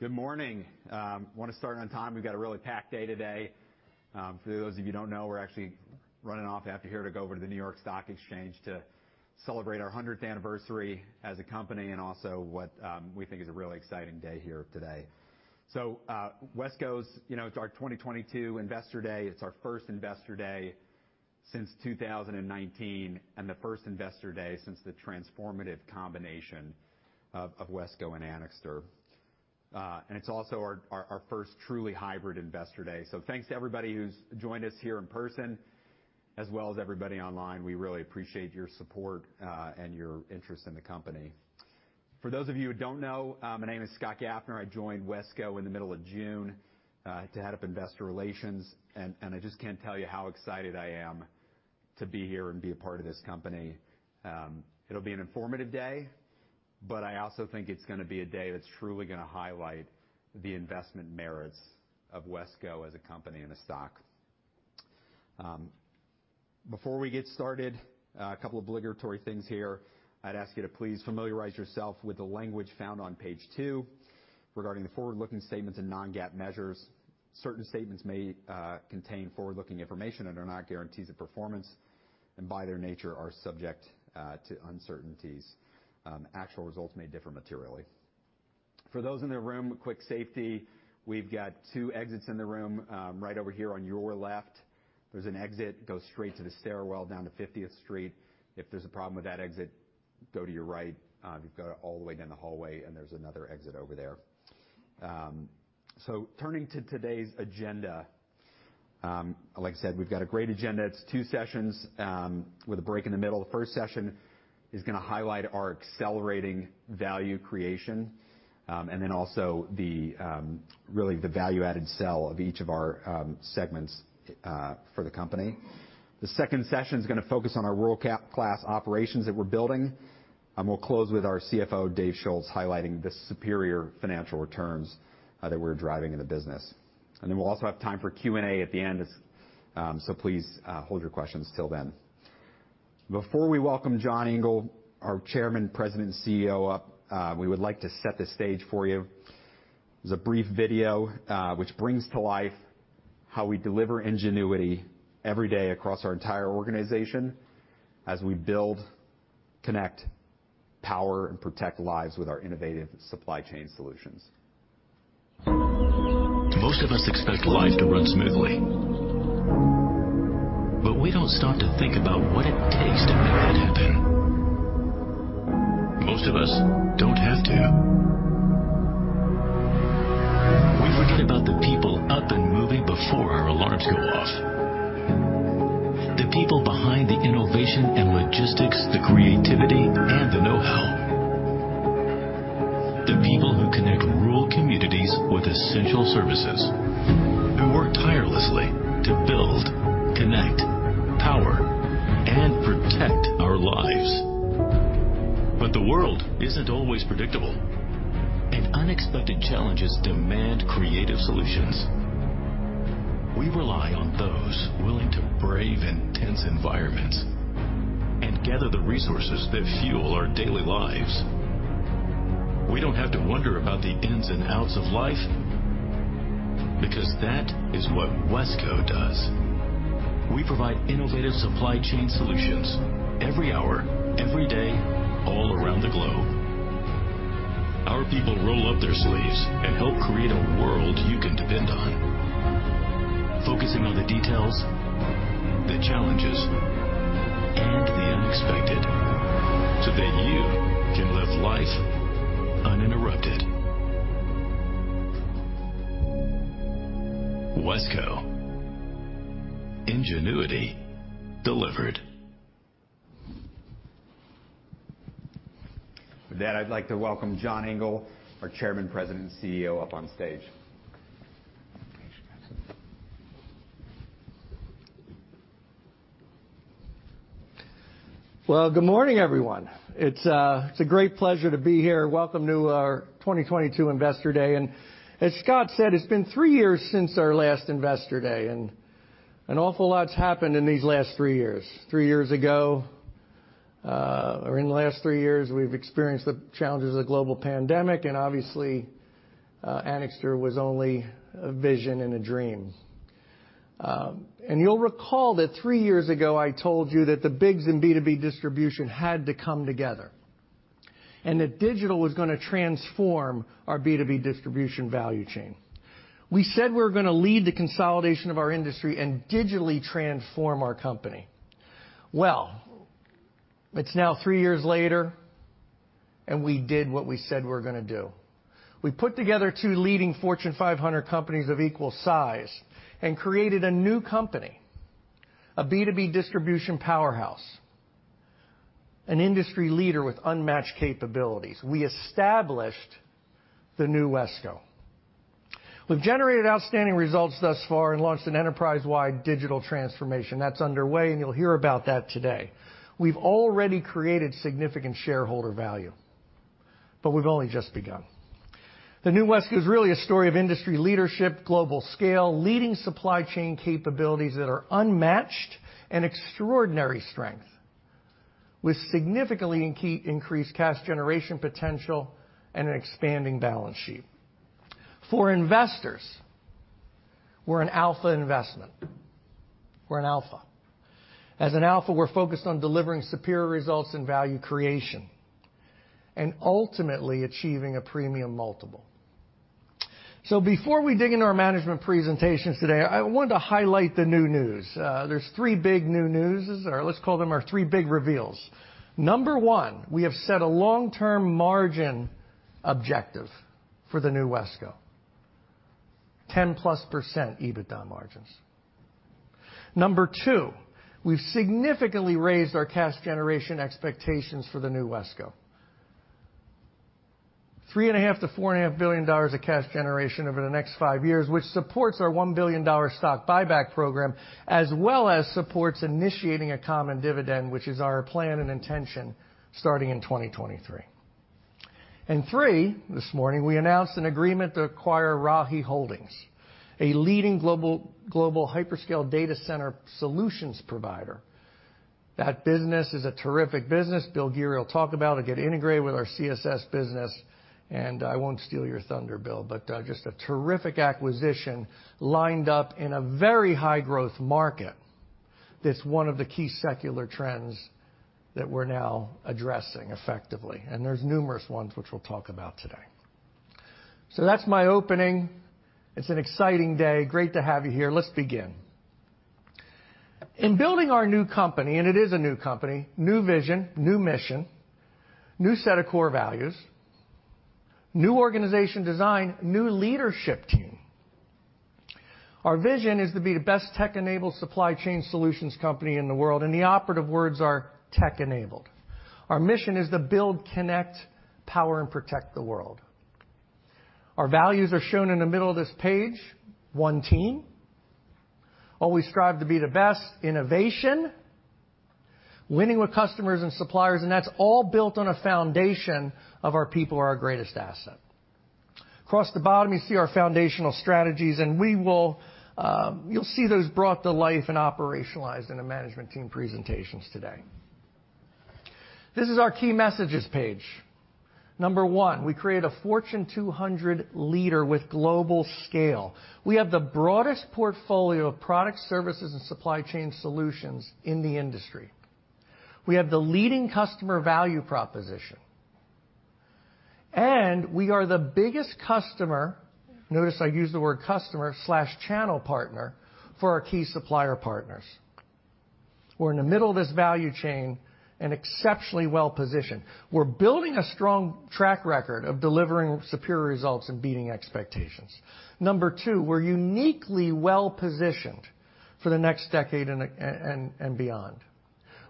Good morning. Wanna start on time. We've got a really packed day today. For those of you who don't know, we're actually running off after here to go over to the New York Stock Exchange to celebrate our hundredth anniversary as a company, and also what we think is a really exciting day here today. WESCO's, you know, it's our 2022 Investor Day. It's our first Investor Day since 2019, and the first Investor Day since the transformative combination of WESCO and Anixter. It's also our first truly hybrid Investor Day. Thanks to everybody who's joined us here in person as well as everybody online. We really appreciate your support and your interest in the company. For those of you who don't know, my name is Scott Gaffner. I joined WESCO in the middle of June to head up investor relations. I just can't tell you how excited I am to be here and be a part of this company. It'll be an informative day, but I also think it's gonna be a day that's truly gonna highlight the investment merits of WESCO as a company and a stock. Before we get started, a couple of obligatory things here. I'd ask you to please familiarize yourself with the language found on page two regarding the forward-looking statements and non-GAAP measures. Certain statements may contain forward-looking information and are not guarantees of performance, and by their nature are subject to uncertainties. Actual results may differ materially. For those in the room, quick safety, we've got two exits in the room. Right over here on your left, there's an exit. Go straight to the stairwell down to 50th Street. If there's a problem with that exit, go to your right. You go all the way down the hallway, and there's another exit over there. Turning to today's agenda, like I said, we've got a great agenda. It's two sessions with a break in the middle. The first session is gonna highlight our accelerating value creation and then also really the value-added sell of each of our segments for the company. The second session's gonna focus on our world-class operations that we're building, and we'll close with our CFO, Dave Schulz, highlighting the superior financial returns that we're driving in the business. We'll also have time for Q&A at the end, so please hold your questions till then. Before we welcome John Engel, our Chairman, President, CEO up, we would like to set the stage for you. There's a brief video, which brings to life how we deliver ingenuity every day across our entire organization as we build, connect, power, and protect lives with our innovative supply chain solutions. Most of us expect life to run smoothly, but we don't stop to think about what it takes to make that happen. Most of us don't have to. We forget about the people up and moving before our alarms go off, the people behind the innovation and logistics, the creativity, and the know-how, the people who connect rural communities with essential services, who work tirelessly to build, connect, power, and protect our lives. But the world isn't always predictable, and unexpected challenges demand creative solutions. We rely on those willing to brave intense environments and gather the resources that fuel our daily lives. We don't have to wonder about the ins and outs of life because that is what WESCO does. We provide innovative supply chain solutions every hour, every day, all around the globe. Our people roll up their sleeves and help create a world you can depend on, focusing on the details, the challenges, and the unexpected so that you can live life uninterrupted. WESCO, ingenuity delivered. With that, I'd like to welcome John Engel, our Chairman, President, and CEO up on stage. Well, good morning, everyone. It's a great pleasure to be here. Welcome to our 2022 Investor Day. As Scott said, it's been three years since our last Investor Day, and an awful lot's happened in these last three years. Three years ago, or in the last three years, we've experienced the challenges of global pandemic, and obviously, Anixter was only a vision and a dream. You'll recall that three years ago, I told you that the bigs in B2B distribution had to come together, and that digital was gonna transform our B2B distribution value chain. We said we're gonna lead the consolidation of our industry and digitally transform our company. Well, it's now three years later, and we did what we said we're gonna do. We put together two leading Fortune 500 companies of equal size and created a new company, a B2B distribution powerhouse, an industry leader with unmatched capabilities. We established the new WESCO. We've generated outstanding results thus far and launched an enterprise-wide digital transformation that's underway, and you'll hear about that today. We've already created significant shareholder value, but we've only just begun. The new WESCO is really a story of industry leadership, global scale, leading supply chain capabilities that are unmatched, and extraordinary strength. With significantly increased cash generation potential and an expanding balance sheet. For investors, we're an alpha investment. We're an alpha. As an alpha, we're focused on delivering superior results and value creation and ultimately achieving a premium multiple. Before we dig into our management presentations today, I want to highlight the new news. There's three big new news, or let's call them our three big reveals. Number one, we have set a long-term margin objective for the new WESCO, 10%+ EBITDA margins. Number two, we've significantly raised our cash generation expectations for the new WESCO. $3.5 billion-$4.5 billion of cash generation over the next five years, which supports our $1 billion stock buyback program as well as supports initiating a common dividend, which is our plan and intention starting in 2023. Three, this morning we announced an agreement to acquire Rahi Systems Holdings, a leading global hyperscale data center solutions provider. That business is a terrific business. Bill Geary will talk about it. It got integrated with our CSS business, and I won't steal your thunder, Bill, but just a terrific acquisition lined up in a very high-growth market. That's one of the key secular trends that we're now addressing effectively, and there's numerous ones which we'll talk about today. That's my opening. It's an exciting day. Great to have you here. Let's begin. In building our new company, and it is a new company, new vision, new mission, new set of core values, new organization design, new leadership team. Our vision is to be the best tech-enabled supply chain solutions company in the world, and the operative words are tech-enabled. Our mission is to build, connect, power and protect the world. Our values are shown in the middle of this page. One team. Always strive to be the best. Innovation. Winning with customers and suppliers. That's all built on a foundation of our people, our greatest asset. Across the bottom, you see our foundational strategies, and we will, you'll see those brought to life and operationalized in the management team presentations today. This is our key messages page. Number one, we create a Fortune 200 leader with global scale. We have the broadest portfolio of products, services, and supply chain solutions in the industry. We have the leading customer value proposition, and we are the biggest customer. Notice I use the word customer slash channel partner for our key supplier partners. We're in the middle of this value chain and exceptionally well-positioned. We're building a strong track record of delivering superior results and beating expectations. Number two, we're uniquely well-positioned for the next decade and beyond.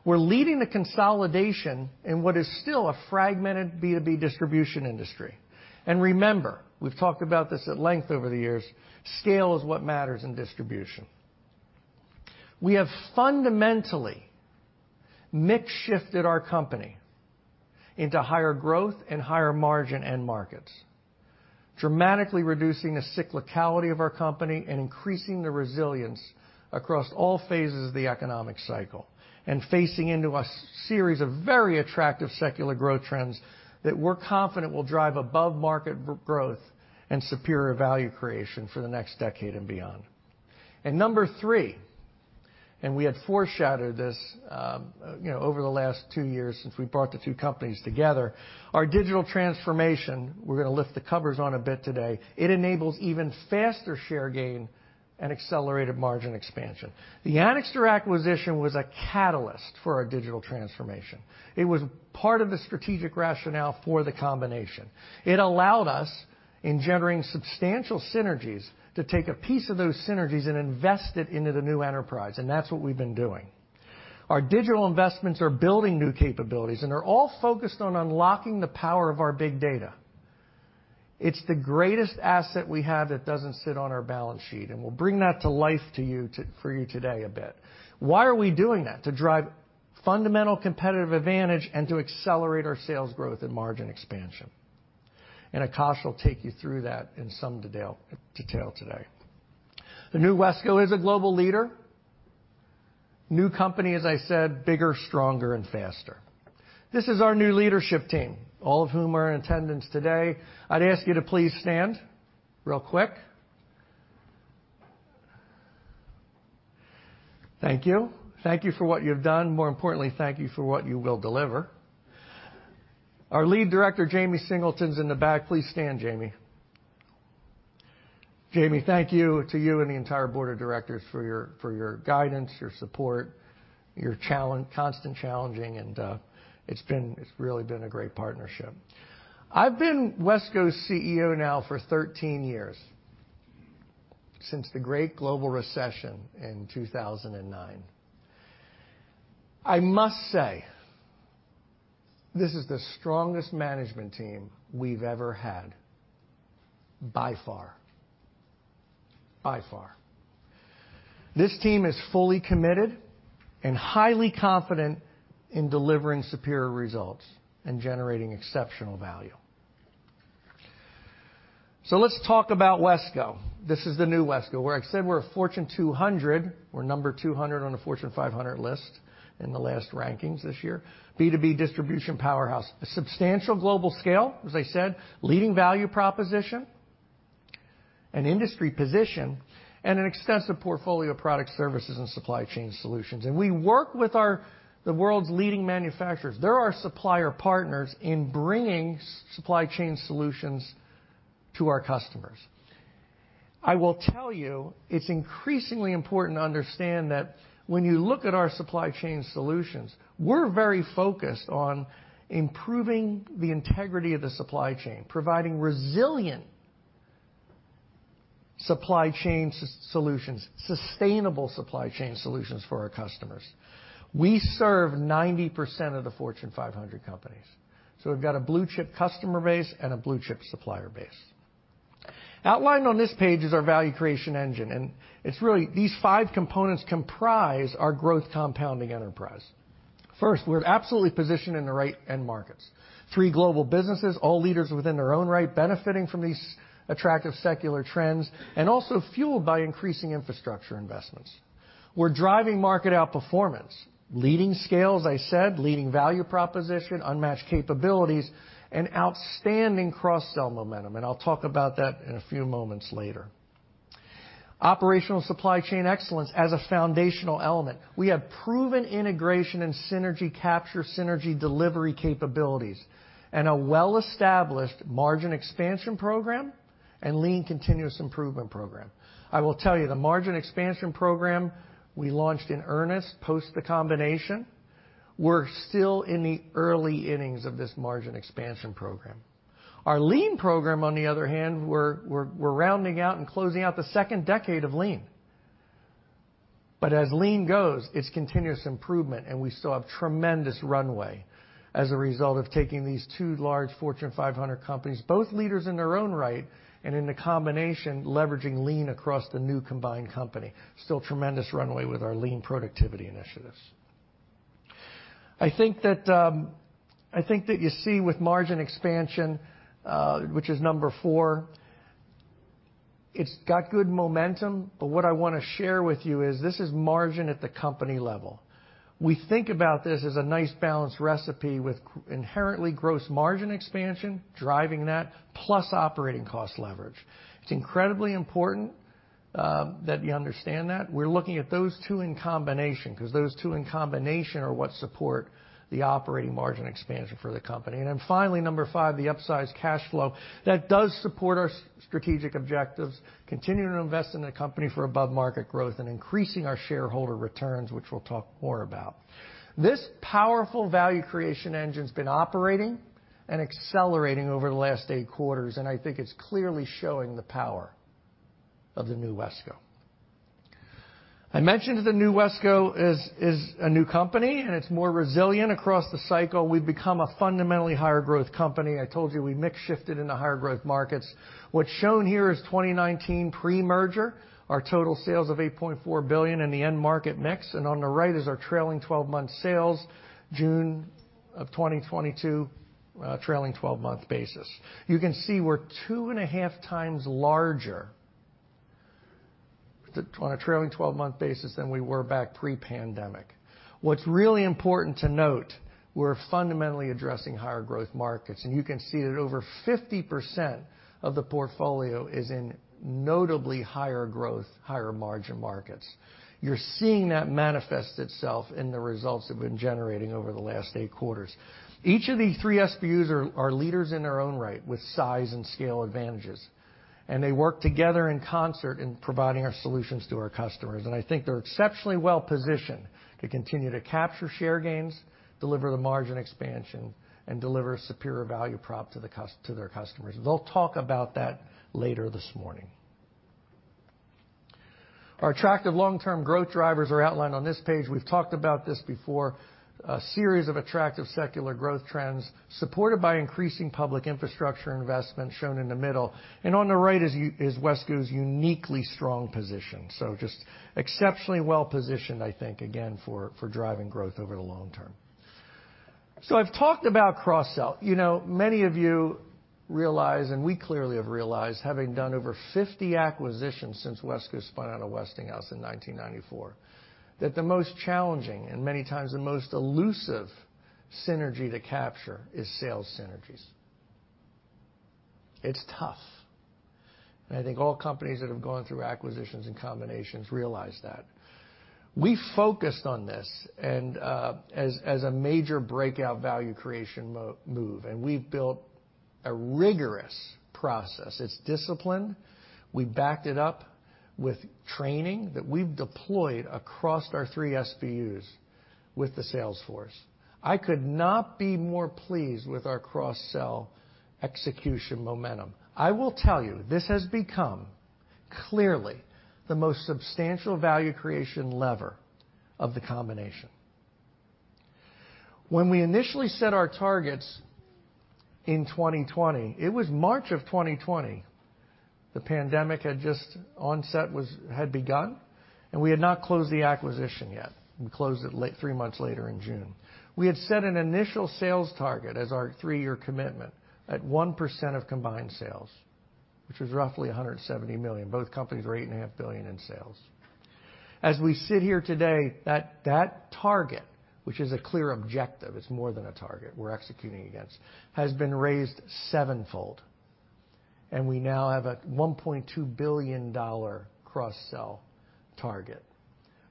We're leading the consolidation in what is still a fragmented B2B distribution industry. Remember, we've talked about this at length over the years, scale is what matters in distribution. We have fundamentally mix shifted our company into higher growth and higher margin end markets, dramatically reducing the cyclicality of our company and increasing the resilience across all phases of the economic cycle. Facing into a series of very attractive secular growth trends that we're confident will drive above market growth and superior value creation for the next decade and beyond. Number three, we had foreshadowed this, you know, over the last two years since we brought the two companies together, our digital transformation, we're gonna lift the covers on a bit today. It enables even faster share gain and accelerated margin expansion. The Anixter acquisition was a catalyst for our digital transformation. It was part of the strategic rationale for the combination. It allowed us, in generating substantial synergies, to take a piece of those synergies and invest it into the new enterprise, and that's what we've been doing. Our digital investments are building new capabilities, and they're all focused on unlocking the power of our big data. It's the greatest asset we have that doesn't sit on our balance sheet, and we'll bring that to life for you today a bit. Why are we doing that? To drive fundamental competitive advantage and to accelerate our sales growth and margin expansion. Akash will take you through that in some detail today. The new WESCO is a global leader. New company, as I said, bigger, stronger and faster. This is our new leadership team, all of whom are in attendance today. I'd ask you to please stand real quick. Thank you. Thank you for what you've done. More importantly, thank you for what you will deliver. Our lead director, Jamie Singleton is in the back. Please stand, Jamie. Jamie, thank you to you and the entire board of directors for your guidance, your support, your constant challenging, and it's really been a great partnership. I've been WESCO's CEO now for 13 years, since the great global recession in 2009. I must say, this is the strongest management team we've ever had by far. By far. This team is fully committed and highly confident in delivering superior results and generating exceptional value. Let's talk about WESCO. This is the new WESCO, where I said we're a Fortune 200. We're number 200 on the Fortune 500 list in the last rankings this year. B2B distribution powerhouse. A substantial global scale, as I said, leading value proposition, an industry position, and an extensive portfolio of products, services, and supply chain solutions. We work with the world's leading manufacturers. They're our supplier partners in bringing supply chain solutions to our customers. I will tell you, it's increasingly important to understand that when you look at our supply chain solutions, we're very focused on improving the integrity of the supply chain, providing resilient supply chain solutions, sustainable supply chain solutions for our customers. We serve 90% of the Fortune 500 companies. We've got a blue-chip customer base and a blue-chip supplier base. Outlined on this page is our value creation engine, and it's really these five components comprise our growth compounding enterprise. First, we're absolutely positioned in the right end markets. Three global businesses, all leaders within their own right, benefiting from these attractive secular trends, and also fueled by increasing infrastructure investments. We're driving market outperformance, leading scale, as I said, leading value proposition, unmatched capabilities, and outstanding cross-sell momentum. I'll talk about that in a few moments later. Operational supply chain excellence as a foundational element. We have proven integration and synergy capture, synergy delivery capabilities and a well-established margin expansion program and Lean continuous improvement program. I will tell you, the margin expansion program we launched in earnest post the combination, we're still in the early innings of this margin expansion program. Our Lean program, on the other hand, we're rounding out and closing out the second decade of Lean. As Lean goes, it's continuous improvement, and we still have tremendous runway as a result of taking these two large Fortune 500 companies, both leaders in their own right, and in the combination, leveraging Lean across the new combined company. Still tremendous runway with our Lean productivity initiatives. I think that you see with margin expansion, which is number four, it's got good momentum, but what I wanna share with you is this is margin at the company level. We think about this as a nice balanced recipe with inherently gross margin expansion driving that, plus operating cost leverage. It's incredibly important that you understand that. We're looking at those two in combination, because those two in combination are what support the operating margin expansion for the company. Then finally, number five, the upsized cash flow. That does support our strategic objectives, continuing to invest in the company for above-market growth and increasing our shareholder returns, which we'll talk more about. This powerful value creation engine's been operating and accelerating over the last eight quarters, and I think it's clearly showing the power of the new WESCO. I mentioned the new WESCO is a new company, and it's more resilient across the cycle. We've become a fundamentally higher growth company. I told you we mix shifted into higher growth markets. What's shown here is 2019 pre-merger, our total sales of $8.4 billion and the end market mix. On the right is our trailing 12 month sales, June of 2022, trailing 12 month basis. You can see we're 2.5x larger on a trailing 12 month basis than we were back pre-pandemic. What's really important to note, we're fundamentally addressing higher growth markets, and you can see that over 50% of the portfolio is in notably higher growth, higher margin markets. You're seeing that manifest itself in the results we've been generating over the last eight quarters. Each of these three SBUs are leaders in their own right, with size and scale advantages, and they work together in concert in providing our solutions to our customers. I think they're exceptionally well positioned to continue to capture share gains, deliver the margin expansion, and deliver superior value prop to their customers. They'll talk about that later this morning. Our attractive long-term growth drivers are outlined on this page. We've talked about this before. A series of attractive secular growth trends supported by increasing public infrastructure investment shown in the middle. On the right is WESCO's uniquely strong position. Just exceptionally well-positioned, I think, again, for driving growth over the long term. I've talked about cross-sell. You know, many of you realize, and we clearly have realized, having done over 50 acquisitions since WESCO spun out of Westinghouse in 1994, that the most challenging and many times the most elusive synergy to capture is sales synergies. It's tough. I think all companies that have gone through acquisitions and combinations realize that. We focused on this and as a major breakout value creation move, and we've built a rigorous process. It's discipline. We backed it up with training that we've deployed across our three SBUs with the sales force. I could not be more pleased with our cross-sell execution momentum. I will tell you, this has become clearly the most substantial value creation lever of the combination. When we initially set our targets in 2020, it was March of 2020. The pandemic had just begun, and we had not closed the acquisition yet. We closed it late, three months later in June. We had set an initial sales target as our three-year commitment at 1% of combined sales, which was roughly $170 million. Both companies were $8.5 billion in sales. As we sit here today, that target, which is a clear objective, it's more than a target we're executing against, has been raised sevenfold, and we now have a $1.2 billion cross-sell target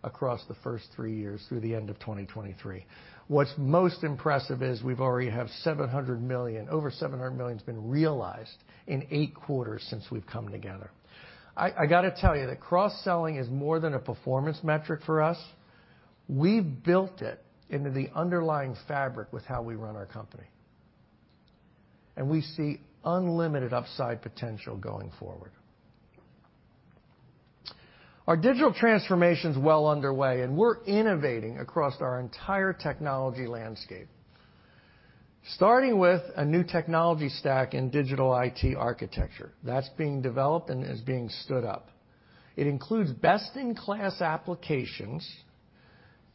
across the first three years through the end of 2023. What's most impressive is we've already have $700 million. Over $700 million's been realized in eight quarters since we've come together. I gotta tell you that cross-selling is more than a performance metric for us. We've built it into the underlying fabric with how we run our company, and we see unlimited upside potential going forward. Our digital transformation's well underway, and we're innovating across our entire technology landscape, starting with a new technology stack in digital IT architecture that's being developed and is being stood up. It includes best-in-class applications,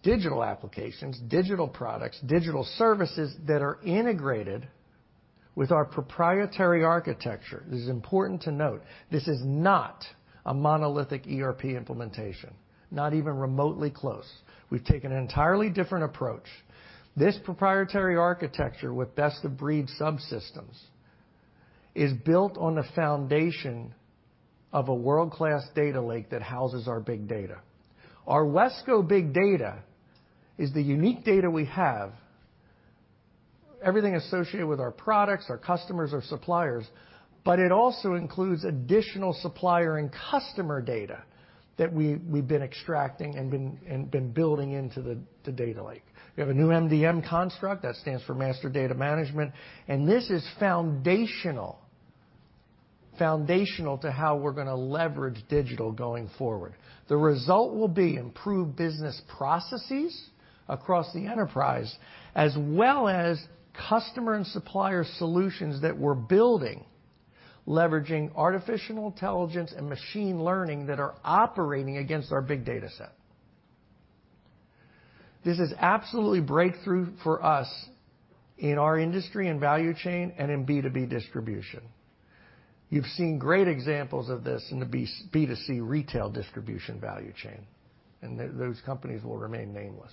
digital applications, digital products, digital services that are integrated with our proprietary architecture. This is important to note, this is not a monolithic ERP implementation. Not even remotely close. We've taken an entirely different approach. This proprietary architecture with best of breed subsystems is built on the foundation of a world-class data lake that houses our big data. Our WESCO big data is the unique data we have, everything associated with our products, our customers, our suppliers, but it also includes additional supplier and customer data that we've been extracting and building into the data lake. We have a new MDM construct, that stands for Master Data Management, and this is foundational to how we're gonna leverage digital going forward. The result will be improved business processes across the enterprise, as well as customer and supplier solutions that we're building, leveraging artificial intelligence and machine learning that are operating against our big data set. This is absolutely breakthrough for us in our industry and value chain and in B2B distribution. You've seen great examples of this in the B2C retail distribution value chain, and those companies will remain nameless.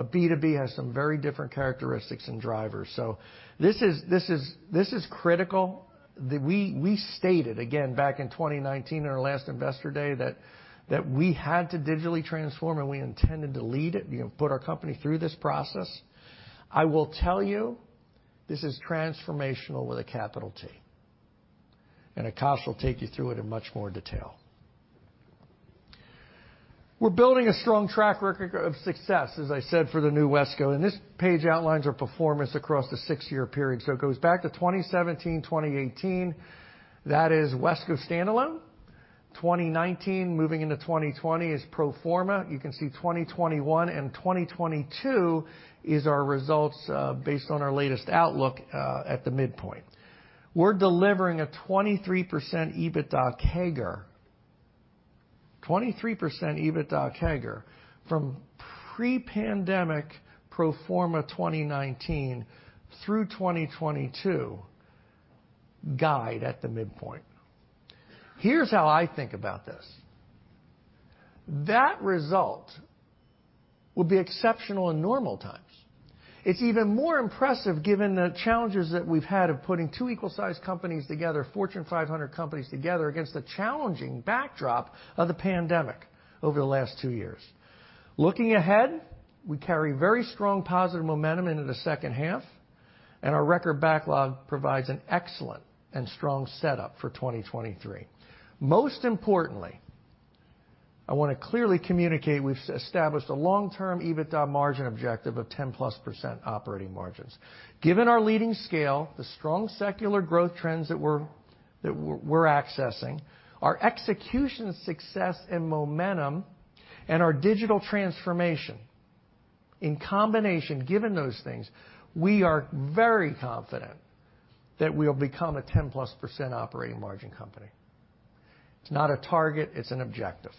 B2B has some very different characteristics and drivers, so this is critical. We stated again back in 2019 in our last Investor Day that we had to digitally transform, and we intended to lead it, you know, put our company through this process. I will tell you, this is transformational with a capital T, and Akash will take you through it in much more detail. We're building a strong track record of success, as I said, for the new WESCO, and this page outlines our performance across the six-year period. It goes back to 2017, 2018. That is WESCO standalone. 2019, moving into 2020 is pro forma. You can see 2021 and 2022 is our results, based on our latest outlook, at the midpoint. We're delivering a 23% EBITDA CAGR. 23% EBITDA CAGR from pre-pandemic pro forma 2019 through 2022 guide at the midpoint. Here's how I think about this. That result would be exceptional in normal times. It's even more impressive given the challenges that we've had of putting two equal-sized companies together, Fortune 500 companies together against the challenging backdrop of the pandemic over the last two years. Looking ahead, we carry very strong positive momentum into the second half, and our record backlog provides an excellent and strong setup for 2023. Most importantly, I wanna clearly communicate we've established a long-term EBITDA margin objective of 10%+ operating margins. Given our leading scale, the strong secular growth trends that we're accessing, our execution success and momentum, and our digital transformation, in combination, given those things, we are very confident that we'll become a 10%+ operating margin company. It's not a target, it's an objective.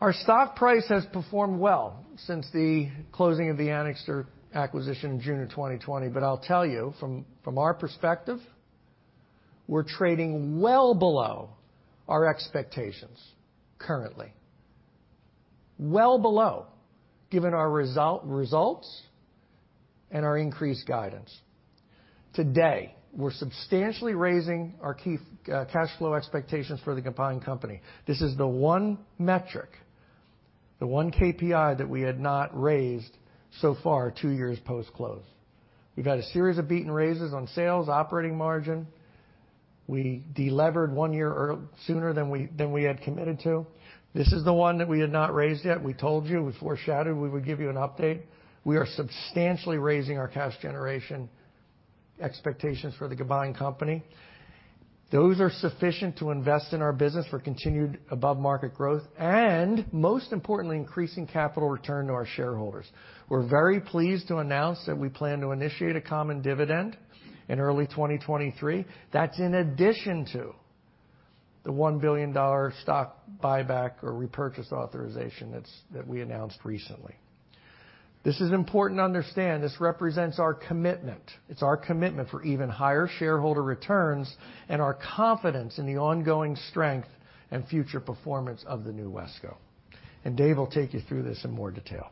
Our stock price has performed well since the closing of the Anixter acquisition in June 2020, but I'll tell you, from our perspective, we're trading well below our expectations currently. Well below, given our results and our increased guidance. Today, we're substantially raising our key cash flow expectations for the combined company. This is the one metric, the one KPI that we had not raised so far two years post-close. We've had a series of beat and raises on sales, operating margin. We delevered one year sooner than we had committed to. This is the one that we had not raised yet. We told you, we foreshadowed we would give you an update. We are substantially raising our cash generation expectations for the combined company. Those are sufficient to invest in our business for continued above-market growth, and most importantly, increasing capital return to our shareholders. We're very pleased to announce that we plan to initiate a common dividend in early 2023. That's in addition to the $1 billion stock buyback or repurchase authorization that we announced recently. This is important to understand. This represents our commitment. It's our commitment for even higher shareholder returns and our confidence in the ongoing strength and future performance of the new WESCO. Dave will take you through this in more detail.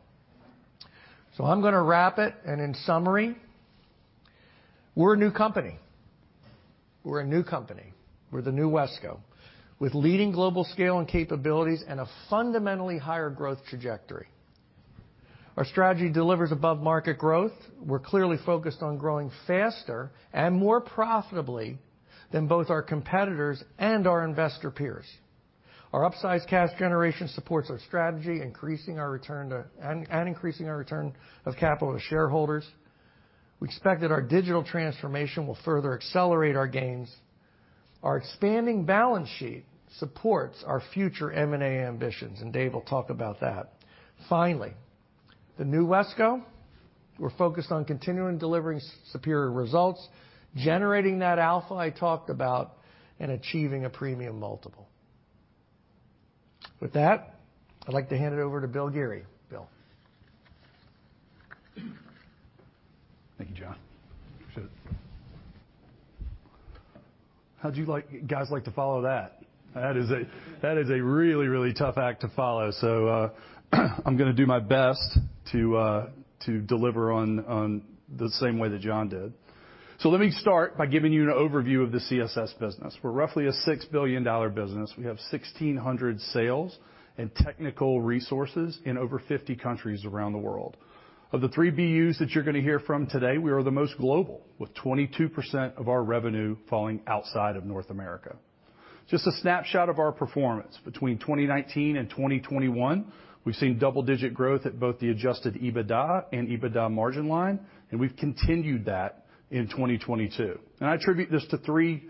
I'm gonna wrap it, and in summary, we're a new company. We're the new WESCO, with leading global scale and capabilities and a fundamentally higher growth trajectory. Our strategy delivers above-market growth. We're clearly focused on growing faster and more profitably than both our competitors and our investor peers. Our upsized cash generation supports our strategy, increasing our return of capital to shareholders. We expect that our digital transformation will further accelerate our gains. Our expanding balance sheet supports our future M&A ambitions, and Dave will talk about that. Finally, the new WESCO, we're focused on continuing delivering superior results, generating that alpha I talked about, and achieving a premium multiple. With that, I'd like to hand it over to Bill Geary. Bill. Thank you, John. Appreciate it. How'd you like guys like to follow that? That is a really tough act to follow. I'm gonna do my best to deliver in the same way that John did. Let me start by giving you an overview of the CSS business. We're roughly a $6 billion business. We have 1,600 sales and technical resources in over 50 countries around the world. Of the three BUs that you're gonna hear from today, we are the most global, with 22% of our revenue falling outside of North America. Just a snapshot of our performance. Between 2019 and 2021, we've seen double-digit growth at both the adjusted EBITDA and EBITDA margin line, and we've continued that in 2022. I attribute this to three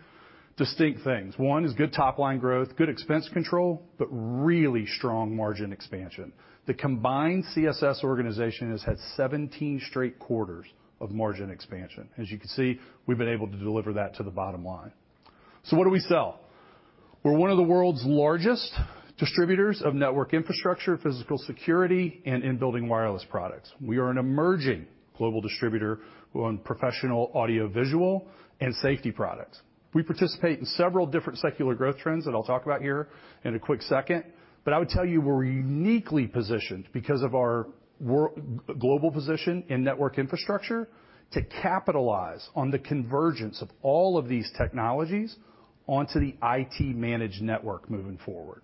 distinct things. One is good top-line growth, good expense control, but really strong margin expansion. The combined CSS organization has had 17 straight quarters of margin expansion. As you can see, we've been able to deliver that to the bottom line. What do we sell? We're one of the world's largest distributors of network infrastructure, physical security, and in-building wireless products. We are an emerging global distributor on professional audiovisual and safety products. We participate in several different secular growth trends that I'll talk about here in a quick second, but I would tell you we're uniquely positioned because of our global position in network infrastructure to capitalize on the convergence of all of these technologies onto the IT managed network moving forward.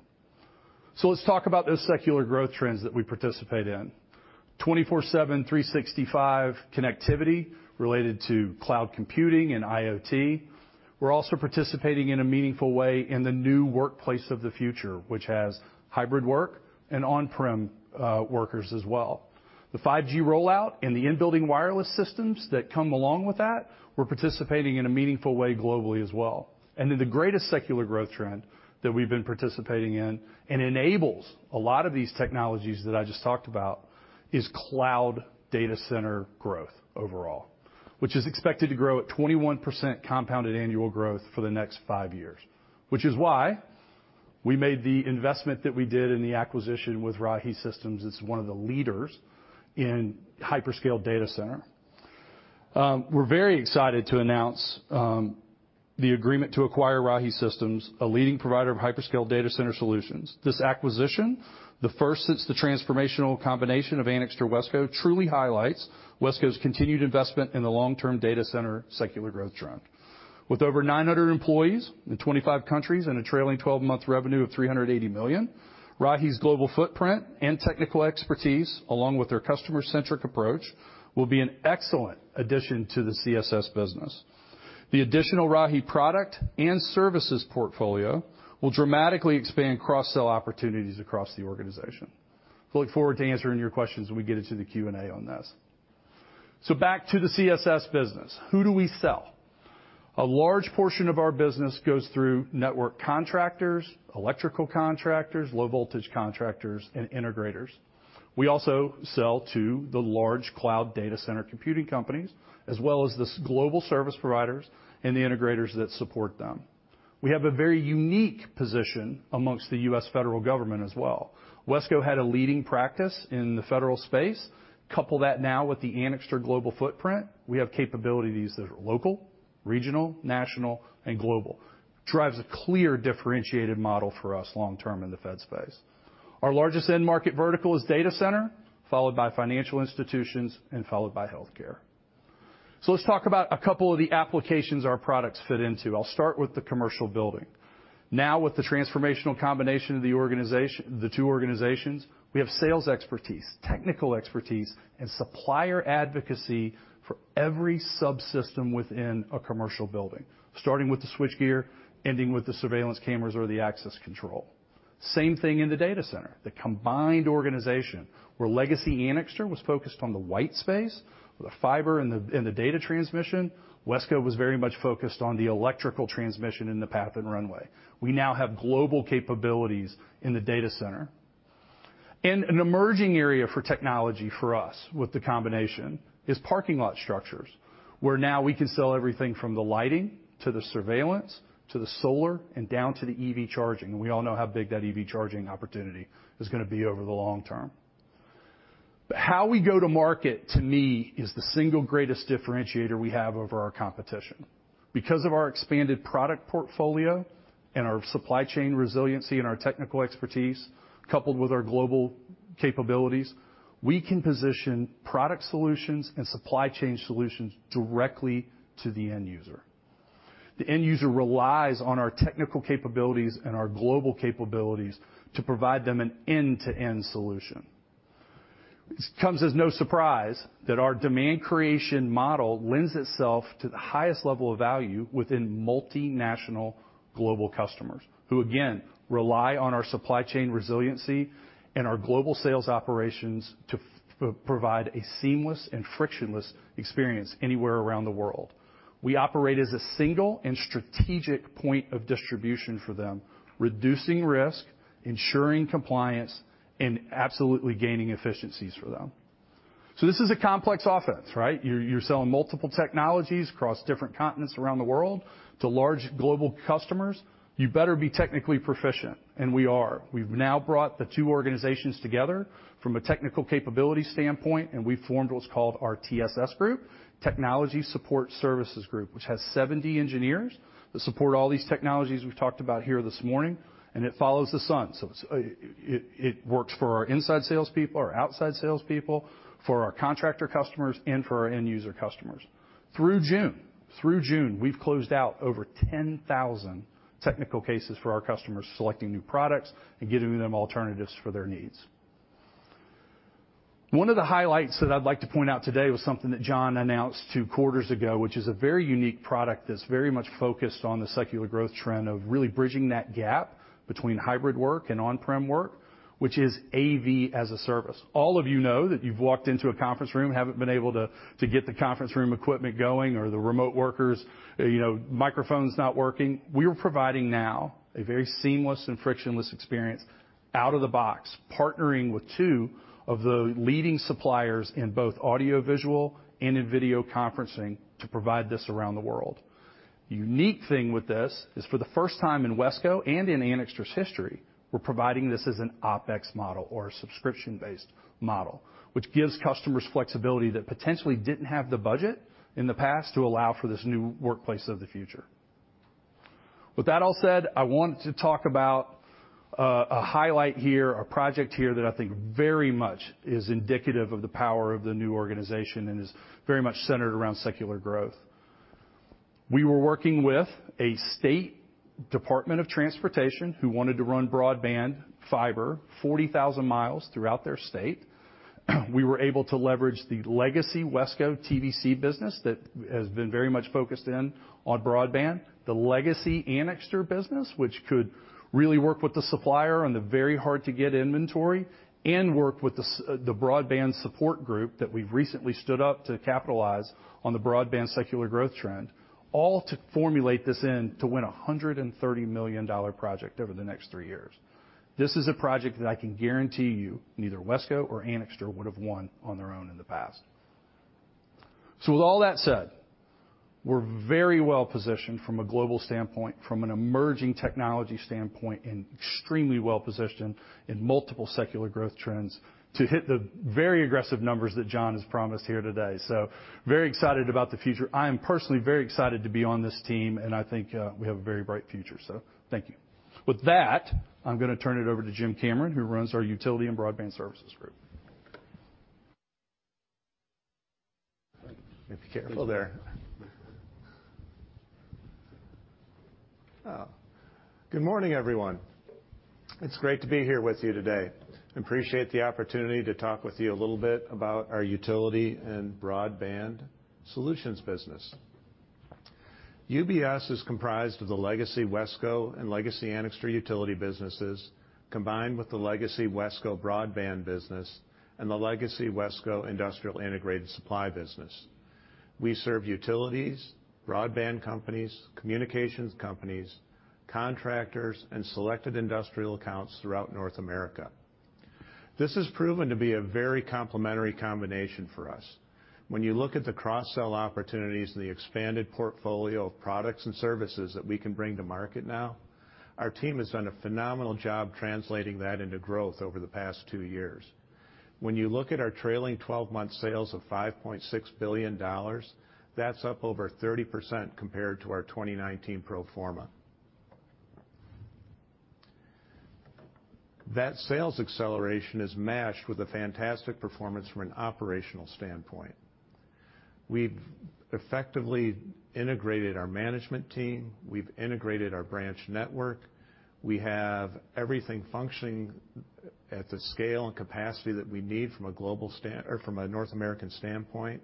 Let's talk about those secular growth trends that we participate in. 24/7, 365 connectivity related to cloud computing and IoT. We're also participating in a meaningful way in the new workplace of the future, which has hybrid work and on-prem workers as well. The 5G rollout and the in-building wireless systems that come along with that, we're participating in a meaningful way globally as well. Then the greatest secular growth trend that we've been participating in and enables a lot of these technologies that I just talked about is cloud data center growth overall, which is expected to grow at 21% compounded annual growth for the next five years, which is why we made the investment that we did in the acquisition with Rahi Systems. It's one of the leaders in hyperscale data center. We're very excited to announce the agreement to acquire Rahi Systems, a leading provider of hyperscale data center solutions. This acquisition, the first since the transformational combination of Anixter and WESCO, truly highlights WESCO's continued investment in the long-term data center secular growth trend. With over 900 employees in 25 countries and a trailing 12 month revenue of $380 million, Rahi's global footprint and technical expertise, along with their customer-centric approach, will be an excellent addition to the CSS business. The additional Rahi product and services portfolio will dramatically expand cross-sell opportunities across the organization. Look forward to answering your questions when we get into the Q&A on this. Back to the CSS business. Who do we sell? A large portion of our business goes through network contractors, electrical contractors, low-voltage contractors, and integrators. We also sell to the large cloud data center computing companies as well as the global service providers and the integrators that support them. We have a very unique position among the U.S. federal government as well. WESCO had a leading practice in the federal space. Couple that now with the Anixter global footprint, we have capabilities that are local, regional, national, and global. Drives a clear differentiated model for us long term in the fed space. Our largest end market vertical is data center, followed by financial institutions, and followed by healthcare. Let's talk about a couple of the applications our products fit into. I'll start with the commercial building. Now with the transformational combination of the two organizations, we have sales expertise, technical expertise, and supplier advocacy for every subsystem within a commercial building, starting with the switchgear, ending with the surveillance cameras or the access control. Same thing in the data center. The combined organization where legacy Anixter was focused on the white space, the fiber and the data transmission, WESCO was very much focused on the electrical transmission in the path and runway. We now have global capabilities in the data center. An emerging area for technology for us, with the combination, is parking lot structures, where now we can sell everything from the lighting to the surveillance to the solar and down to the EV charging. We all know how big that EV charging opportunity is gonna be over the long term. How we go to market, to me, is the single greatest differentiator we have over our competition. Because of our expanded product portfolio and our supply chain resiliency and our technical expertise, coupled with our global capabilities, we can position product solutions and supply chain solutions directly to the end user. The end user relies on our technical capabilities and our global capabilities to provide them an end-to-end solution. It comes as no surprise that our demand creation model lends itself to the highest level of value within multinational global customers, who again rely on our supply chain resiliency and our global sales operations to provide a seamless and frictionless experience anywhere around the world. We operate as a single and strategic point of distribution for them, reducing risk, ensuring compliance, and absolutely gaining efficiencies for them. This is a complex offense, right? You're selling multiple technologies across different continents around the world to large global customers. You better be technically proficient, and we are. We've now brought the two organizations together from a technical capability standpoint, and we formed what's called our TSS group, Technology Support Services group, which has 70 engineers to support all these technologies we've talked about here this morning, and it follows the sun. It works for our inside salespeople, our outside salespeople, for our contractor customers, and for our end user customers. Through June, we've closed out over 10,000 technical cases for our customers selecting new products and getting them alternatives for their needs. One of the highlights that I'd like to point out today was something that John announced two quarters ago, which is a very unique product that's very much focused on the secular growth trend of really bridging that gap between hybrid work and on-prem work, which is AV as a Service. All of you know that you've walked into a conference room, haven't been able to get the conference room equipment going or the remote workers, you know, microphone's not working. We are providing now a very seamless and frictionless experience out of the box, partnering with two of the leading suppliers in both audiovisual and in video conferencing to provide this around the world. Unique thing with this is for the first time in WESCO and in Anixter's history, we're providing this as an OpEx model or a subscription-based model, which gives customers flexibility that potentially didn't have the budget in the past to allow for this new workplace of the future. With that all said, I want to talk about a highlight here, a project here that I think very much is indicative of the power of the new organization and is very much centered around secular growth. We were working with a state department of transportation who wanted to run broadband fiber 40,000 miles throughout their state. We were able to leverage the legacy WESCO TVC business that has been very much focused in on broadband, the legacy Anixter business, which could really work with the supplier on the very hard to get inventory and work with the broadband support group that we've recently stood up to capitalize on the broadband secular growth trend, all to formulate this in to win a $130 million project over the next three years. This is a project that I can guarantee you neither WESCO or Anixter would have won on their own in the past. With all that said, we're very well positioned from a global standpoint, from an emerging technology standpoint, and extremely well positioned in multiple secular growth trends to hit the very aggressive numbers that John has promised here today. Very excited about the future. I am personally very excited to be on this team, and I think, we have a very bright future. Thank you. With that, I'm gonna turn it over to Jim Cameron, who runs our Utility and Broadband Solutions group. Be careful there. Oh. Good morning, everyone. It's great to be here with you today. Appreciate the opportunity to talk with you a little bit about our utility and broadband solutions business. UBS is comprised of the legacy WESCO and legacy Anixter utility businesses, combined with the legacy WESCO broadband business and the legacy WESCO industrial integrated supply business. We serve utilities, broadband companies, communications companies, contractors, and selected industrial accounts throughout North America. This has proven to be a very complementary combination for us. When you look at the cross-sell opportunities and the expanded portfolio of products and services that we can bring to market now, our team has done a phenomenal job translating that into growth over the past two years. When you look at our trailing 12 month sales of $5.6 billion, that's up over 30% compared to our 2019 pro forma. That sales acceleration is matched with a fantastic performance from an operational standpoint. We've effectively integrated our management team. We've integrated our branch network. We have everything functioning at the scale and capacity that we need from a North American standpoint.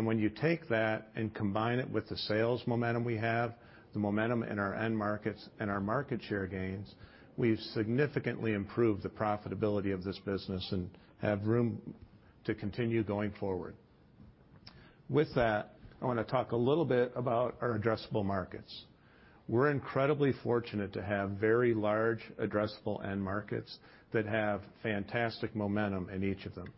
When you take that and combine it with the sales momentum we have, the momentum in our end markets and our market share gains, we've significantly improved the profitability of this business and have room to continue going forward. With that, I wanna talk a little bit about our addressable markets. We're incredibly fortunate to have very large addressable end markets that have fantastic momentum in each of them.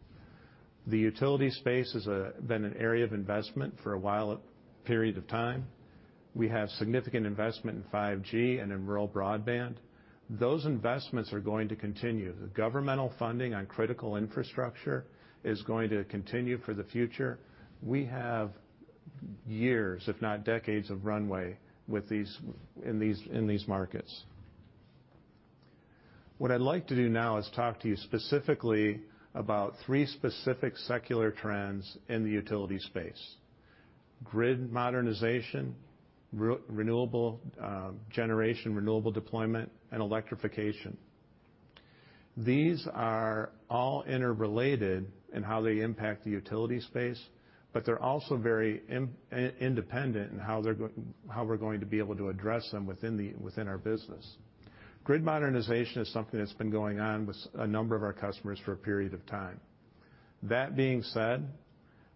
The utility space has been an area of investment for a while, a period of time. We have significant investment in 5G and in rural broadband. Those investments are going to continue. The governmental funding on critical infrastructure is going to continue for the future. We have years, if not decades, of runway in these markets. What I'd like to do now is talk to you specifically about three specific secular trends in the utility space, grid modernization, renewable generation, renewable deployment, and electrification. These are all interrelated in how they impact the utility space, but they're also very independent in how we're going to be able to address them within our business. Grid modernization is something that's been going on with a number of our customers for a period of time. That being said,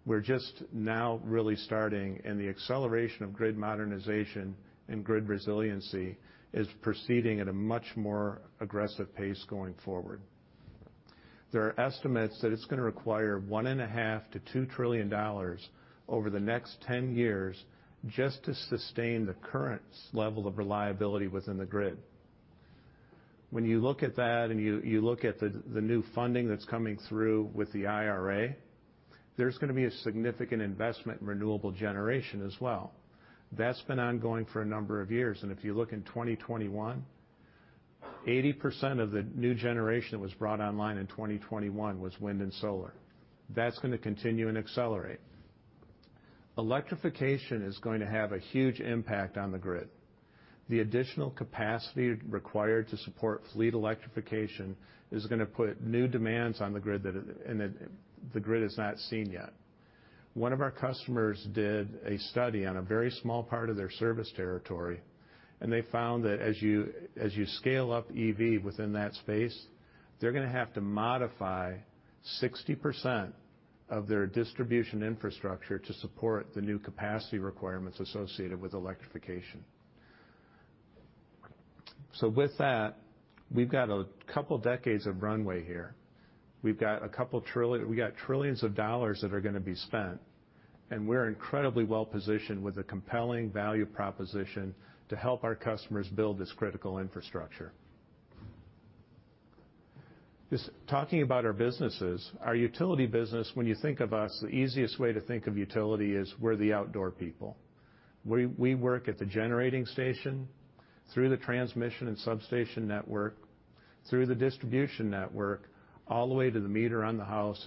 we're just now really starting, and the acceleration of grid modernization and grid resiliency is proceeding at a much more aggressive pace going forward. There are estimates that it's gonna require $1.5 trillion-$2 trillion over the next 10 years just to sustain the current level of reliability within the grid. When you look at that, and you look at the new funding that's coming through with the IRA, there's gonna be a significant investment in renewable generation as well. That's been ongoing for a number of years, and if you look in 2021, 80% of the new generation that was brought online in 2021 was wind and solar. That's gonna continue and accelerate. Electrification is going to have a huge impact on the grid. The additional capacity required to support fleet electrification is gonna put new demands on the grid that the grid has not seen yet. One of our customers did a study on a very small part of their service territory, and they found that as you scale up EV within that space, they're gonna have to modify 60% of their distribution infrastructure to support the new capacity requirements associated with electrification. With that, we've got a couple decades of runway here. We've got trillions of dollars that are gonna be spent, and we're incredibly well-positioned with a compelling value proposition to help our customers build this critical infrastructure. Just talking about our businesses, our utility business, when you think of us, the easiest way to think of utility is we're the outdoor people. We work at the generating station, through the transmission and substation network, through the distribution network, all the way to the meter on the house.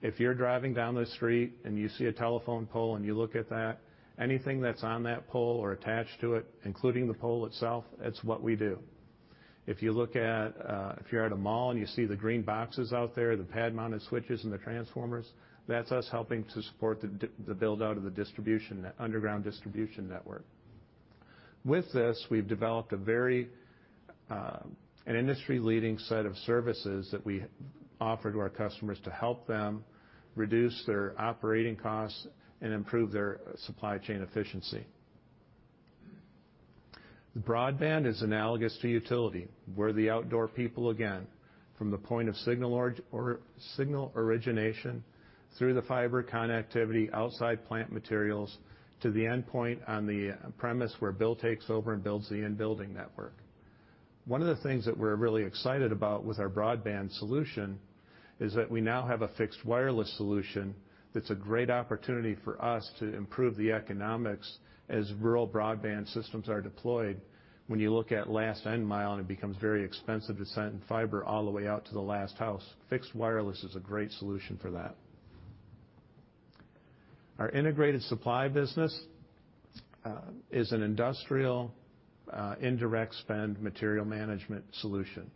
If you're driving down the street, and you see a telephone pole, and you look at that, anything that's on that pole or attached to it, including the pole itself, it's what we do. If you're at a mall, and you see the green boxes out there, the pad-mounted switches and the transformers, that's us helping to support the build-out of the underground distribution network. With this, we've developed an industry-leading set of services that we offer to our customers to help them reduce their operating costs and improve their supply chain efficiency. Broadband is analogous to utility. We're the outdoor people again, from the point of signal origination through the fiber connectivity, outside plant materials, to the endpoint on the premises where Bill takes over and builds the in-building network. One of the things that we're really excited about with our broadband solution is that we now have a fixed wireless solution that's a great opportunity for us to improve the economics as rural broadband systems are deployed. When you look at last-mile, and it becomes very expensive to send fiber all the way out to the last house, fixed wireless is a great solution for that. Our integrated supply business is an industrial indirect spend material management solution.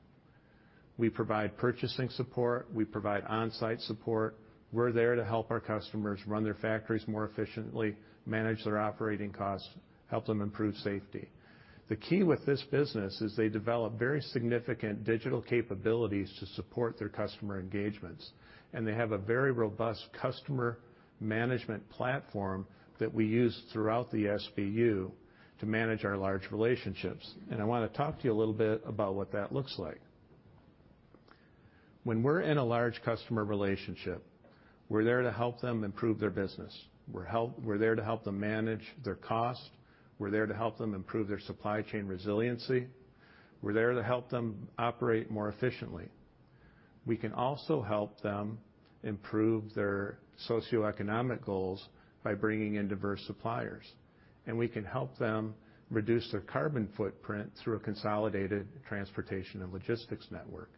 We provide purchasing support. We provide on-site support. We're there to help our customers run their factories more efficiently, manage their operating costs, help them improve safety. The key with this business is they develop very significant digital capabilities to support their customer engagements, and they have a very robust customer management platform that we use throughout the SBU to manage our large relationships. I wanna talk to you a little bit about what that looks like. When we're in a large customer relationship, we're there to help them improve their business. We're there to help them manage their cost. We're there to help them improve their supply chain resiliency. We're there to help them operate more efficiently. We can also help them improve their socioeconomic goals by bringing in diverse suppliers, and we can help them reduce their carbon footprint through a consolidated transportation and logistics network.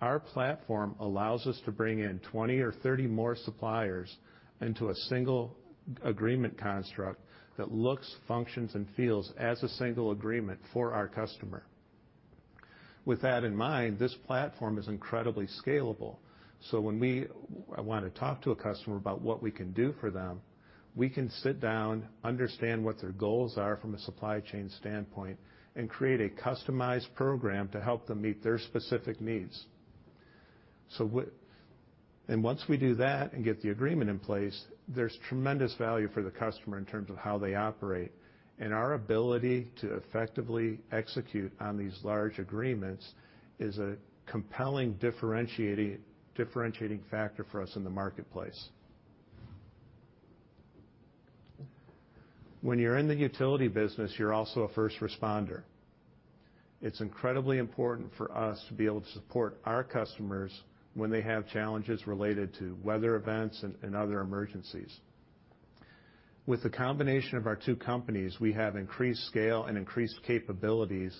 Our platform allows us to bring in 20 or 30 more suppliers into a single agreement construct that looks, functions, and feels as a single agreement for our customer. With that in mind, this platform is incredibly scalable. When we want to talk to a customer about what we can do for them, we can sit down, understand what their goals are from a supply chain standpoint, and create a customized program to help them meet their specific needs. Once we do that and get the agreement in place, there's tremendous value for the customer in terms of how they operate, and our ability to effectively execute on these large agreements is a compelling differentiating factor for us in the marketplace. When you're in the utility business, you're also a first responder. It's incredibly important for us to be able to support our customers when they have challenges related to weather events and other emergencies. With the combination of our two companies, we have increased scale and increased capabilities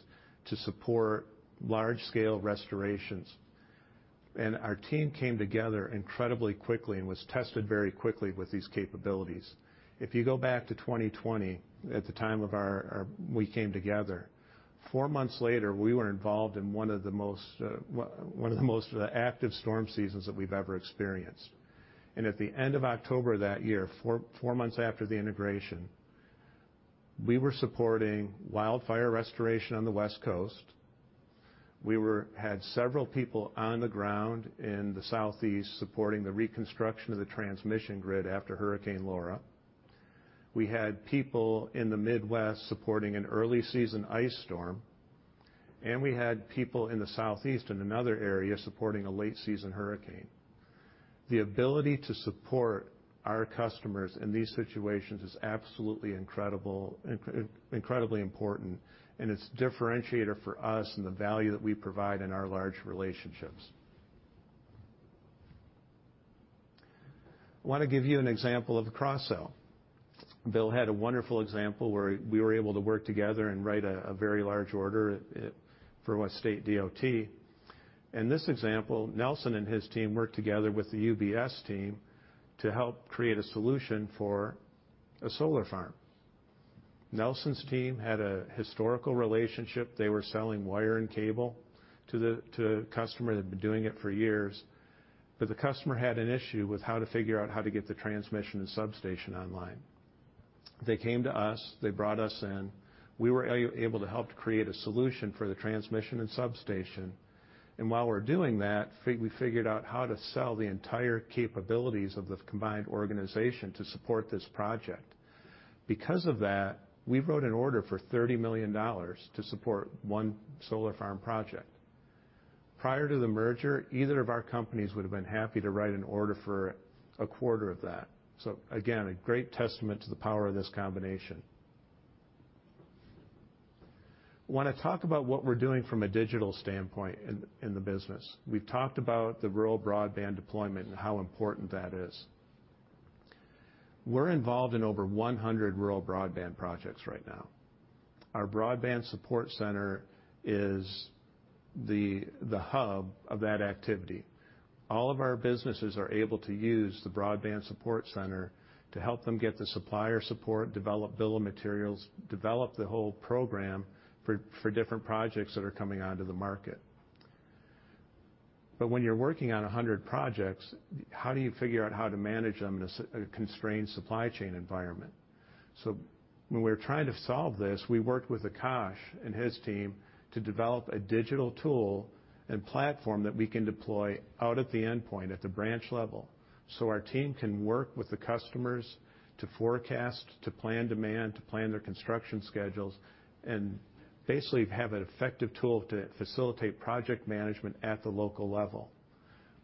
to support large-scale restorations. Our team came together incredibly quickly and was tested very quickly with these capabilities. If you go back to 2020, at the time we came together, four months later, we were involved in one of the most active storm seasons that we've ever experienced. At the end of October that year, four months after the integration, we were supporting wildfire restoration on the West Coast, we had several people on the ground in the Southeast supporting the reconstruction of the transmission grid after Hurricane Laura. We had people in the Midwest supporting an early-season ice storm, and we had people in the southeast in another area supporting a late-season hurricane. The ability to support our customers in these situations is absolutely incredibly important, and it's a differentiator for us and the value that we provide in our large relationships. I wanna give you an example of a cross-sell. Bill had a wonderful example where we were able to work together and write a very large order for West State DOT. In this example, Nelson and his team worked together with the UBS team to help create a solution for a solar farm. Nelson's team had a historical relationship. They were selling wire and cable to the customer. They'd been doing it for years. The customer had an issue with how to figure out how to get the transmission and substation online. They came to us. They brought us in. We were able to help to create a solution for the transmission and substation. While we're doing that, we figured out how to sell the entire capabilities of the combined organization to support this project. Because of that, we wrote an order for $30 million to support one solar farm project. Prior to the merger, either of our companies would've been happy to write an order for a quarter of that. Again, a great testament to the power of this combination. Wanna talk about what we're doing from a digital standpoint in the business. We've talked about the rural broadband deployment and how important that is. We're involved in over 100 rural broadband projects right now. Our broadband support center is the hub of that activity. All of our businesses are able to use the broadband support center to help them get the supplier support, develop bill of materials, develop the whole program for different projects that are coming onto the market. When you're working on 100 projects, how do you figure out how to manage them in a constrained supply chain environment? When we were trying to solve this, we worked with Akash and his team to develop a digital tool and platform that we can deploy out at the endpoint, at the branch level, so our team can work with the customers to forecast, to plan demand, to plan their construction schedules, and basically have an effective tool to facilitate project management at the local level.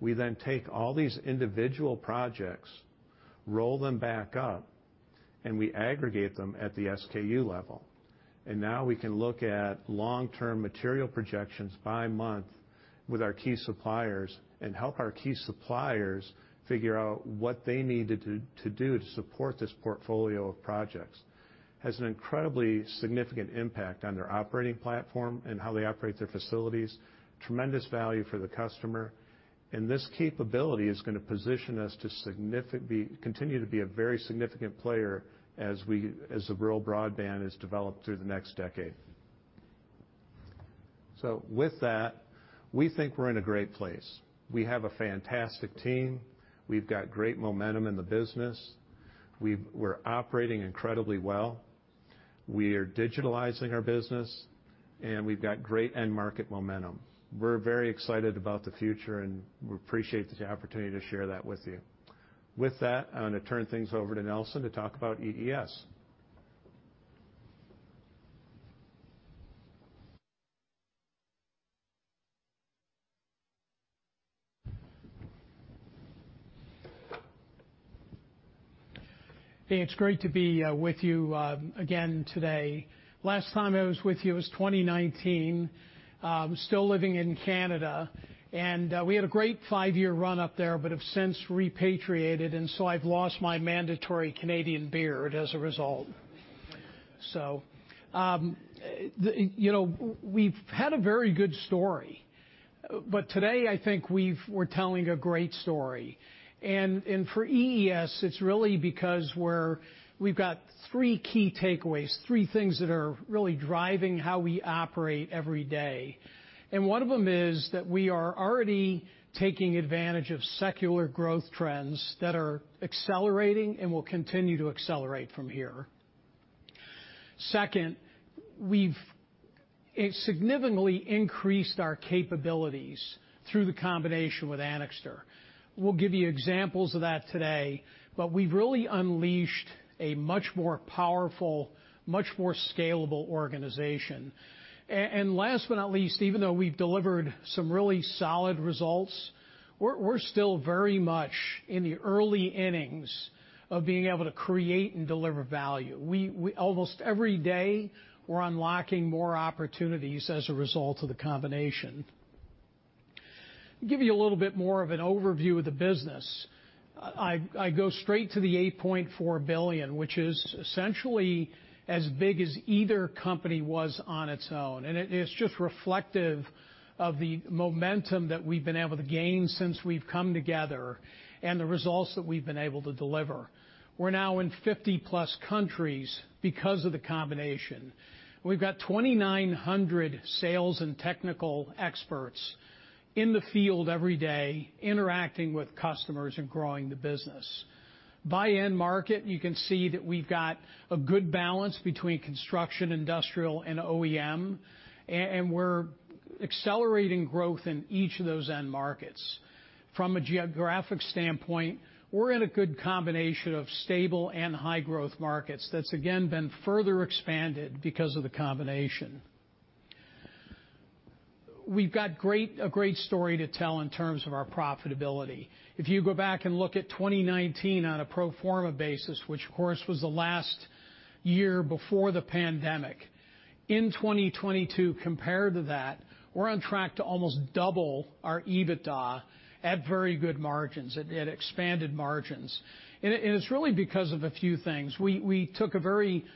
We then take all these individual projects, roll them back up, and we aggregate them at the SKU level. Now we can look at long-term material projections by month with our key suppliers and help our key suppliers figure out what they need to do to support this portfolio of projects. It has an incredibly significant impact on their operating platform and how they operate their facilities, tremendous value for the customer, and this capability is gonna position us to significantly continue to be a very significant player as the rural broadband is developed through the next decade. With that, we think we're in a great place. We have a fantastic team. We've got great momentum in the business. We're operating incredibly well. We are digitalizing our business, and we've got great end market momentum. We're very excited about the future, and we appreciate the opportunity to share that with you. With that, I'm gonna turn things over to Nelson to talk about EES. Hey, it's great to be with you again today. Last time I was with you was 2019. Still living in Canada. We had a great five year run up there, but have since repatriated, and so I've lost my mandatory Canadian beard as a result. You know, we've had a very good story. But today, I think we're telling a great story. For EES, it's really because we've got three key takeaways, three things that are really driving how we operate every day. One of them is that we are already taking advantage of secular growth trends that are accelerating and will continue to accelerate from here. Second, we've significantly increased our capabilities through the combination with Anixter. We'll give you examples of that today, but we've really unleashed a much more powerful, much more scalable organization. Last but not least, even though we've delivered some really solid results, we're still very much in the early innings of being able to create and deliver value. Almost every day, we're unlocking more opportunities as a result of the combination. Give you a little bit more of an overview of the business. I go straight to the $8.4 billion, which is essentially as big as either company was on its own. It is just reflective of the momentum that we've been able to gain since we've come together and the results that we've been able to deliver. We're now in 50+ countries because of the combination. We've got 2,900 sales and technical experts in the field every day interacting with customers and growing the business. By end market, you can see that we've got a good balance between construction, industrial, and OEM. We're accelerating growth in each of those end markets. From a geographic standpoint, we're in a good combination of stable and high-growth markets that's, again, been further expanded because of the combination. We've got a great story to tell in terms of our profitability. If you go back and look at 2019 on a pro forma basis, which of course was the last year before the pandemic, in 2022, compared to that, we're on track to almost double our EBITDA at very good margins, at expanded margins. It's really because of a few things. We took a very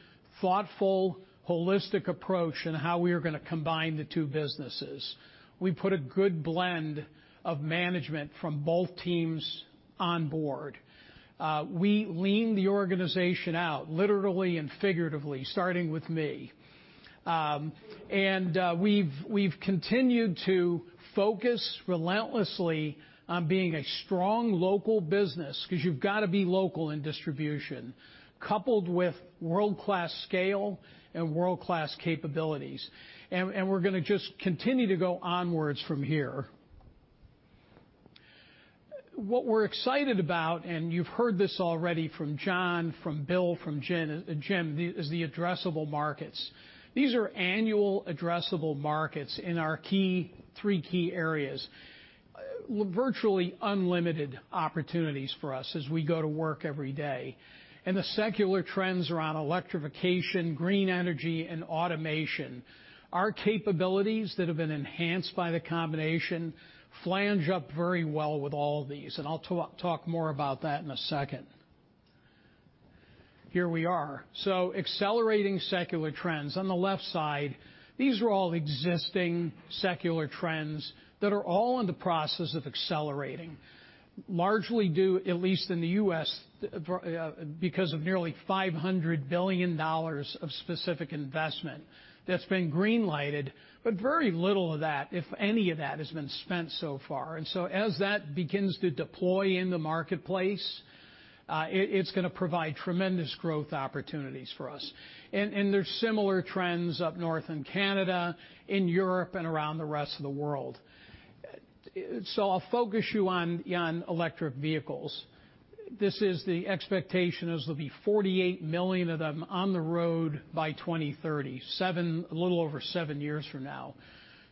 thoughtful, holistic approach in how we are gonna combine the two businesses. We put a good blend of management from both teams on board. We leaned the organization out, literally and figuratively, starting with me. We've continued to focus relentlessly on being a strong local business, 'cause you've gotta be local in distribution, coupled with world-class scale and world-class capabilities. We're gonna just continue to go onwards from here. What we're excited about, and you've heard this already from John, from Bill, from Jim, is the addressable markets. These are annual addressable markets in our three key areas. Virtually unlimited opportunities for us as we go to work every day. The secular trends around electrification, green energy, and automation, our capabilities that have been enhanced by the combination line up very well with all of these, and I'll talk more about that in a second. Here we are. Accelerating secular trends. On the left side, these are all existing secular trends that are all in the process of accelerating, largely due, at least in the U.S., because of nearly $500 billion of specific investment that's been green lighted, but very little of that, if any of that, has been spent so far. There's similar trends up north in Canada, in Europe, and around the rest of the world. I'll focus you on electric vehicles. This is the expectation is there'll be 48 million of them on the road by 2030, a little over seven years from now.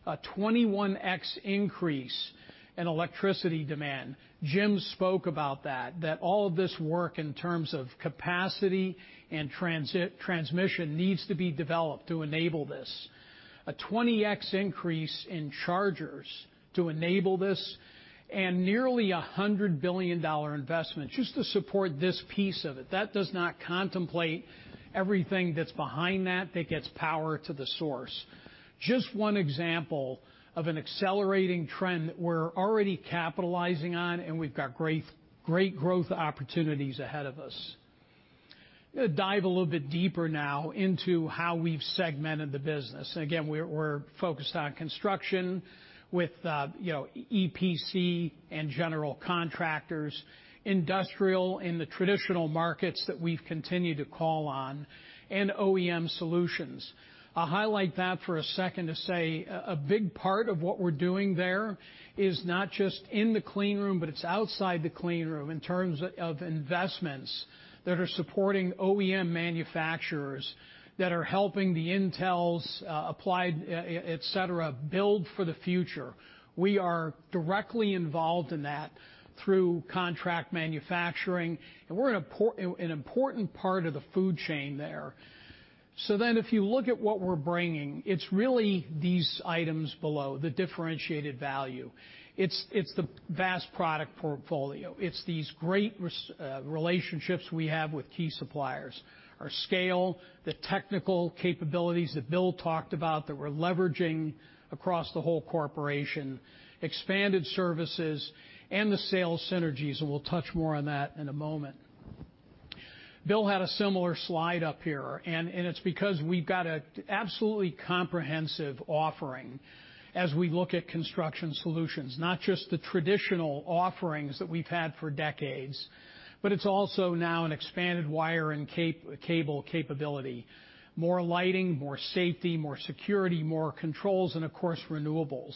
A 21x increase in electricity demand. Jim spoke about that all of this work in terms of capacity and transmission needs to be developed to enable this. A 20x increase in chargers to enable this, and nearly a $100 billion investment just to support this piece of it. That does not contemplate everything that's behind that gets power to the source. Just one example of an accelerating trend that we're already capitalizing on, and we've got great growth opportunities ahead of us. Dive a little bit deeper now into how we've segmented the business. Again, we're focused on construction with, you know, EPC and general contractors, industrial in the traditional markets that we've continued to call on, and OEM solutions. I'll highlight that for a second to say a big part of what we're doing there is not just in the clean room, but it's outside the clean room in terms of investments that are supporting OEM manufacturers, that are helping Intel, Applied Materials, et cetera, build for the future. We are directly involved in that through contract manufacturing, and we're an important part of the food chain there. If you look at what we're bringing, it's really these items below, the differentiated value. It's the vast product portfolio. It's these great relationships we have with key suppliers. Our scale, the technical capabilities that Bill talked about that we're leveraging across the whole corporation, expanded services and the sales synergies, and we'll touch more on that in a moment. Bill had a similar slide up here, and it's because we've got an absolutely comprehensive offering as we look at construction solutions. Not just the traditional offerings that we've had for decades, but it's also now an expanded wire and cable capability. More lighting, more safety, more security, more controls and, of course, renewables.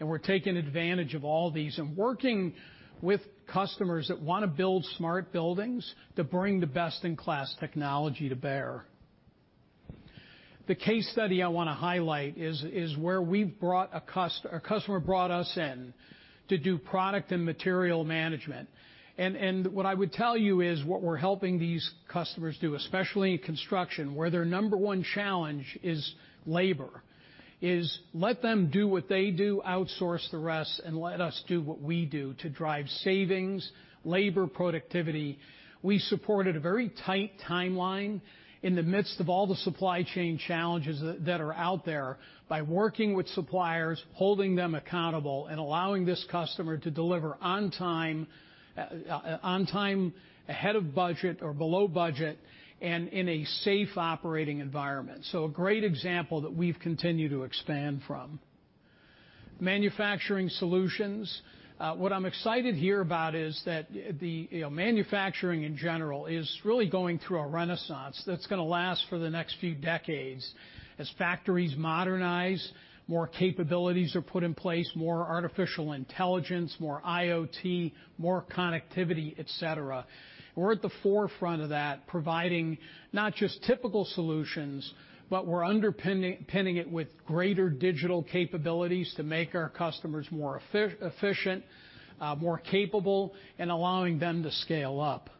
We're taking advantage of all these and working with customers that wanna build smart buildings to bring the best-in-class technology to bear. The case study I wanna highlight is where a customer brought us in to do product and material management. What I would tell you is what we're helping these customers do, especially in construction, where their number one challenge is labor, is let them do what they do, outsource the rest, and let us do what we do to drive savings, labor productivity. We supported a very tight timeline in the midst of all the supply chain challenges that are out there by working with suppliers, holding them accountable, and allowing this customer to deliver on time, ahead of budget or below budget, and in a safe operating environment. A great example that we've continued to expand from. Manufacturing solutions. What I'm excited here about is that you know manufacturing in general is really going through a renaissance that's gonna last for the next few decades. As factories modernize, more capabilities are put in place, more artificial intelligence, more IoT, more connectivity, et cetera. We're at the forefront of that, providing not just typical solutions, but we're underpinning it with greater digital capabilities to make our customers more efficient, more capable, and allowing them to scale up.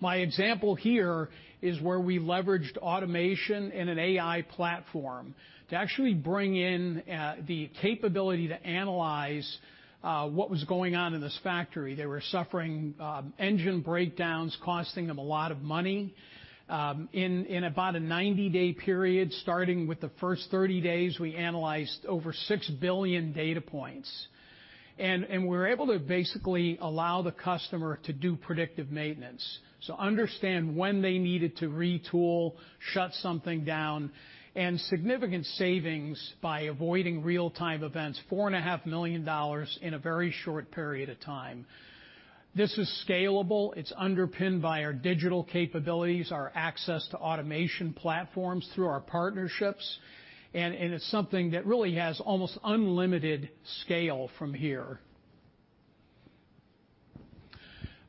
My example here is where we leveraged automation in an AI platform to actually bring in the capability to analyze what was going on in this factory. They were suffering engine breakdowns, costing them a lot of money. In about a 90 day period, starting with the first 30 days, we analyzed over 6 billion data points. We were able to basically allow the customer to do predictive maintenance. Understand when they needed to retool, shut something down, and significant savings by avoiding real-time events, $4.5 million in a very short period of time. This is scalable. It's underpinned by our digital capabilities, our access to automation platforms through our partnerships, and it's something that really has almost unlimited scale from here.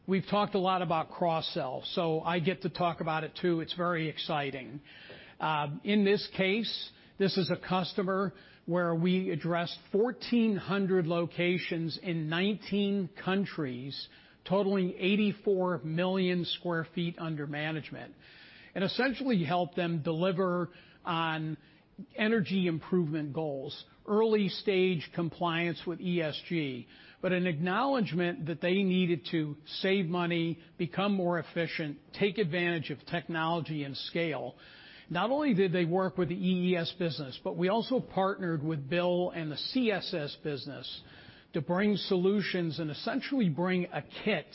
We've talked a lot about cross-sell, so I get to talk about it too. It's very exciting. In this case, this is a customer where we addressed 1,400 locations in 19 countries, totaling 84 million sq ft under management, and essentially helped them deliver on energy improvement goals, early stage compliance with ESG. An acknowledgment that they needed to save money, become more efficient, take advantage of technology and scale. Not only did they work with the EES business, but we also partnered with Bill and the CSS business to bring solutions and essentially bring a kit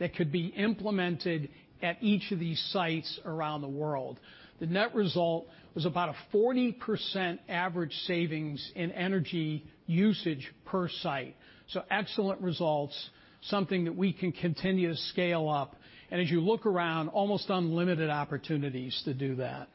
that could be implemented at each of these sites around the world. The net result was about a 40% average savings in energy usage per site. Excellent results, something that we can continue to scale up, and as you look around, almost unlimited opportunities to do that.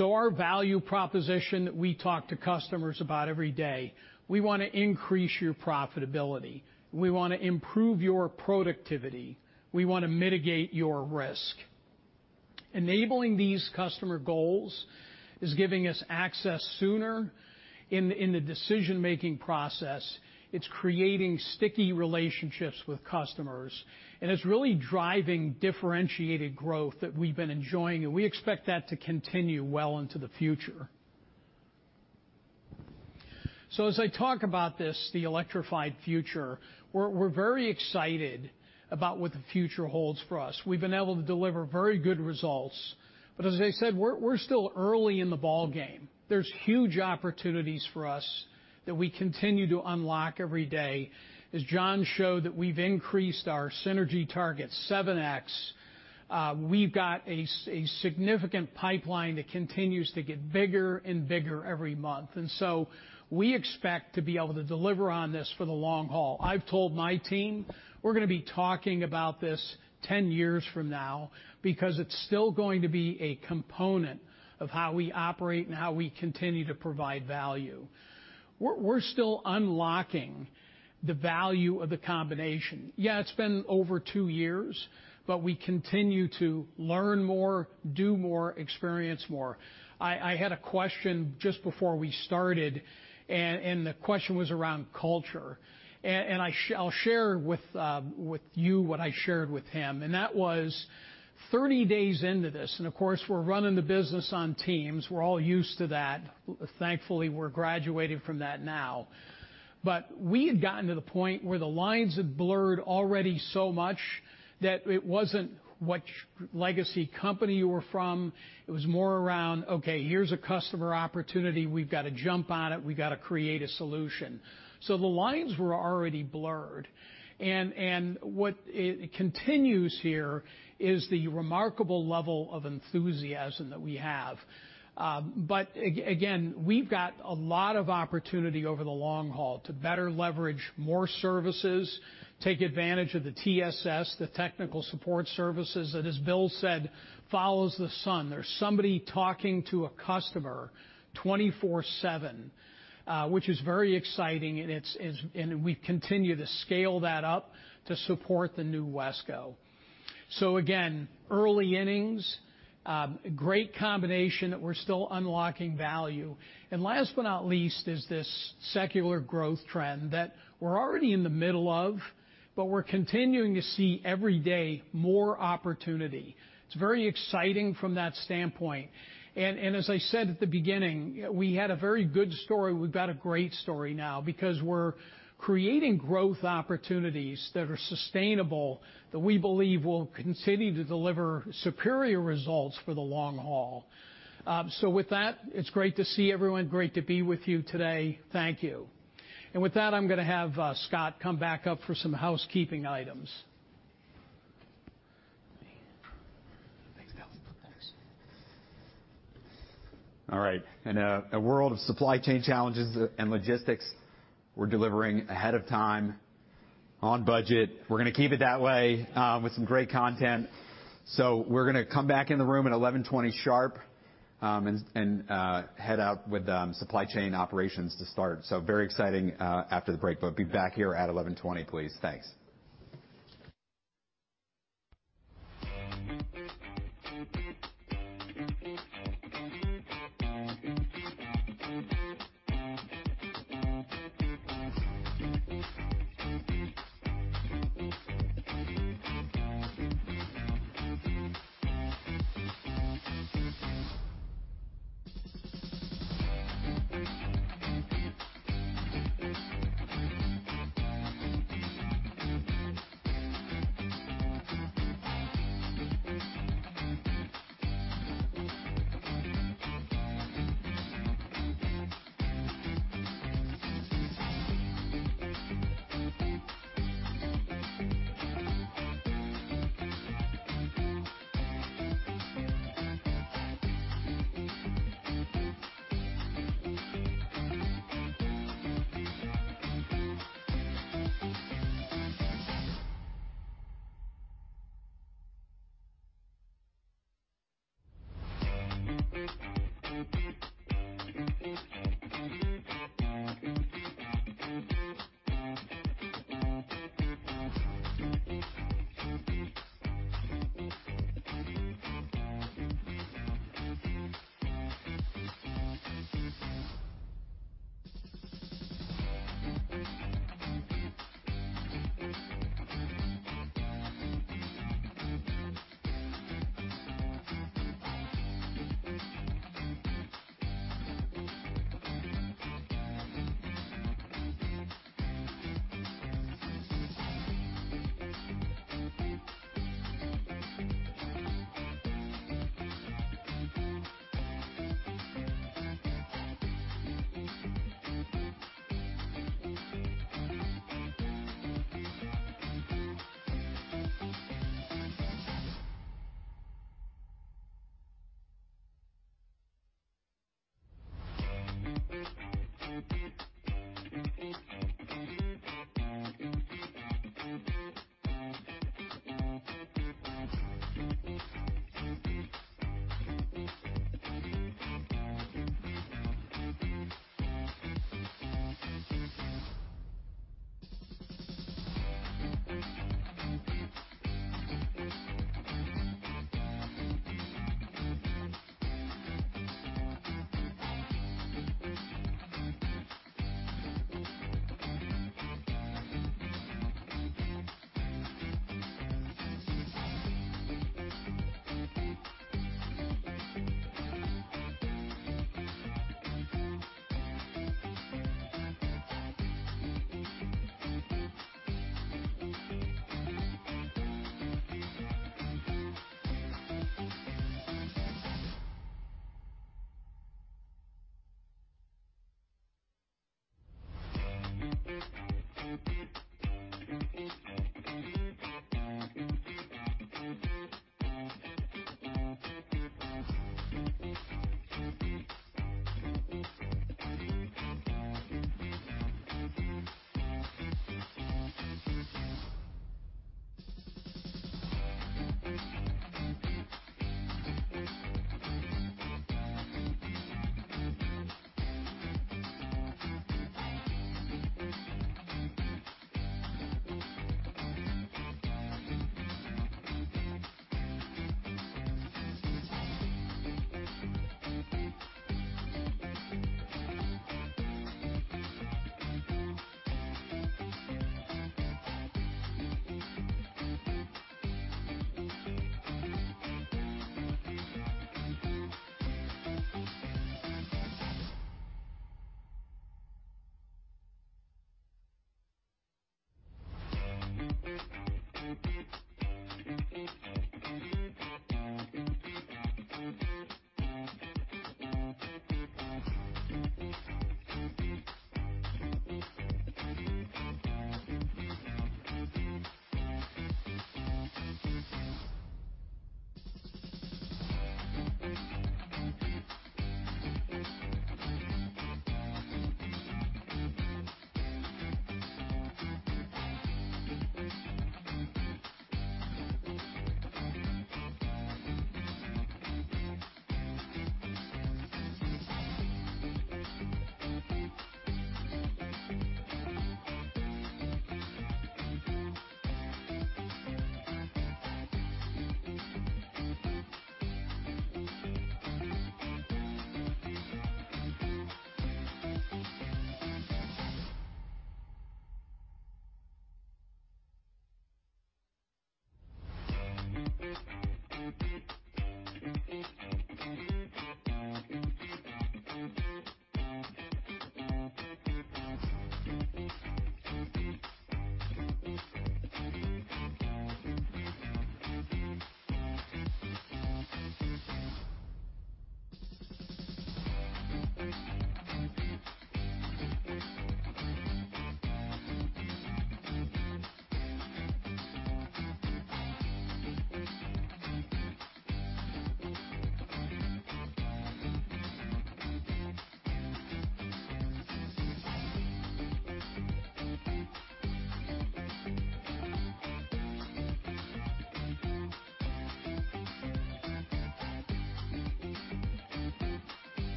Our value proposition that we talk to customers about every day, we wanna increase your profitability. We wanna improve your productivity. We wanna mitigate your risk. Enabling these customer goals is giving us access sooner in the decision-making process. It's creating sticky relationships with customers, and it's really driving differentiated growth that we've been enjoying, and we expect that to continue well into the future. As I talk about this, the electrified future, we're very excited about what the future holds for us. We've been able to deliver very good results. As I said, we're still early in the ball game. There's huge opportunities for us that we continue to unlock every day. As John showed, that we've increased our synergy target 7x. We've got a significant pipeline that continues to get bigger and bigger every month. We expect to be able to deliver on this for the long haul. I've told my team we're gonna be talking about this 10 years from now because it's still going to be a component of how we operate and how we continue to provide value. We're still unlocking the value of the combination. Yeah, it's been over two years, but we continue to learn more, do more, experience more. I had a question just before we started, and the question was around culture. I'll share with you what I shared with him, and that was 30 days into this, and of course, we're running the business on Teams. We're all used to that. Thankfully, we're graduating from that now. We had gotten to the point where the lines had blurred already so much that it wasn't which legacy company you were from. It was more around, okay, here's a customer opportunity. We've got to jump on it. We got to create a solution. The lines were already blurred. What it continues here is the remarkable level of enthusiasm that we have. Again, we've got a lot of opportunity over the long haul to better leverage more services, take advantage of the TSS, the Technology Support Services that, as Bill said, follows the sun. There's somebody talking to a customer 24/7, which is very exciting, and we continue to scale that up to support the new WESCO. Again, early innings, great combination that we're still unlocking value. Last but not least is this secular growth trend that we're already in the middle of, but we're continuing to see every day more opportunity. It's very exciting from that standpoint. As I said at the beginning, we had a very good story. We've got a great story now because we're creating growth opportunities that are sustainable, that we believe will continue to deliver superior results for the long haul. With that, it's great to see everyone. Great to be with you today. Thank you. With that, I'm gonna have Scott come back up for some housekeeping items. Thanks, Kelly. All right. In a world of supply chain challenges and logistics, we're delivering ahead of time on budget. We're gonna keep it that way with some great content. We're gonna come back in the room at 11:20 sharp, and head out with supply chain operations to start. Very exciting after the break, but be back here at 11:20, please. Thanks.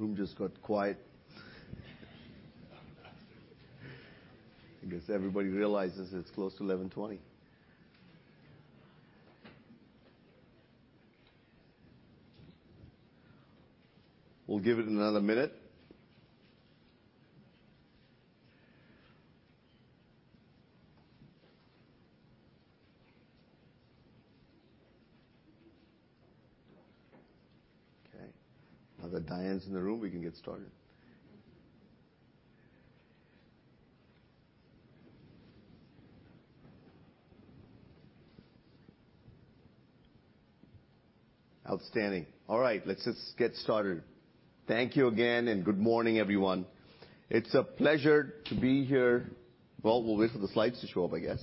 Room just got quiet. I guess everybody realizes it's close to 11:20 A.M. We'll give it another minute. Okay. Now that Diane's in the room, we can get started. Outstanding. All right, let's just get started. Thank you again, and good morning, everyone. It's a pleasure to be here. Well, we'll wait for the slides to show up, I guess.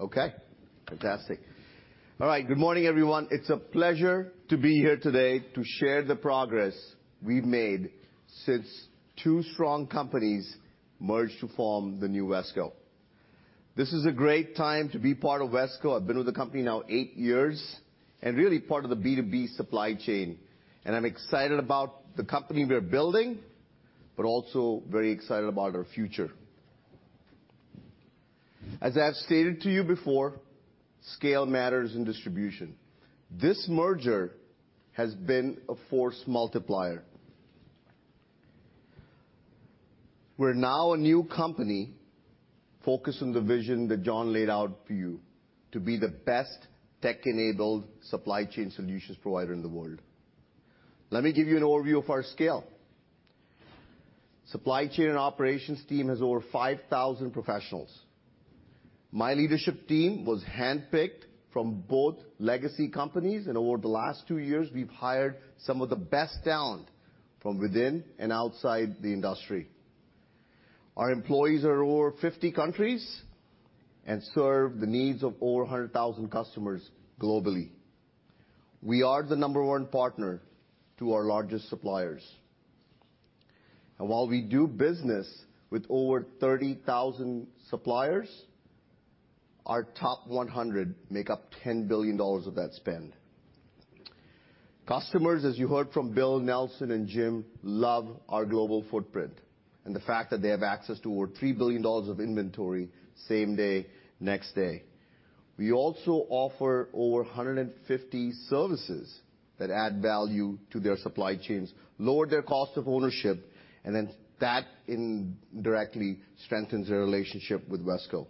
Okay, fantastic. All right. Good morning, everyone. It's a pleasure to be here today to share the progress we've made since two strong companies merged to form the new WESCO. This is a great time to be part of WESCO. I've been with the company now eight years, and really part of the B2B supply chain, and I'm excited about the company we're building, but also very excited about our future. As I have stated to you before, scale matters in distribution. This merger has been a force multiplier. We're now a new company focused on the vision that John laid out for you to be the best tech-enabled supply chain solutions provider in the world. Let me give you an overview of our scale. Supply Chain and Operations team has over 5,000 professionals. My leadership team was handpicked from both legacy companies, and over the last two years, we've hired some of the best talent from within and outside the industry. Our employees are in over 50 countries and serve the needs of over 100,000 customers globally. We are the number one partner to our largest suppliers. While we do business with over 30,000 suppliers, our top 100 make up $10 billion of that spend. Customers, as you heard from Bill, Nelson, and Jim, love our global footprint and the fact that they have access to over $3 billion of inventory same day, next day. We also offer over 150 services that add value to their supply chains, lower their cost of ownership, and then that indirectly strengthens their relationship with WESCO.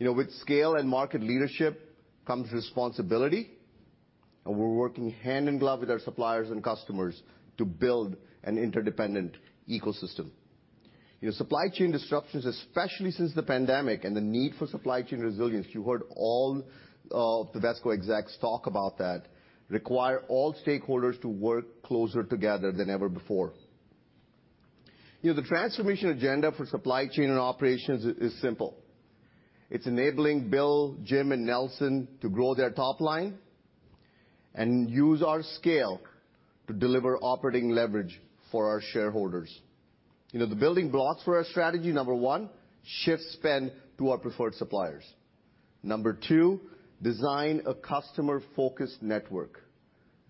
You know, with scale and market leadership comes responsibility, and we're working hand in glove with our suppliers and customers to build an interdependent ecosystem. You know, supply chain disruptions, especially since the pandemic and the need for supply chain resilience, you heard all of the WESCO execs talk about that, require all stakeholders to work closer together than ever before. You know, the transformation agenda for supply chain and operations is simple. It's enabling Bill, Jim, and Nelson to grow their top line and use our scale to deliver operating leverage for our shareholders. You know, the building blocks for our strategy, number one, shift spend to our preferred suppliers. Number two, design a customer-focused network.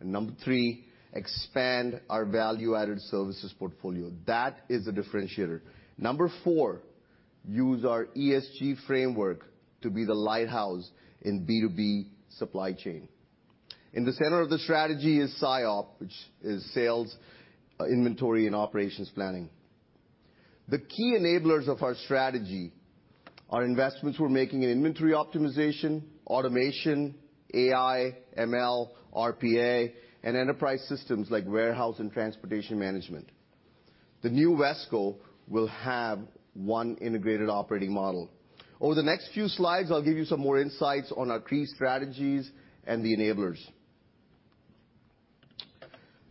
Number three, expand our value-added services portfolio. That is a differentiator. Number four, use our ESG framework to be the lighthouse in B2B supply chain. In the center of the strategy is SIOP, which is sales, inventory, and operations planning. The key enablers of our strategy are investments we're making in inventory optimization, automation, AI, ML, RPA, and enterprise systems like warehouse and transportation management. The new WESCO will have one integrated operating model. Over the next few slides, I'll give you some more insights on our key strategies and the enablers.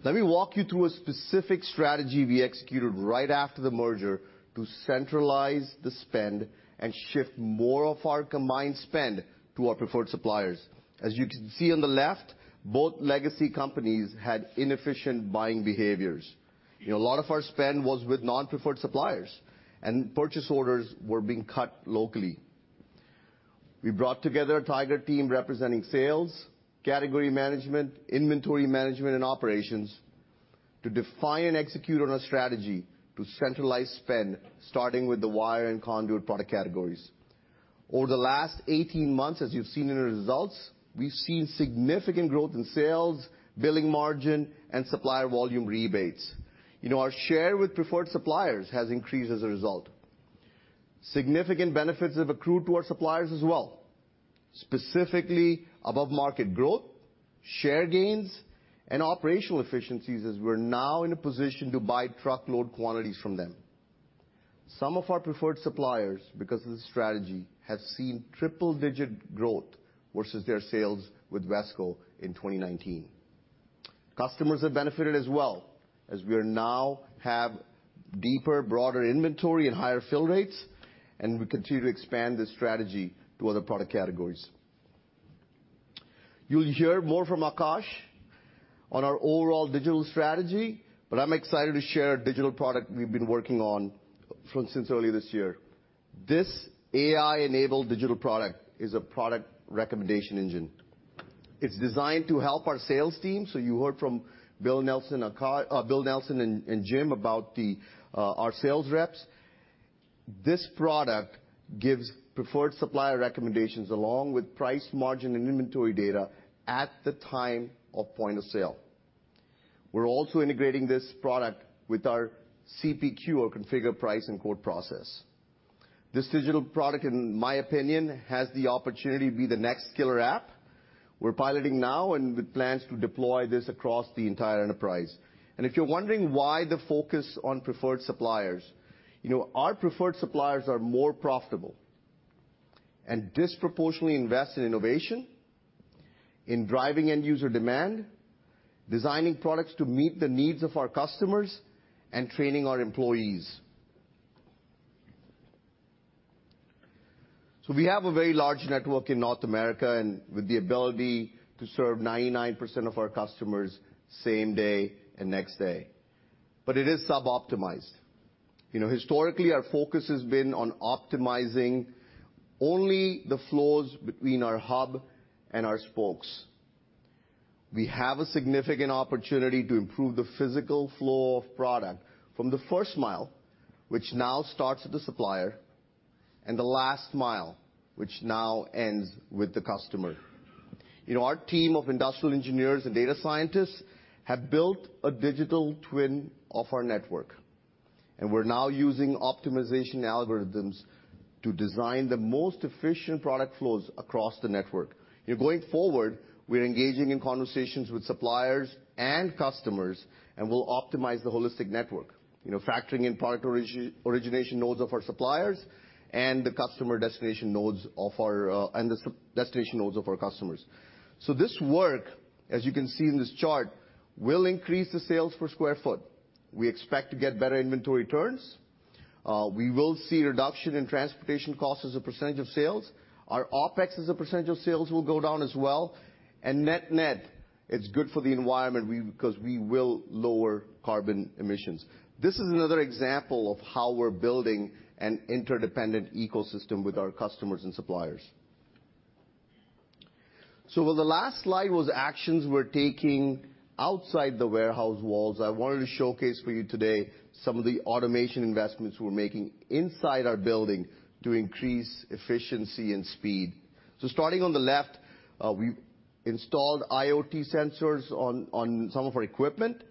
Let me walk you through a specific strategy we executed right after the merger to centralize the spend and shift more of our combined spend to our preferred suppliers. As you can see on the left, both legacy companies had inefficient buying behaviors. You know, a lot of our spend was with non-preferred suppliers, and purchase orders were being cut locally. We brought together a tiger team representing sales, category management, inventory management, and operations to define and execute on a strategy to centralize spend, starting with the wire and conduit product categories. Over the last 18 months, as you've seen in the results, we've seen significant growth in sales, billing margin, and supplier volume rebates. You know, our share with preferred suppliers has increased as a result. Significant benefits have accrued to our suppliers as well, specifically above market growth, share gains, and operational efficiencies, as we're now in a position to buy truckload quantities from them. Some of our preferred suppliers, because of the strategy, have seen triple-digit growth versus their sales with WESCO in 2019. Customers have benefited as well, as we now have deeper, broader inventory and higher fill rates, and we continue to expand this strategy to other product categories. You'll hear more from Akash on our overall digital strategy, but I'm excited to share a digital product we've been working on since early this year. This AI-enabled digital product is a product recommendation engine. It's designed to help our sales team. You heard from Bill, Nelson, Akash, and Jim about our sales reps. This product gives preferred supplier recommendations along with price, margin, and inventory data at the time of point of sale. We're also integrating this product with our CPQ or configure, price, and quote process. This digital product, in my opinion, has the opportunity to be the next killer app. We're piloting now and with plans to deploy this across the entire enterprise. If you're wondering why the focus on preferred suppliers, you know, our preferred suppliers are more profitable and disproportionately invest in innovation, in driving end user demand, designing products to meet the needs of our customers and training our employees. We have a very large network in North America and with the ability to serve 99% of our customers same day and next day, but it is sub-optimized. You know, historically, our focus has been on optimizing only the flows between our hub and our spokes. We have a significant opportunity to improve the physical flow of product from the first mile, which now starts at the supplier, and the last mile, which now ends with the customer. You know, our team of industrial engineers and data scientists have built a digital twin of our network, and we're now using optimization algorithms to design the most efficient product flows across the network. Going forward, we're engaging in conversations with suppliers and customers, and we'll optimize the holistic network, you know, factoring in product origination nodes of our suppliers and the customer destination nodes of our customers. This work, as you can see in this chart, will increase the sales per square foot. We expect to get better inventory turns. We will see a reduction in transportation costs as a percentage of sales. Our OpEx as a percentage of sales will go down as well. Net-net, it's good for the environment because we will lower carbon emissions. This is another example of how we're building an interdependent ecosystem with our customers and suppliers. While the last slide was actions we're taking outside the warehouse walls, I wanted to showcase for you today some of the automation investments we're making inside our building to increase efficiency and speed. Starting on the left, we've installed IoT sensors on some of our equipment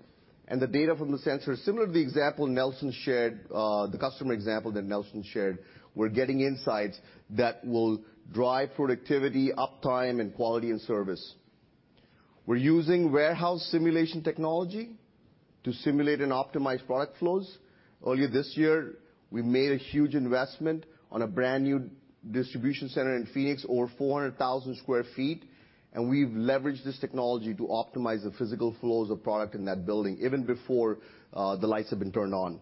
and the data from the sensor, similar to the customer example that Nelson shared, we're getting insights that will drive productivity, uptime, and quality and service. We're using warehouse simulation technology to simulate and optimize product flows. Earlier this year, we made a huge investment on a brand-new distribution center in Phoenix, over 400,000 sq ft, and we've leveraged this technology to optimize the physical flows of product in that building even before the lights have been turned on.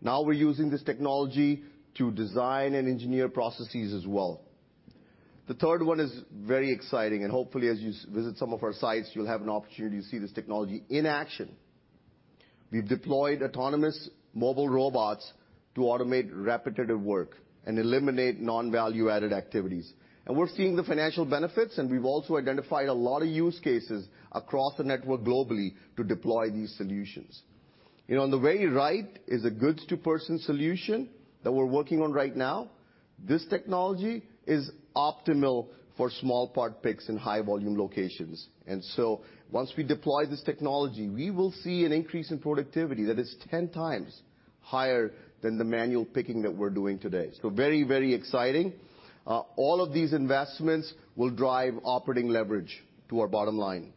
Now we're using this technology to design and engineer processes as well. The third one is very exciting, and hopefully, as you visit some of our sites, you'll have an opportunity to see this technology in action. We've deployed autonomous mobile robots to automate repetitive work and eliminate non-value-added activities. We're seeing the financial benefits, and we've also identified a lot of use cases across the network globally to deploy these solutions. You know, on the very right is a goods to person solution that we're working on right now. This technology is optimal for small part picks in high volume locations. Once we deploy this technology, we will see an increase in productivity that is 10x higher than the manual picking that we're doing today. Very, very exciting. All of these investments will drive operating leverage to our bottom line.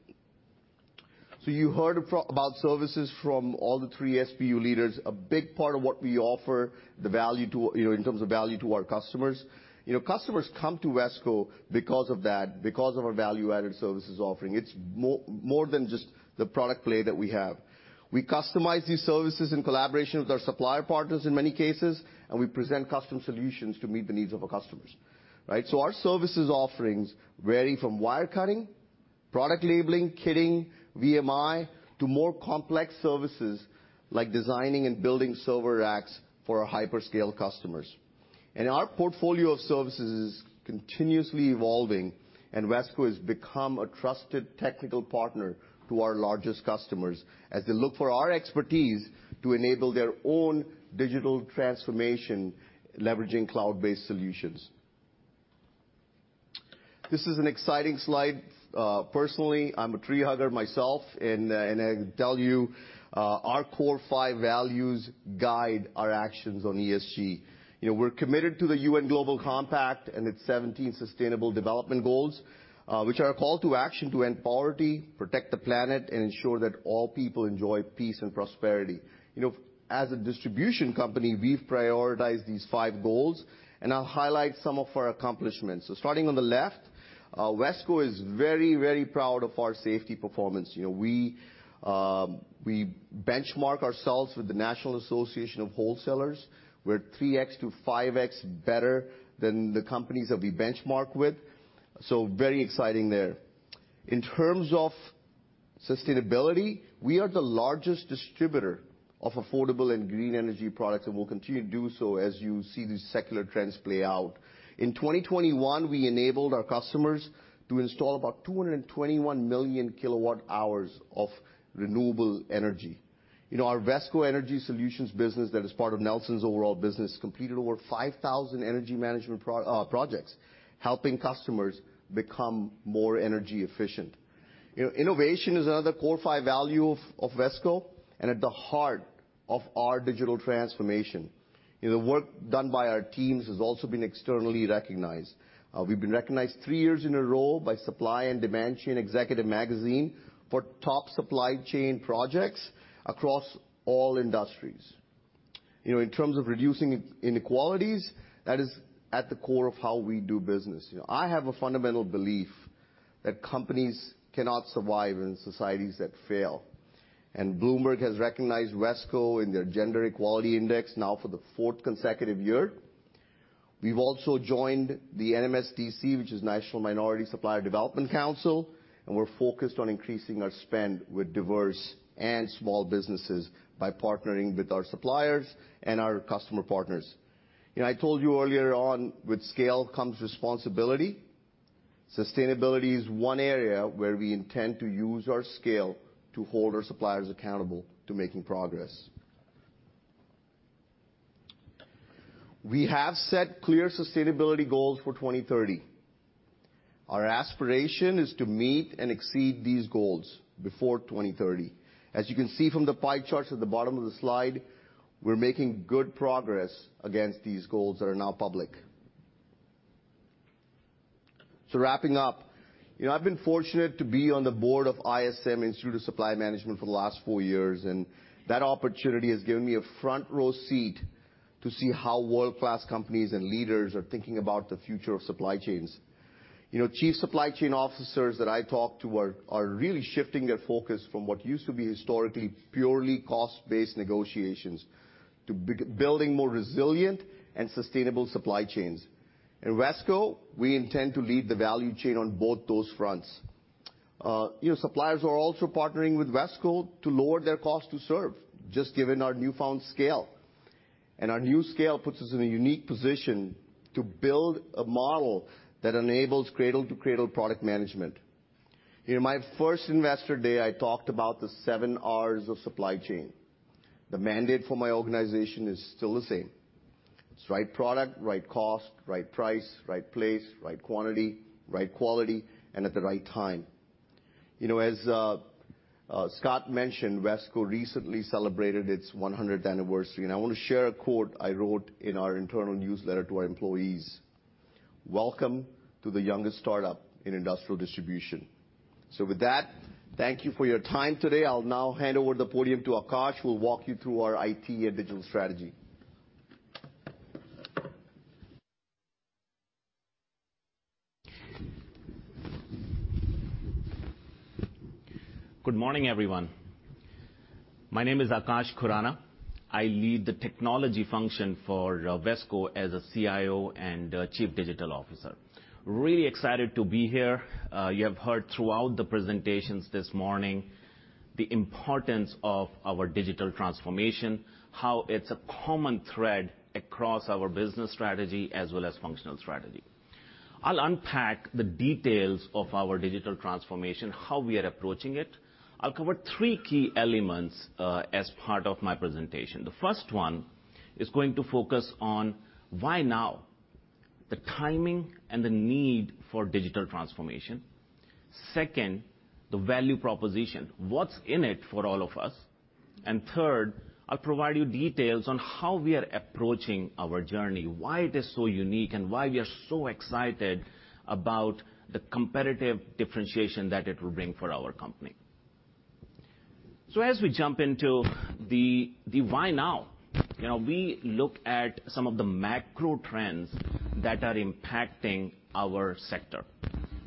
You heard about services from all the three SBU leaders, a big part of what we offer, the value in terms of value to our customers. You know, customers come to WESCO because of that, because of our value-added services offering. It's more than just the product play that we have. We customize these services in collaboration with our supplier partners in many cases, and we present custom solutions to meet the needs of our customers, right? Our services offerings vary from wire cutting, product labeling, kitting, VMI to more complex services like designing and building server racks for our hyperscale customers. Our portfolio of services is continuously evolving, and WESCO has become a trusted technical partner to our largest customers as they look for our expertise to enable their own digital transformation, leveraging cloud-based solutions. This is an exciting slide. Personally, I'm a tree hugger myself, and I can tell you, our core five values guide our actions on ESG. You know, we're committed to the UN Global Compact and its 17 sustainable development goals, which are a call to action to end poverty, protect the planet, and ensure that all people enjoy peace and prosperity. You know, as a distribution company, we've prioritized these five goals, and I'll highlight some of our accomplishments. Starting on the left, WESCO is very proud of our safety performance. You know, we benchmark ourselves with the National Association of Wholesaler-Distributors. We're 3x to 5x better than the companies that we benchmark with. Very exciting there. In terms of sustainability, we are the largest distributor of affordable and green energy products, and we'll continue to do so as you see these secular trends play out. In 2021, we enabled our customers to install about 221 million kWh of renewable energy. You know, our WESCO Energy Solutions business that is part of Nelson's overall business completed over 5,000 energy management projects, helping customers become more energy efficient. You know, innovation is another core value of WESCO, and at the heart of our digital transformation. You know, work done by our teams has also been externally recognized. We've been recognized three years in a row by Supply & Demand Chain Executive magazine for top supply chain projects across all industries. You know, in terms of reducing inequalities, that is at the core of how we do business. You know, I have a fundamental belief that companies cannot survive in societies that fail, and Bloomberg has recognized WESCO in their gender equality index now for the fourth consecutive year. We've also joined the NMSDC, which is National Minority Supplier Development Council, and we're focused on increasing our spend with diverse and small businesses by partnering with our suppliers and our customer partners. You know, I told you earlier on, with scale comes responsibility. Sustainability is one area where we intend to use our scale to hold our suppliers accountable to making progress. We have set clear sustainability goals for 2030. Our aspiration is to meet and exceed these goals before 2030. As you can see from the pie charts at the bottom of the slide, we're making good progress against these goals that are now public. Wrapping up. You know, I've been fortunate to be on the board of ISM, Institute for Supply Management, for the last four years, and that opportunity has given me a front row seat to see how world-class companies and leaders are thinking about the future of supply chains. You know, chief supply chain officers that I talk to are really shifting their focus from what used to be historically purely cost-based negotiations to building more resilient and sustainable supply chains. At WESCO, we intend to lead the value chain on both those fronts. You know, suppliers are also partnering with WESCO to lower their cost to serve, just given our newfound scale. Our new scale puts us in a unique position to build a model that enables cradle-to-cradle product management. You know, my first Investor Day, I talked about the seven Rs of supply chain. The mandate for my organization is still the same. It's right product, right cost, right price, right place, right quantity, right quality, and at the right time. You know, as Scott mentioned, WESCO recently celebrated its 100th anniversary, and I wanna share a quote I wrote in our internal newsletter to our employees: "Welcome to the youngest startup in industrial distribution." With that, thank you for your time today. I'll now hand over the podium to Akash, who will walk you through our IT and digital strategy. Good morning, everyone. My name is Akash Khurana. I lead the technology function for WESCO as a CIO and Chief Digital Officer. Really excited to be here. You have heard throughout the presentations this morning the importance of our digital transformation, how it's a common thread across our business strategy as well as functional strategy. I'll unpack the details of our digital transformation, how we are approaching it. I'll cover three key elements as part of my presentation. The first one is going to focus on why now, the timing and the need for digital transformation. Second, the value proposition. What's in it for all of us? Third, I'll provide you details on how we are approaching our journey, why it is so unique, and why we are so excited about the competitive differentiation that it will bring for our company. As we jump into the why now, you know, we look at some of the macro trends that are impacting our sector.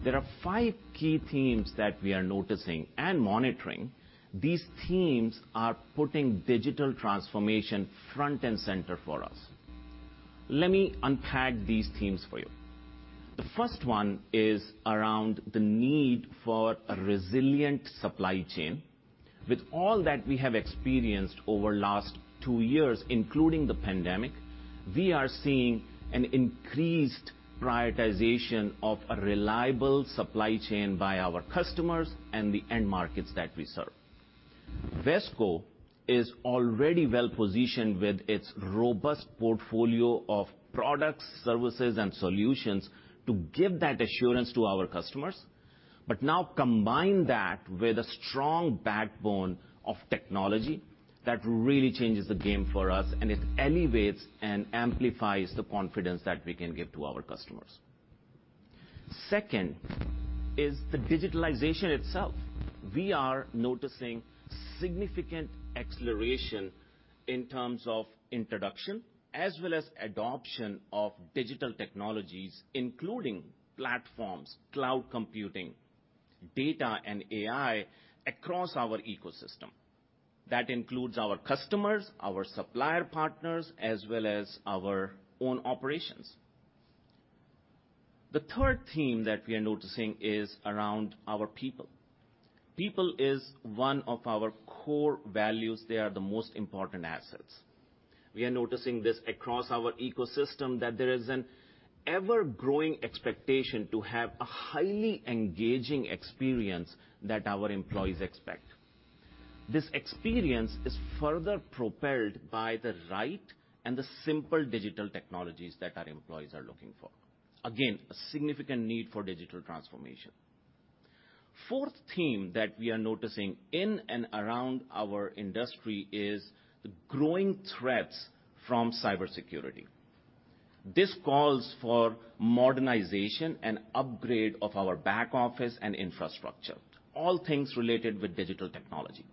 There are five key themes that we are noticing and monitoring. These themes are putting digital transformation front and center for us. Let me unpack these themes for you. The first one is around the need for a resilient supply chain. With all that we have experienced over last two years, including the pandemic, we are seeing an increased prioritization of a reliable supply chain by our customers and the end markets that we serve. WESCO is already well positioned with its robust portfolio of products, services, and solutions to give that assurance to our customers. Now combine that with a strong backbone of technology, that really changes the game for us, and it elevates and amplifies the confidence that we can give to our customers. Second is the digitalization itself. We are noticing significant acceleration in terms of introduction as well as adoption of digital technologies, including platforms, cloud computing, data, and AI across our ecosystem. That includes our customers, our supplier partners, as well as our own operations. The third theme that we are noticing is around our people. People is one of our core values. They are the most important assets. We are noticing this across our ecosystem that there is an ever-growing expectation to have a highly engaging experience that our employees expect. This experience is further propelled by the right and the simple digital technologies that our employees are looking for. Again, a significant need for digital transformation. Fourth theme that we are noticing in and around our industry is the growing threats from cybersecurity. This calls for modernization and upgrade of our back office and infrastructure, all things related with digital technology.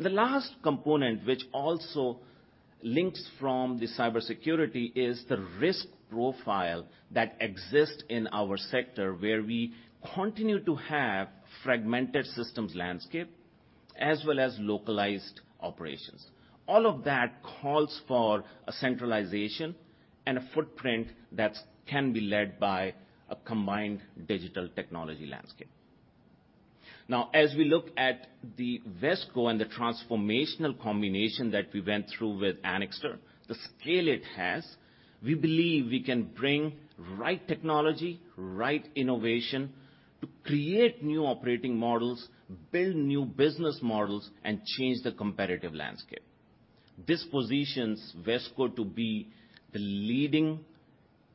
The last component, which also links from the cybersecurity, is the risk profile that exists in our sector, where we continue to have fragmented systems landscape, as well as localized operations. All of that calls for a centralization and a footprint that can be led by a combined digital technology landscape. Now, as we look at the WESCO and the transformational combination that we went through with Anixter, the scale it has, we believe we can bring right technology, right innovation to create new operating models, build new business models, and change the competitive landscape. This positions WESCO to be the leading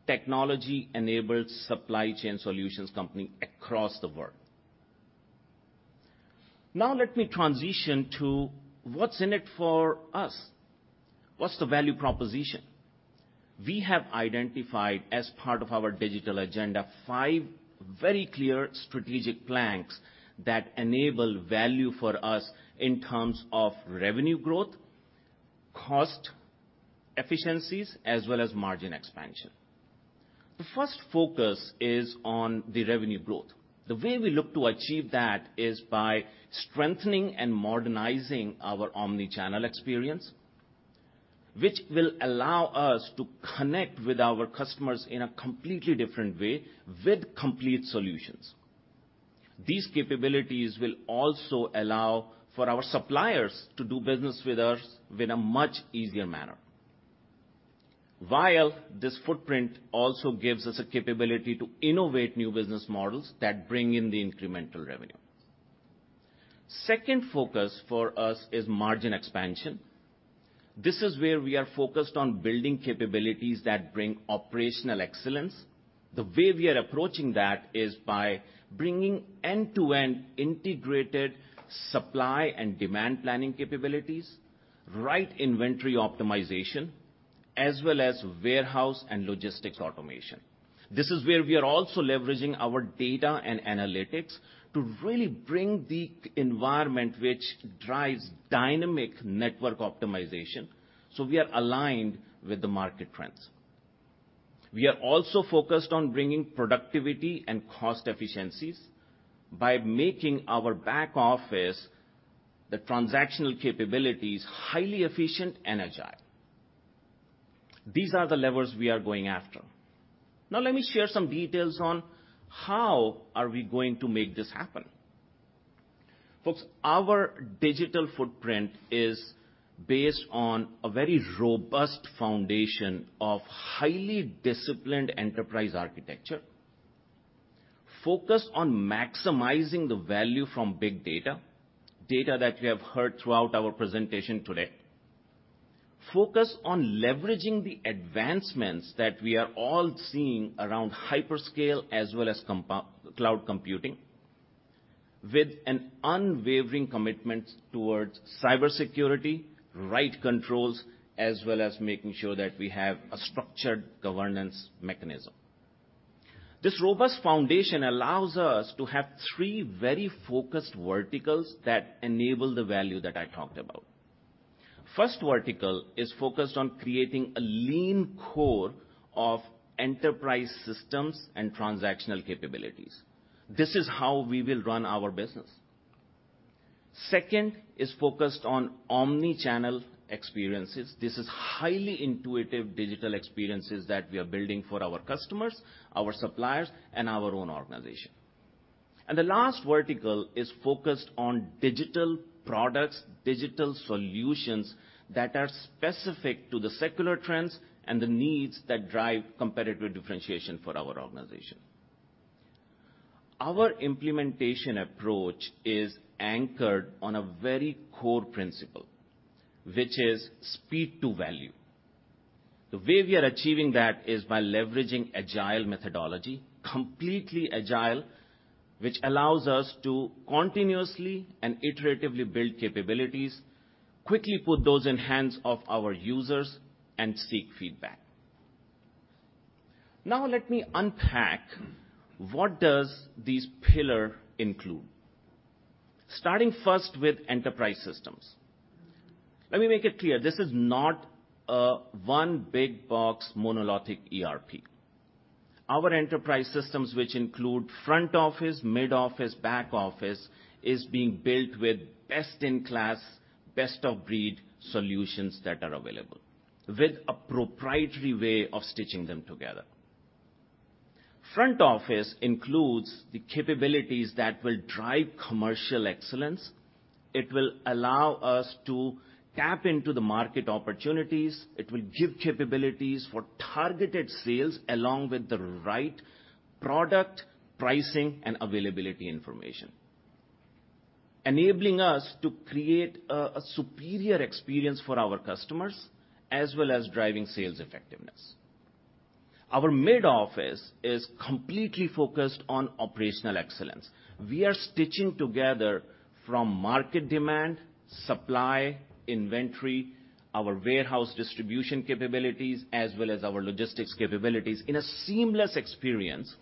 technology-enabled supply chain solutions company across the world. Now let me transition to what's in it for us. What's the value proposition? We have identified as part of our digital agenda, five very clear strategic planks that enable value for us in terms of revenue growth, cost efficiencies, as well as margin expansion. The first focus is on the revenue growth. The way we look to achieve that is by strengthening and modernizing our omni-channel experience, which will allow us to connect with our customers in a completely different way with complete solutions. These capabilities will also allow for our suppliers to do business with us in a much easier manner. While this footprint also gives us a capability to innovate new business models that bring in the incremental revenue. Second focus for us is margin expansion. This is where we are focused on building capabilities that bring operational excellence. The way we are approaching that is by bringing end-to-end integrated supply and demand planning capabilities, right inventory optimization, as well as warehouse and logistics automation. This is where we are also leveraging our data and analytics to really bring the environment which drives dynamic network optimization, so we are aligned with the market trends. We are also focused on bringing productivity and cost efficiencies by making our back office, the transactional capabilities, highly efficient and agile. These are the levers we are going after. Now, let me share some details on how are we going to make this happen. Folks, our digital footprint is based on a very robust foundation of highly disciplined enterprise architecture, focused on maximizing the value from big data that you have heard throughout our presentation today. Focused on leveraging the advancements that we are all seeing around hyperscale as well as cloud computing, with an unwavering commitment towards cybersecurity, right controls, as well as making sure that we have a structured governance mechanism. This robust foundation allows us to have three very focused verticals that enable the value that I talked about. First vertical is focused on creating a lean core of enterprise systems and transactional capabilities. This is how we will run our business. Second is focused on omni-channel experiences. This is highly intuitive digital experiences that we are building for our customers, our suppliers, and our own organization. The last vertical is focused on digital products, digital solutions that are specific to the secular trends and the needs that drive competitive differentiation for our organization. Our implementation approach is anchored on a very core principle, which is speed to value. The way we are achieving that is by leveraging Agile methodology, completely Agile, which allows us to continuously and iteratively build capabilities, quickly put those in hands of our users, and seek feedback. Now let me unpack what does this pillar include. Starting first with enterprise systems. Let me make it clear, this is not a one big box monolithic ERP. Our enterprise systems, which include front office, mid office, back office, is being built with best-in-class, best-of-breed solutions that are available, with a proprietary way of stitching them together. Front office includes the capabilities that will drive commercial excellence. It will allow us to tap into the market opportunities, it will give capabilities for targeted sales along with the right product, pricing, and availability information, enabling us to create a superior experience for our customers, as well as driving sales effectiveness. Our mid-office is completely focused on operational excellence. We are stitching together from market demand, supply, inventory, our warehouse distribution capabilities, as well as our logistics capabilities in a seamless experience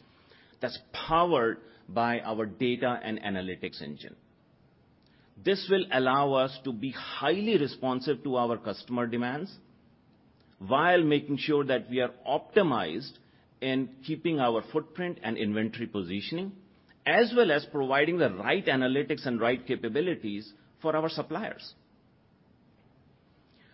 that's powered by our data and analytics engine. This will allow us to be highly responsive to our customer demands while making sure that we are optimized in keeping our footprint and inventory positioning, as well as providing the right analytics and right capabilities for our suppliers.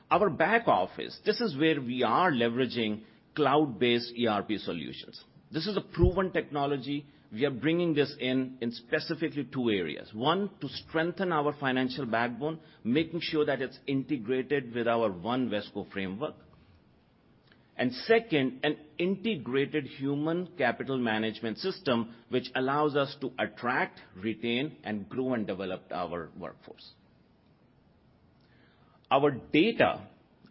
Our back office, this is where we are leveraging cloud-based ERP solutions. This is a proven technology. We are bringing this in specifically two areas. One, to strengthen our financial backbone, making sure that it's integrated with our One WESCO framework. Second, an integrated human capital management system, which allows us to attract, retain, and grow and develop our workforce. Our data,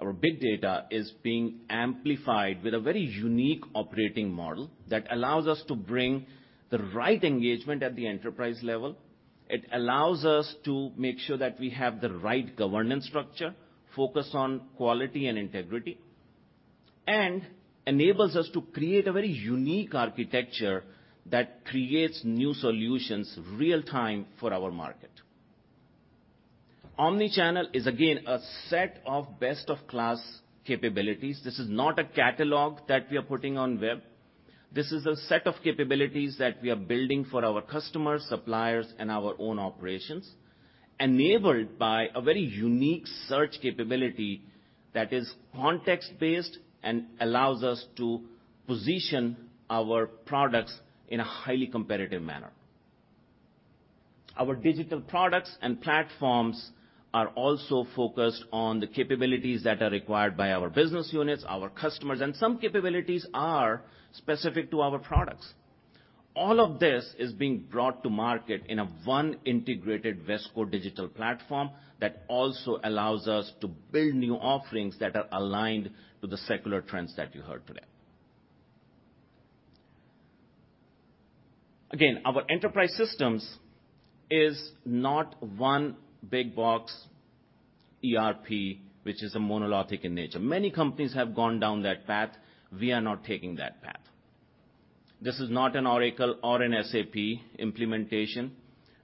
our big data, is being amplified with a very unique operating model that allows us to bring the right engagement at the enterprise level. It allows us to make sure that we have the right governance structure, focused on quality and integrity, and enables us to create a very unique architecture that creates new solutions real-time for our market. Omnichannel is again a set of best-of-class capabilities. This is not a catalog that we are putting on web. This is a set of capabilities that we are building for our customers, suppliers, and our own operations, enabled by a very unique search capability that is context-based and allows us to position our products in a highly competitive manner. Our digital products and platforms are also focused on the capabilities that are required by our business units, our customers, and some capabilities are specific to our products. All of this is being brought to market in a one integrated WESCO digital platform that also allows us to build new offerings that are aligned to the secular trends that you heard today. Again, our enterprise systems is not one big box ERP, which is monolithic in nature. Many companies have gone down that path. We are not taking that path. This is not an Oracle or an SAP implementation.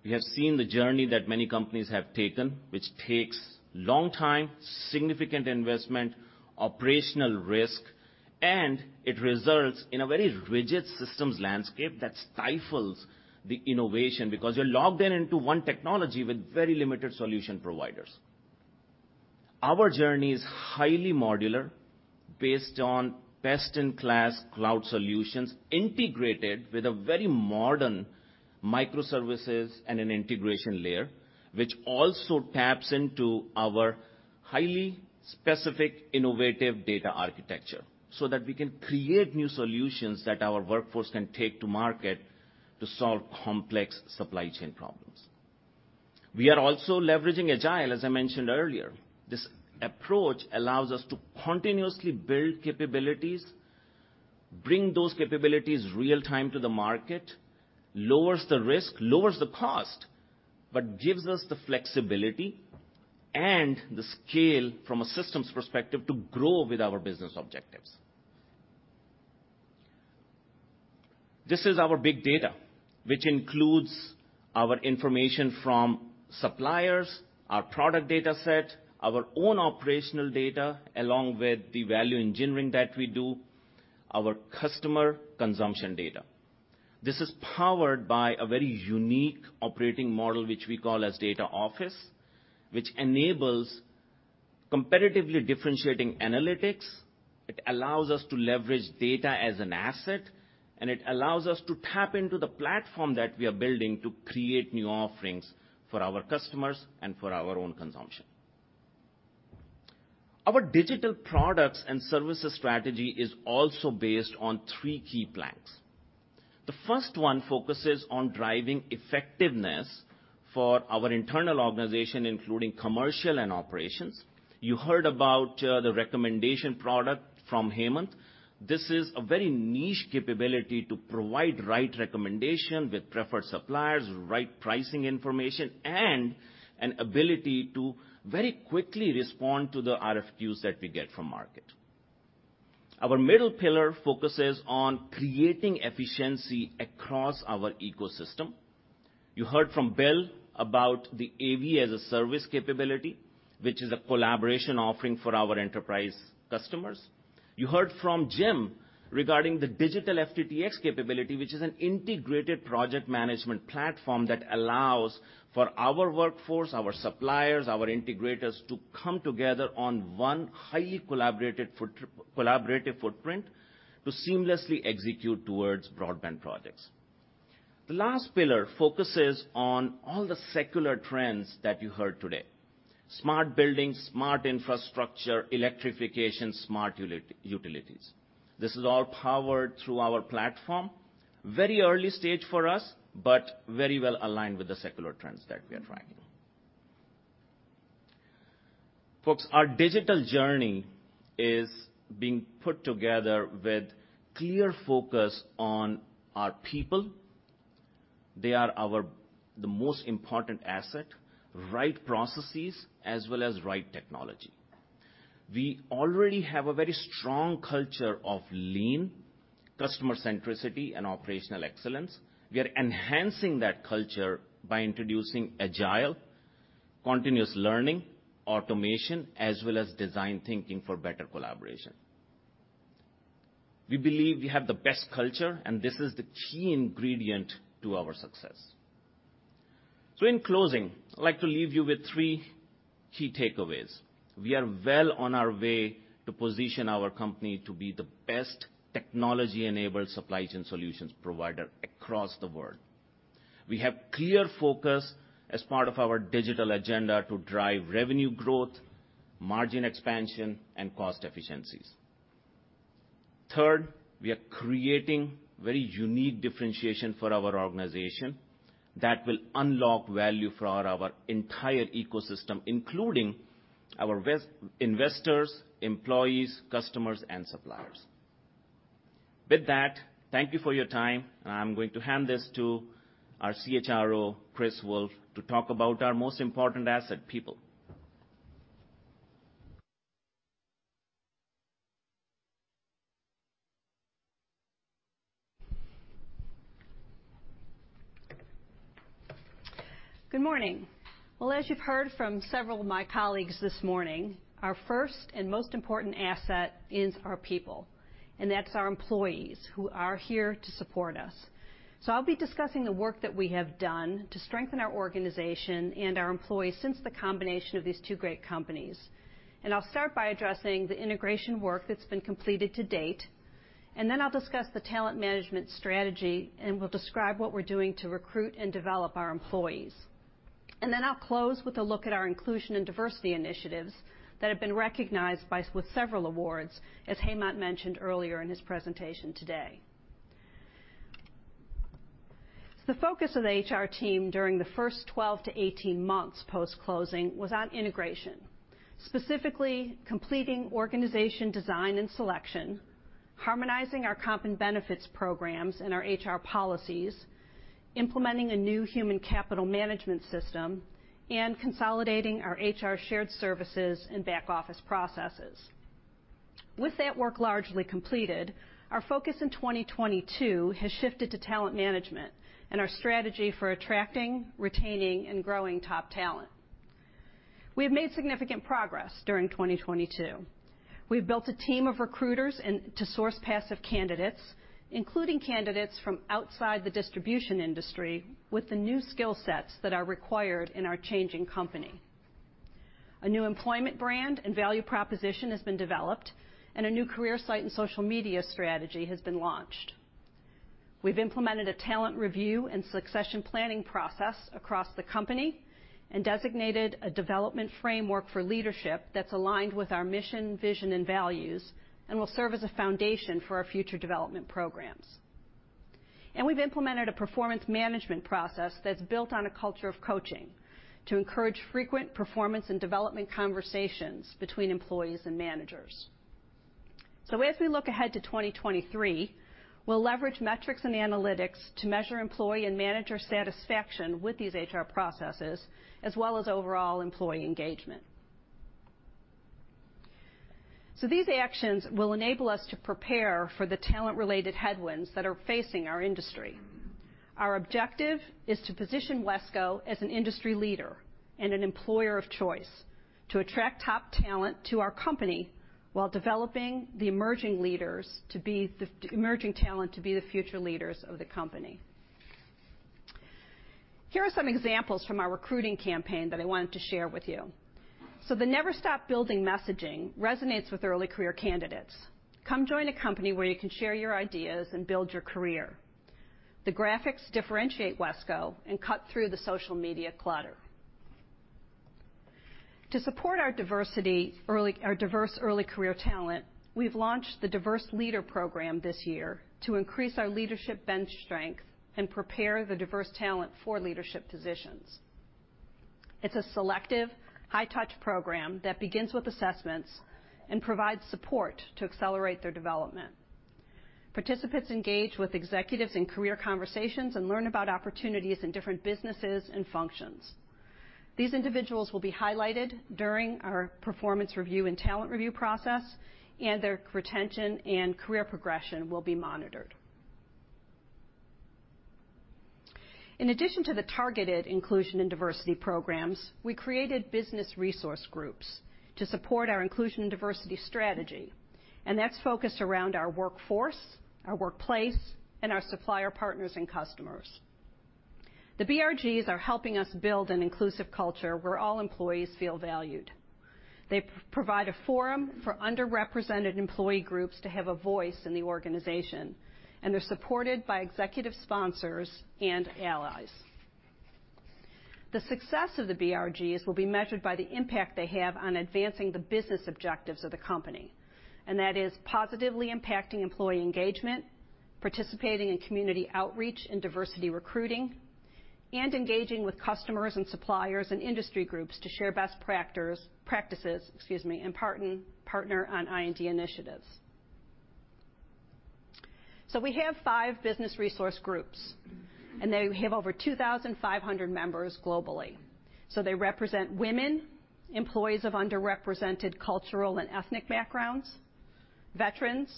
We have seen the journey that many companies have taken, which takes long time, significant investment, operational risk, and it results in a very rigid systems landscape that stifles the innovation, because you're locked into one technology with very limited solution providers. Our journey is highly modular, based on best-in-class cloud solutions, integrated with a very modern microservices and an integration layer, which also taps into our highly specific, innovative data architecture, so that we can create new solutions that our workforce can take to market to solve complex supply chain problems. We are also leveraging Agile, as I mentioned earlier. This approach allows us to continuously build capabilities, bring those capabilities real-time to the market, lowers the risk, lowers the cost, but gives us the flexibility and the scale from a systems perspective to grow with our business objectives. This is our big data, which includes our information from suppliers, our product dataset, our own operational data, along with the value engineering that we do, our customer consumption data. This is powered by a very unique operating model, which we call as Data Office, which enables competitively differentiating analytics. It allows us to leverage data as an asset, and it allows us to tap into the platform that we are building to create new offerings for our customers and for our own consumption. Our digital products and services strategy is also based on three key planks. The first one focuses on driving effectiveness for our internal organization, including commercial and operations. You heard about the recommendation product from Hemant. This is a very niche capability to provide right recommendation with preferred suppliers, right pricing information, and an ability to very quickly respond to the RFQs that we get from market. Our middle pillar focuses on creating efficiency across our ecosystem. You heard from Bill about the AV as a Service capability, which is a collaboration offering for our enterprise customers. You heard from Jim regarding the digital FTTx capability, which is an integrated project management platform that allows for our workforce, our suppliers, our integrators to come together on one collaborative footprint to seamlessly execute towards broadband projects. The last pillar focuses on all the secular trends that you heard today. Smart buildings, smart infrastructure, electrification, smart utilities. This is all powered through our platform. Very early stage for us, but very well aligned with the secular trends that we are tracking. Folks, our digital journey is being put together with clear focus on our people. They are the most important asset, right processes, as well as right technology. We already have a very strong culture of lean, customer centricity, and operational excellence. We are enhancing that culture by introducing agile, continuous learning, automation, as well as design thinking for better collaboration. We believe we have the best culture, and this is the key ingredient to our success. In closing, I'd like to leave you with three key takeaways. We are well on our way to position our company to be the best technology-enabled supply chain solutions provider across the world. We have clear focus as part of our digital agenda to drive revenue growth, margin expansion, and cost efficiencies. Third, we are creating very unique differentiation for our organization that will unlock value throughout our entire ecosystem, including our investors, employees, customers, and suppliers. With that, thank you for your time. I'm going to hand this to our CHRO, Chris Wolfe, to talk about our most important asset, people. Good morning. Well, as you've heard from several of my colleagues this morning, our first and most important asset is our people, and that's our employees who are here to support us. I'll be discussing the work that we have done to strengthen our organization and our employees since the combination of these two great companies. I'll start by addressing the integration work that's been completed to date, and then I'll discuss the talent management strategy, and we'll describe what we're doing to recruit and develop our employees. I'll close with a look at our inclusion and diversity initiatives that have been recognized with several awards, as Hemant mentioned earlier in his presentation today. The focus of the HR team during the first 12 to 18 months post-closing was on integration, specifically completing organization design and selection, harmonizing our comp and benefits programs and our HR policies, implementing a new human capital management system, and consolidating our HR shared services and back office processes. With that work largely completed, our focus in 2022 has shifted to talent management and our strategy for attracting, retaining, and growing top talent. We have made significant progress during 2022. We've built a team of recruiters and to source passive candidates, including candidates from outside the distribution industry with the new skill sets that are required in our changing company. A new employment brand and value proposition has been developed, and a new career site and social media strategy has been launched. We've implemented a talent review and succession planning process across the company and designated a development framework for leadership that's aligned with our mission, vision, and values, and will serve as a foundation for our future development programs. We've implemented a performance management process that's built on a culture of coaching to encourage frequent performance and development conversations between employees and managers. As we look ahead to 2023, we'll leverage metrics and analytics to measure employee and manager satisfaction with these HR processes, as well as overall employee engagement. These actions will enable us to prepare for the talent-related headwinds that are facing our industry. Our objective is to position WESCO as an industry leader and an employer of choice, to attract top talent to our company while developing the emerging talent to be the future leaders of the company. Here are some examples from our recruiting campaign that I wanted to share with you. The Never Stop Building messaging resonates with early career candidates. Come join a company where you can share your ideas and build your career. The graphics differentiate WESCO and cut through the social media clutter. To support our diverse early career talent, we've launched the Diverse Leader Program this year to increase our leadership bench strength and prepare the diverse talent for leadership positions. It's a selective, high-touch program that begins with assessments and provides support to accelerate their development. Participants engage with executives in career conversations and learn about opportunities in different businesses and functions. These individuals will be highlighted during our performance review and talent review process, and their retention and career progression will be monitored. In addition to the targeted inclusion and diversity programs, we created business resource groups to support our inclusion and diversity strategy, and that's focused around our workforce, our workplace, and our supplier partners and customers. The BRGs are helping us build an inclusive culture where all employees feel valued. They provide a forum for underrepresented employee groups to have a voice in the organization, and they're supported by executive sponsors and allies. The success of the BRGs will be measured by the impact they have on advancing the business objectives of the company, and that is positively impacting employee engagement, participating in community outreach and diversity recruiting, and engaging with customers and suppliers and industry groups to share best practices, excuse me, and partner on I&D initiatives. We have five business resource groups, and they have over 2,500 members globally. They represent women, employees of underrepresented cultural and ethnic backgrounds, veterans,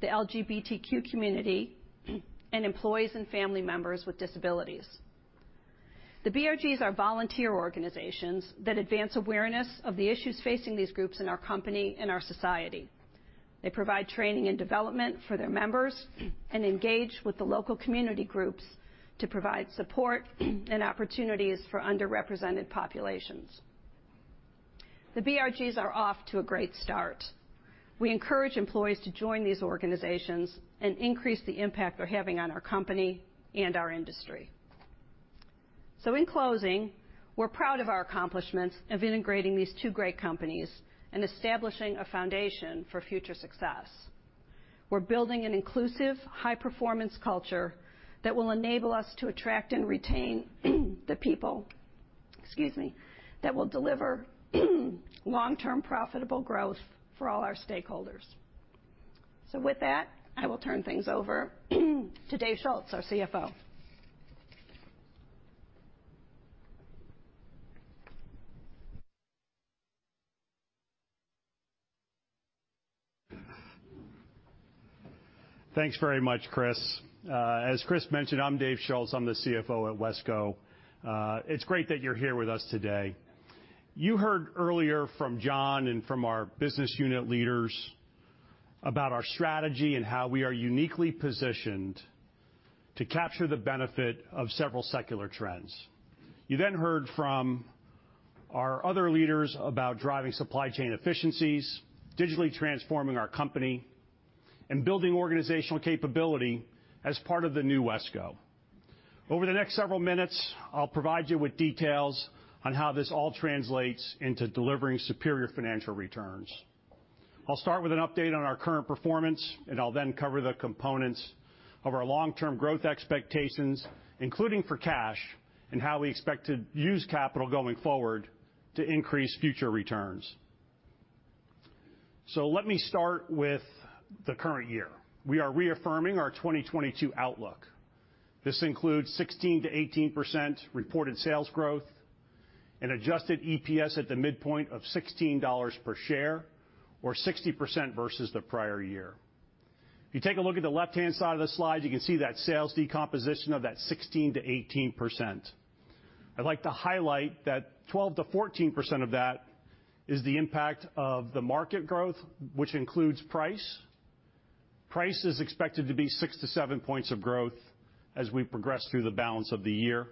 the LGBTQ community, and employees and family members with disabilities. The BRGs are volunteer organizations that advance awareness of the issues facing these groups in our company and our society. They provide training and development for their members and engage with the local community groups to provide support and opportunities for underrepresented populations. The BRGs are off to a great start. We encourage employees to join these organizations and increase the impact they're having on our company and our industry. In closing, we're proud of our accomplishments of integrating these two great companies and establishing a foundation for future success. We're building an inclusive, high-performance culture that will enable us to attract and retain the people, excuse me, that will deliver long-term profitable growth for all our stakeholders. With that, I will turn things over to Dave Schulz, our CFO. Thanks very much, Chris. As Chris mentioned, I'm Dave Schulz. I'm the CFO at WESCO. It's great that you're here with us today. You heard earlier from John and from our business unit leaders about our strategy and how we are uniquely positioned to capture the benefit of several secular trends. You then heard from our other leaders about driving supply chain efficiencies, digitally transforming our company, and building organizational capability as part of the new WESCO. Over the next several minutes, I'll provide you with details on how this all translates into delivering superior financial returns. I'll start with an update on our current performance, and I'll then cover the components of our long-term growth expectations, including for cash and how we expect to use capital going forward to increase future returns. Let me start with the current year. We are reaffirming our 2022 outlook. This includes 16%-18% reported sales growth and adjusted EPS at the midpoint of $16 per share or 60% versus the prior year. If you take a look at the left-hand side of the slide, you can see that sales decomposition of that 16%-18%. I'd like to highlight that 12%-14% of that is the impact of the market growth, which includes price. Price is expected to be 6-7 points of growth as we progress through the balance of the year.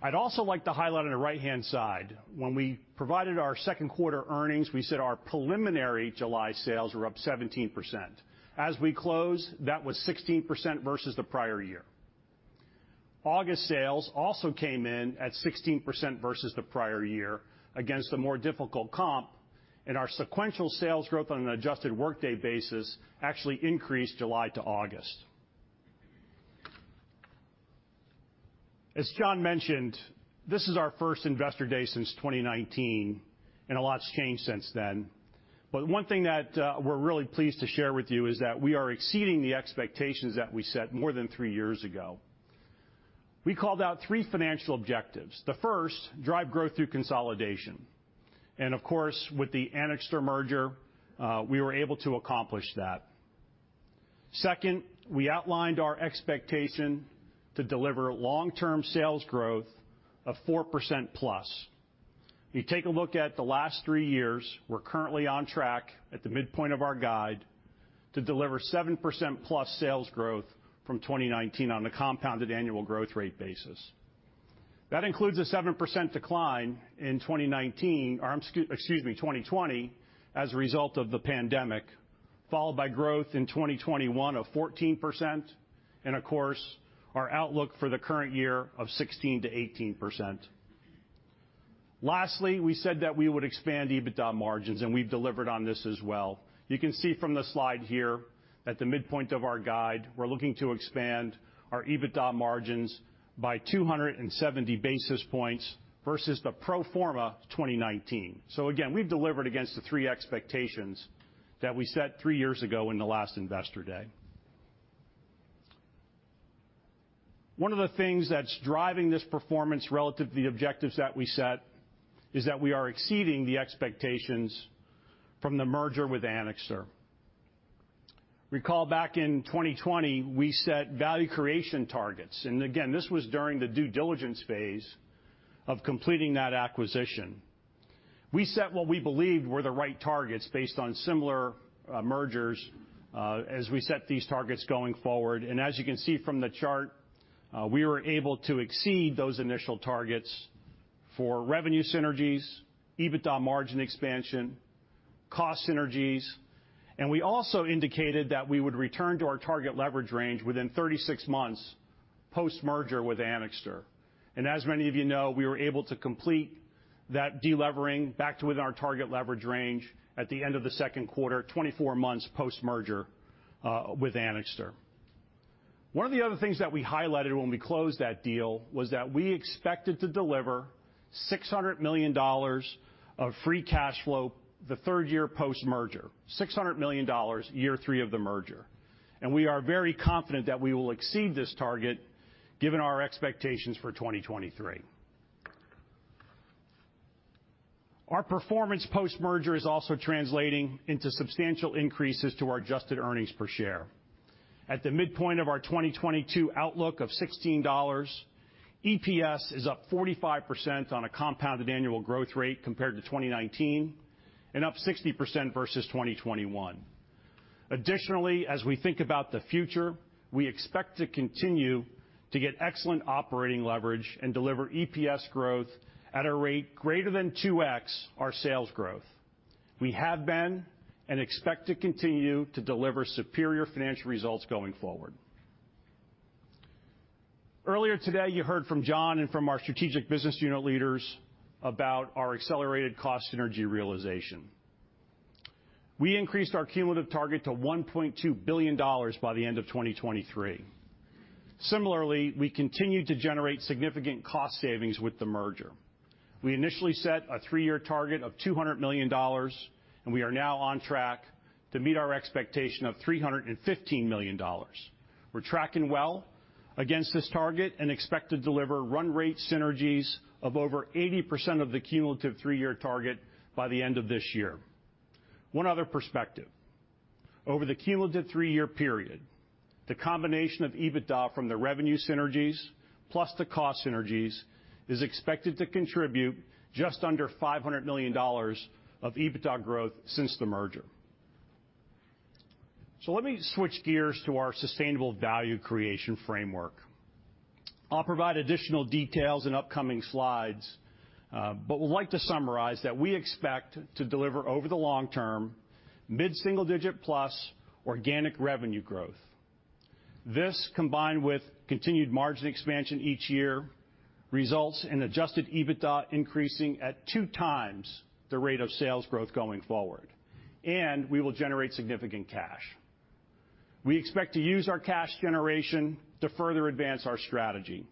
I'd also like to highlight on the right-hand side, when we provided our second quarter earnings, we said our preliminary July sales were up 17%. As we close, that was 16% versus the prior year. August sales also came in at 16% versus the prior year against a more difficult comp, and our sequential sales growth on an adjusted workday basis actually increased July to August. As John mentioned, this is our first Investor Day since 2019, and a lot's changed since then. One thing that we're really pleased to share with you is that we are exceeding the expectations that we set more than three years ago. We called out three financial objectives. The first, drive growth through consolidation. Of course, with the Anixter merger, we were able to accomplish that. Second, we outlined our expectation to deliver long-term sales growth of 4%+. If you take a look at the last three years, we're currently on track at the midpoint of our guide to deliver 7%+ sales growth from 2019 on a compounded annual growth rate basis. That includes a 7% decline in 2019, or excuse me, 2020, as a result of the pandemic, followed by growth in 2021 of 14%, and of course, our outlook for the current year of 16%-18%. Lastly, we said that we would expand EBITDA margins, and we've delivered on this as well. You can see from the slide here at the midpoint of our guide, we're looking to expand our EBITDA margins by 270 basis points versus the pro forma 2019. Again, we've delivered against the three expectations that we set three years ago in the last Investor Day. One of the things that's driving this performance relative to the objectives that we set is that we are exceeding the expectations from the merger with Anixter. Recall back in 2020, we set value creation targets. Again, this was during the due diligence phase of completing that acquisition. We set what we believed were the right targets based on similar mergers as we set these targets going forward. As you can see from the chart, we were able to exceed those initial targets for revenue synergies, EBITDA margin expansion, cost synergies, and we also indicated that we would return to our target leverage range within 36 months post-merger with Anixter. As many of you know, we were able to complete that de-levering back to within our target leverage range at the end of the second quarter, 24 months post-merger with Anixter. One of the other things that we highlighted when we closed that deal was that we expected to deliver $600 million of free cash flow the third year post-merger, $600 million year three of the merger. We are very confident that we will exceed this target given our expectations for 2023. Our performance post-merger is also translating into substantial increases to our adjusted earnings per share. At the midpoint of our 2022 outlook of $16, EPS is up 45% on a compounded annual growth rate compared to 2019, and up 60% versus 2021. Additionally, as we think about the future, we expect to continue to get excellent operating leverage and deliver EPS growth at a rate greater than 2x our sales growth. We have been and expect to continue to deliver superior financial results going forward. Earlier today, you heard from John and from our strategic business unit leaders about our accelerated cost synergy realization. We increased our cumulative target to $1.2 billion by the end of 2023. Similarly, we continued to generate significant cost savings with the merger. We initially set a three year target of $200 million, and we are now on track to meet our expectation of $315 million. We're tracking well against this target and expect to deliver run rate synergies of over 80% of the cumulative three-year target by the end of this year. One other perspective. Over the cumulative three year period, the combination of EBITDA from the revenue synergies plus the cost synergies is expected to contribute just under $500 million of EBITDA growth since the merger. Let me switch gears to our sustainable value creation framework. I'll provide additional details in upcoming slides, but would like to summarize that we expect to deliver over the long term mid-single digit plus organic revenue growth. This, combined with continued margin expansion each year, results in adjusted EBITDA increasing at two times the rate of sales growth going forward, and we will generate significant cash. We expect to use our cash generation to further advance our strategy.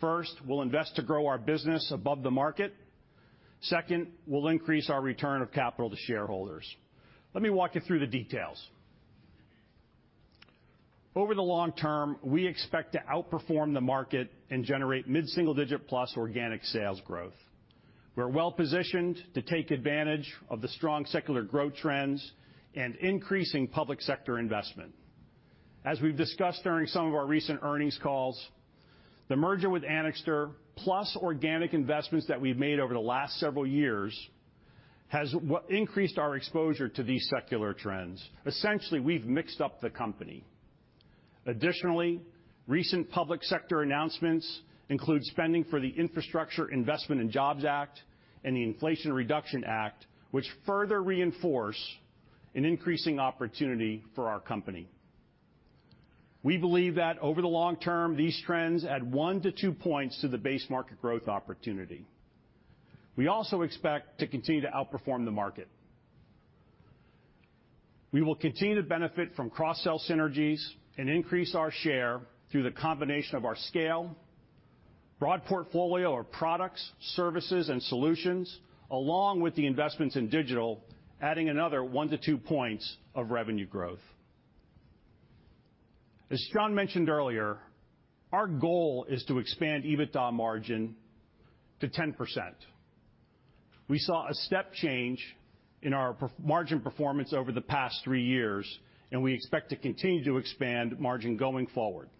First, we'll invest to grow our business above the market. Second, we'll increase our return of capital to shareholders. Let me walk you through the details. Over the long term, we expect to outperform the market and generate mid-single digit plus organic sales growth. We're well-positioned to take advantage of the strong secular growth trends and increasing public sector investment. As we've discussed during some of our recent earnings calls, the merger with Anixter, plus organic investments that we've made over the last several years, has increased our exposure to these secular trends. Essentially, we've mixed up the company. Additionally, recent public sector announcements include spending for the Infrastructure Investment and Jobs Act and the Inflation Reduction Act, which further reinforce an increasing opportunity for our company. We believe that over the long term, these trends add 1-2 points to the base market growth opportunity. We also expect to continue to outperform the market. We will continue to benefit from cross-sell synergies and increase our share through the combination of our scale, broad portfolio of products, services, and solutions, along with the investments in digital, adding another 1-2 points of revenue growth. As John mentioned earlier, our goal is to expand EBITDA margin to 10%. We saw a step change in our margin performance over the past three years, and we expect to continue to expand margin going forward.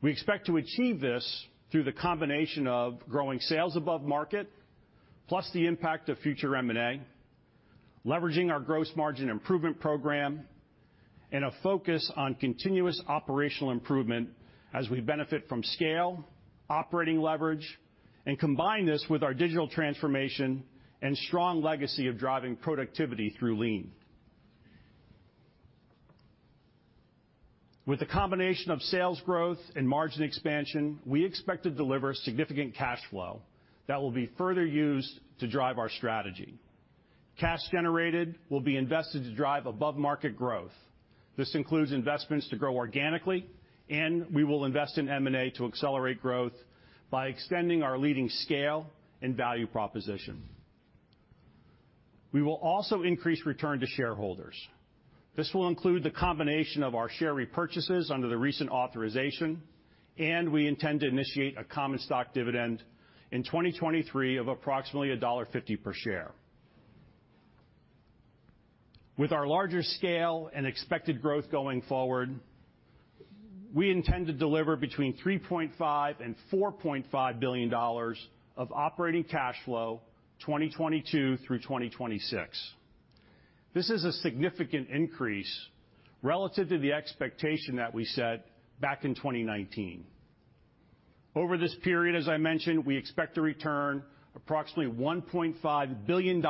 We expect to achieve this through the combination of growing sales above market, plus the impact of future M&A, leveraging our gross margin improvement program, and a focus on continuous operational improvement as we benefit from scale, operating leverage, and combine this with our digital transformation and strong legacy of driving productivity through Lean. With the combination of sales growth and margin expansion, we expect to deliver significant cash flow that will be further used to drive our strategy. Cash generated will be invested to drive above-market growth. This includes investments to grow organically, and we will invest in M&A to accelerate growth by extending our leading scale and value proposition. We will also increase return to shareholders. This will include the combination of our share repurchases under the recent authorization, and we intend to initiate a common stock dividend in 2023 of approximately $1.50 per share. With our larger scale and expected growth going forward, we intend to deliver between $3.5 billion and $4.5 billion of operating cash flow 2022 through 2026. This is a significant increase relative to the expectation that we set back in 2019. Over this period, as I mentioned, we expect to return approximately $1.5 billion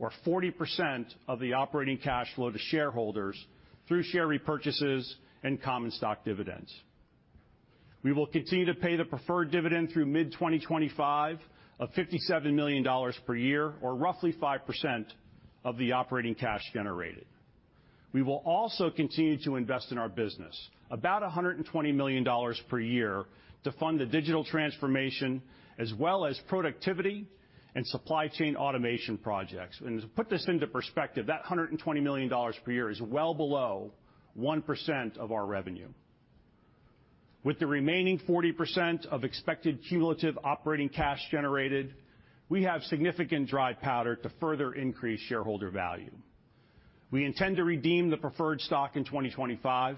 or 40% of the operating cash flow to shareholders through share repurchases and common stock dividends. We will continue to pay the preferred dividend through mid-2025 of $57 million per year or roughly 5% of the operating cash generated. We will also continue to invest in our business about $120 million per year to fund the digital transformation as well as productivity and supply chain automation projects. To put this into perspective, that $120 million per year is well below 1% of our revenue. With the remaining 40% of expected cumulative operating cash generated, we have significant dry powder to further increase shareholder value. We intend to redeem the preferred stock in 2025,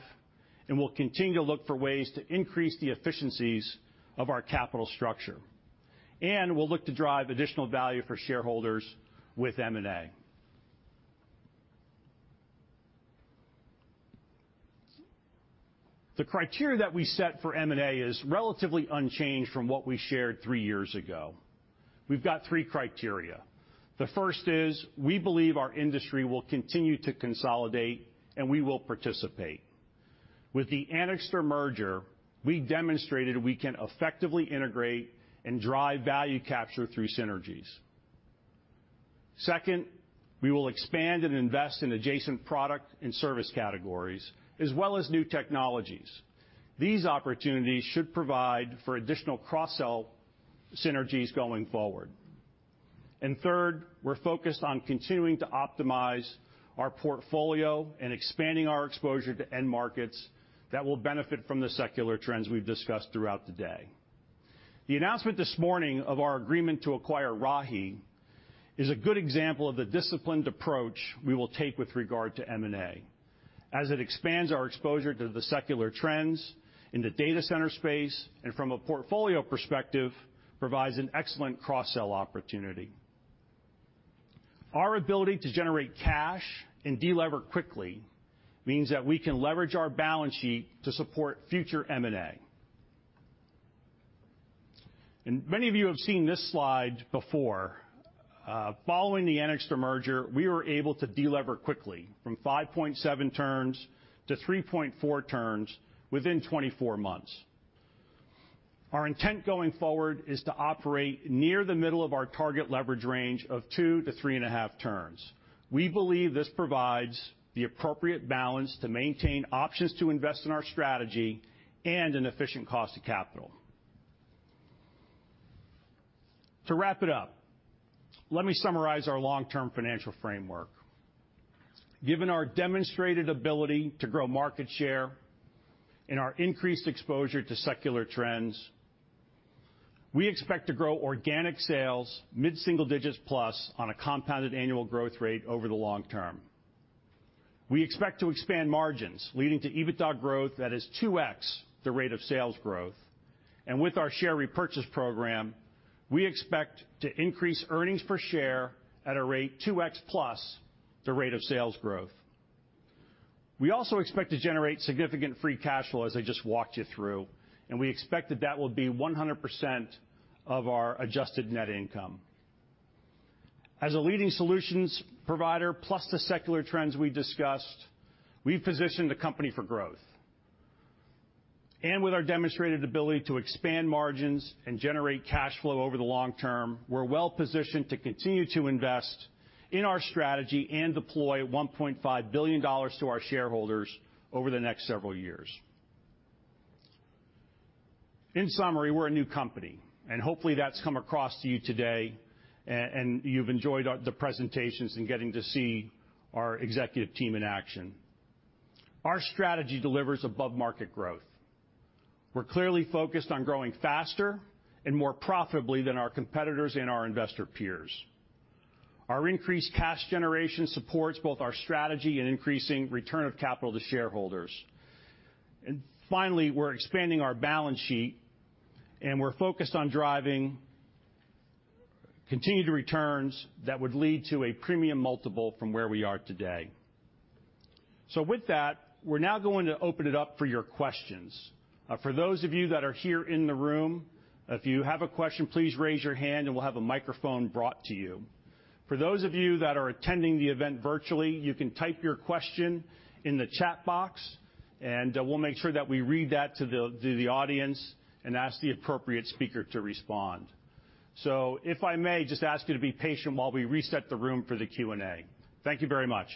and we'll continue to look for ways to increase the efficiencies of our capital structure. We'll look to drive additional value for shareholders with M&A. The criteria that we set for M&A is relatively unchanged from what we shared three years ago. We've got three criteria. The first is we believe our industry will continue to consolidate, and we will participate. With the Anixter merger, we demonstrated we can effectively integrate and drive value capture through synergies. Second, we will expand and invest in adjacent product and service categories as well as new technologies. These opportunities should provide for additional cross-sell synergies going forward. Third, we're focused on continuing to optimize our portfolio and expanding our exposure to end markets that will benefit from the secular trends we've discussed throughout the day. The announcement this morning of our agreement to acquire Rahi is a good example of the disciplined approach we will take with regard to M&A as it expands our exposure to the secular trends in the data center space and from a portfolio perspective, provides an excellent cross-sell opportunity. Our ability to generate cash and delever quickly means that we can leverage our balance sheet to support future M&A. Many of you have seen this slide before. Following the Anixter merger, we were able to delever quickly from 5.7 turns to 3.4 turns within 24 months. Our intent going forward is to operate near the middle of our target leverage range of 2-3.5 turns. We believe this provides the appropriate balance to maintain options to invest in our strategy and an efficient cost of capital. To wrap it up, let me summarize our long-term financial framework. Given our demonstrated ability to grow market share and our increased exposure to secular trends, we expect to grow organic sales mid-single digits+ on a compounded annual growth rate over the long term. We expect to expand margins leading to EBITDA growth that is 2x the rate of sales growth. With our share repurchase program, we expect to increase earnings per share at a rate 2x+ the rate of sales growth. We also expect to generate significant free cash flow as I just walked you through, and we expect that will be 100% of our adjusted net income. As a leading solutions provider plus the secular trends we discussed, we've positioned the company for growth. With our demonstrated ability to expand margins and generate cash flow over the long term, we're well-positioned to continue to invest in our strategy and deploy $1.5 billion to our shareholders over the next several years. In summary, we're a new company, and hopefully that's come across to you today and you've enjoyed the presentations and getting to see our executive team in action. Our strategy delivers above-market growth. We're clearly focused on growing faster and more profitably than our competitors and our investor peers. Our increased cash generation supports both our strategy and increasing return of capital to shareholders. Finally, we're expanding our balance sheet, and we're focused on driving continued returns that would lead to a premium multiple from where we are today. With that, we're now going to open it up for your questions. For those of you that are here in the room, if you have a question, please raise your hand, and we'll have a microphone brought to you. For those of you that are attending the event virtually, you can type your question in the chat box, and we'll make sure that we read that to the audience and ask the appropriate speaker to respond. If I may just ask you to be patient while we reset the room for the Q&A. Thank you very much.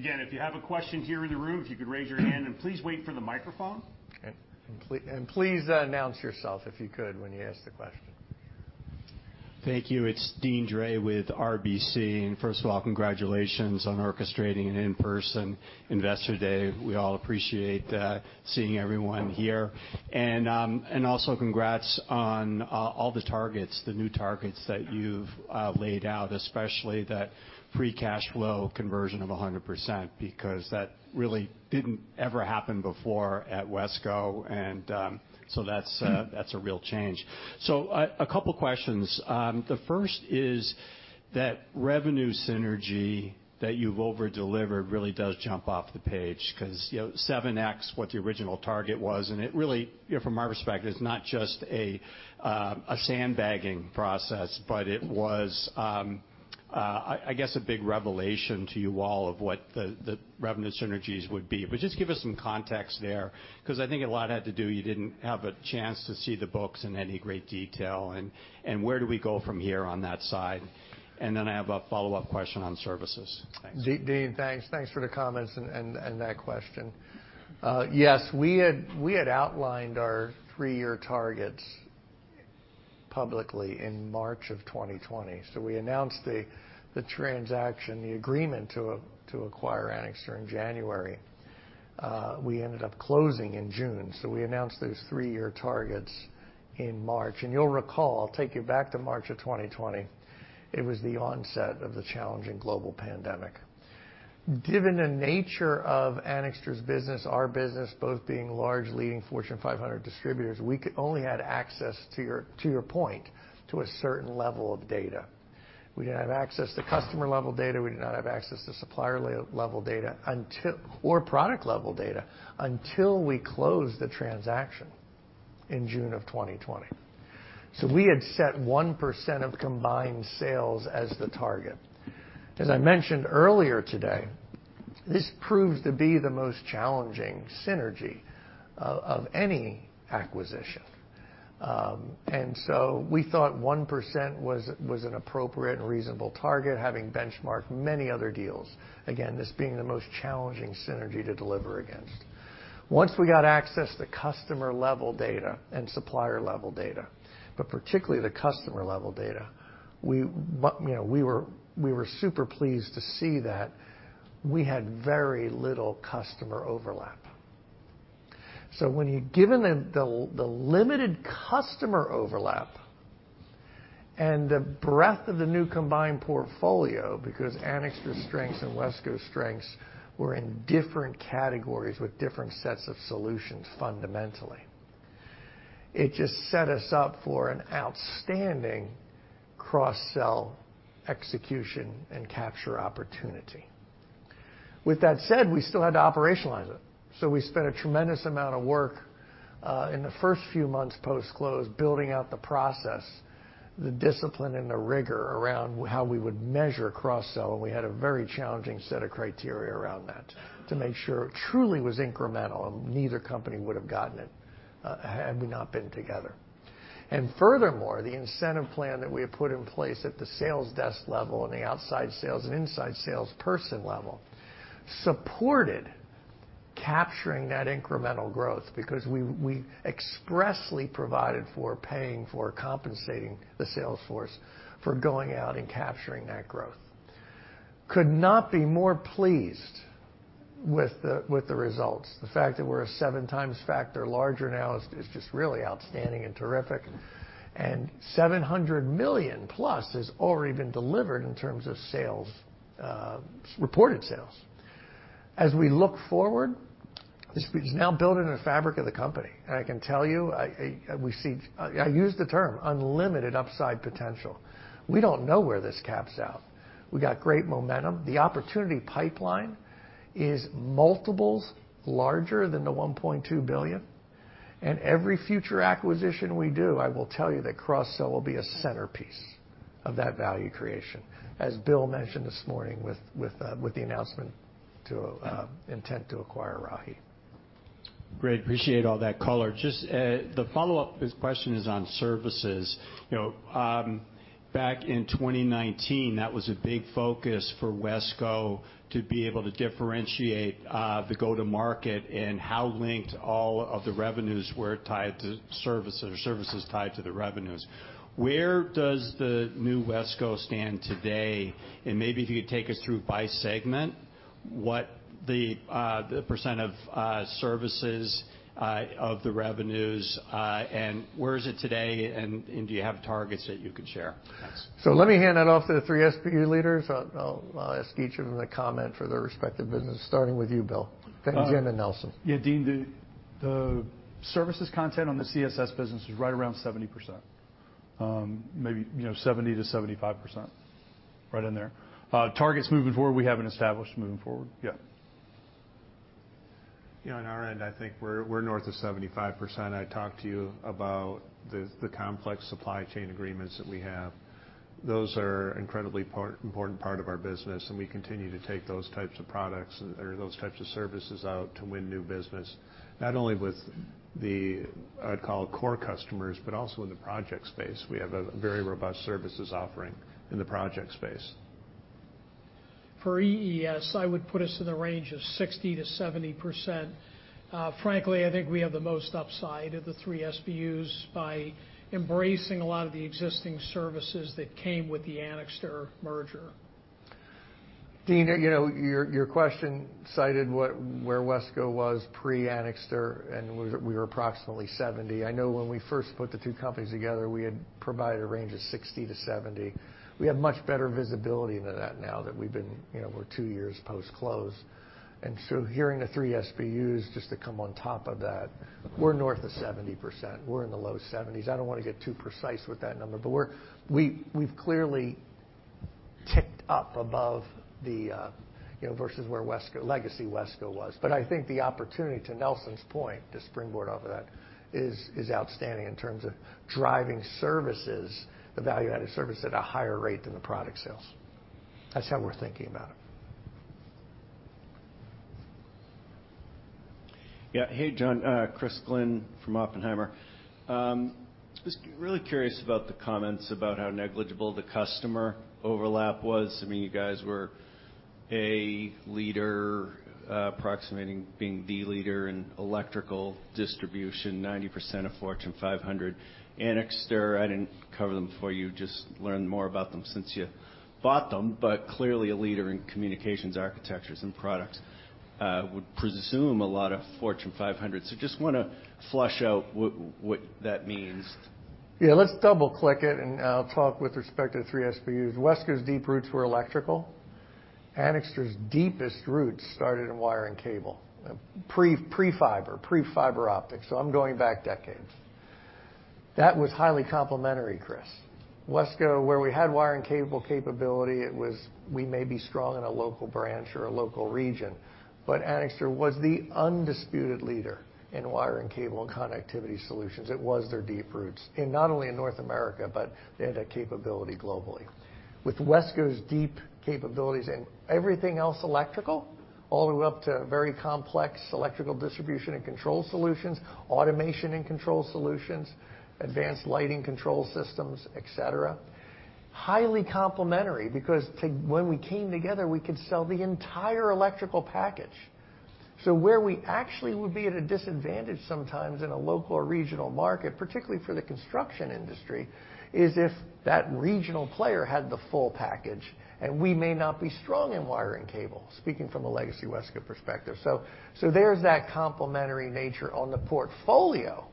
Again, if you have a question here in the room, if you could raise your hand and please wait for the microphone. Okay. Please announce yourself, if you could, when you ask the question. Thank you. It's Deane Dray with RBC. First of all, congratulations on orchestrating an in-person investor day. We all appreciate seeing everyone here. Also congrats on all the targets, the new targets that you've laid out, especially that free cash flow conversion of 100%, because that really didn't ever happen before at WESCO. That's a real change. A couple questions. The first is that revenue synergy that you've over-delivered really does jump off the page 'cause, you know, 7x what the original target was, and it really, you know, from my perspective, it's not just a sandbagging process, but it was I guess, a big revelation to you all of what the revenue synergies would be. just give us some context there, 'cause I think a lot had to do, you didn't have a chance to see the books in any great detail, and where do we go from here on that side? Then I have a follow-up question on services. Thanks. Deane, thanks. Thanks for the comments and that question. Yes, we had outlined our three-year targets publicly in March of 2020. We announced the transaction, the agreement to acquire Anixter in January. We ended up closing in June, so we announced those three-year targets in March. You'll recall, I'll take you back to March of 2020. It was the onset of the challenging global pandemic. Given the nature of Anixter's business, our business, both being large, leading Fortune 500 distributors, we only had access, to your point, to a certain level of data. We didn't have access to customer-level data. We did not have access to supplier level data until or product-level data until we closed the transaction in June of 2020. We had set 1% of combined sales as the target. As I mentioned earlier today, this proved to be the most challenging synergy of any acquisition. We thought 1% was an appropriate and reasonable target, having benchmarked many other deals. Again, this being the most challenging synergy to deliver against. Once we got access to customer-level data and supplier-level data, but particularly the customer-level data, you know, we were super pleased to see that we had very little customer overlap. Given the limited customer overlap and the breadth of the new combined portfolio, because Anixter's strengths and WESCO's strengths were in different categories with different sets of solutions, fundamentally, it just set us up for an outstanding cross-sell execution and capture opportunity. With that said, we still had to operationalize it. We spent a tremendous amount of work in the first few months post-close building out the process, the discipline and the rigor around how we would measure cross-sell, and we had a very challenging set of criteria around that to make sure it truly was incremental, and neither company would have gotten it had we not been together. Furthermore, the incentive plan that we had put in place at the sales desk level and the outside sales and inside salesperson level supported capturing that incremental growth because we expressly provided for compensating the sales force for going out and capturing that growth. Could not be more pleased with the results. The fact that we're a seven times factor larger now is just really outstanding and terrific. $700 million plus has already been delivered in terms of sales, reported sales. As we look forward, this is now built in the fabric of the company. I can tell you, we see. I use the term unlimited upside potential. We don't know where this caps out. We got great momentum. The opportunity pipeline is multiples larger than the $1.2 billion. Every future acquisition we do, I will tell you that cross-sell will be a centerpiece of that value creation, as Bill mentioned this morning with the announcement of intent to acquire Rahi. Great. Appreciate all that color. Just the follow-up question is on services. You know, back in 2019, that was a big focus for WESCO to be able to differentiate the go-to-market and how all of the revenues were tied to services tied to the revenues. Where does the new WESCO stand today? Maybe if you could take us through by segment what the percent of services of the revenues and where is it today, and do you have targets that you could share? Let me hand that off to the three SBU leaders. I'll ask each of them to comment for their respective business, starting with you, Bill, then Jim, and Nelson. Yeah, Deane, the services content on the CSS business is right around 70%. Maybe, you know, 70%-75%, right in there. Targets moving forward, we haven't established moving forward. Yeah. You know, on our end, I think we're north of 75%. I talked to you about the complex supply chain agreements that we have. Those are an incredibly important part of our business, and we continue to take those types of products or those types of services out to win new business, not only with the core customers, but also in the project space. We have a very robust services offering in the project space. For EES, I would put us in the range of 60%-70%. Frankly, I think we have the most upside of the three SBUs by embracing a lot of the existing services that came with the Anixter merger. Deane, you know, your question cited where WESCO was pre-Anixter, and we were approximately 70. I know when we first put the two companies together, we had provided a range of 60-70. We have much better visibility into that now that we're two years post-close. Hearing the three SBUs just to come on top of that, we're north of 70%. We're in the low 70s. I don't wanna get too precise with that number, but we've clearly ticked up above the versus where WESCO, legacy WESCO was. But I think the opportunity, to Nelson's point, to springboard off of that, is outstanding in terms of driving services, the value-added service at a higher rate than the product sales. That's how we're thinking about it. Yeah. Hey, John. Chris Glenn from Oppenheimer. Just really curious about the comments about how negligible the customer overlap was. I mean, you guys were a leader, approximating being the leader in electrical distribution, 90% of Fortune 500. Anixter, I didn't cover them for you, just learned more about them since you bought them, but clearly a leader in communications architectures and products. Would presume a lot of Fortune 500. Just wanna flush out what that means. Yeah, let's double-click it, and I'll talk with respect to the three SBUs. WESCO's deep roots were electrical. Anixter's deepest roots started in wiring cable, pre-fiber, pre-fiber optics, so I'm going back decades. That was highly complementary, Chris. WESCO, where we had wiring cable capability, it was, we may be strong in a local branch or a local region, but Anixter was the undisputed leader in wiring cable and connectivity solutions. It was their deep roots in not only North America, but they had that capability globally. With WESCO's deep capabilities in everything else electrical, all the way up to very complex electrical distribution and control solutions, automation and control solutions, advanced lighting control systems, et cetera, highly complementary because when we came together, we could sell the entire electrical package. Where we actually would be at a disadvantage sometimes in a local or regional market, particularly for the construction industry, is if that regional player had the full package, and we may not be strong in wiring cable, speaking from a legacy WESCO perspective. There's that complementary nature on the portfolio.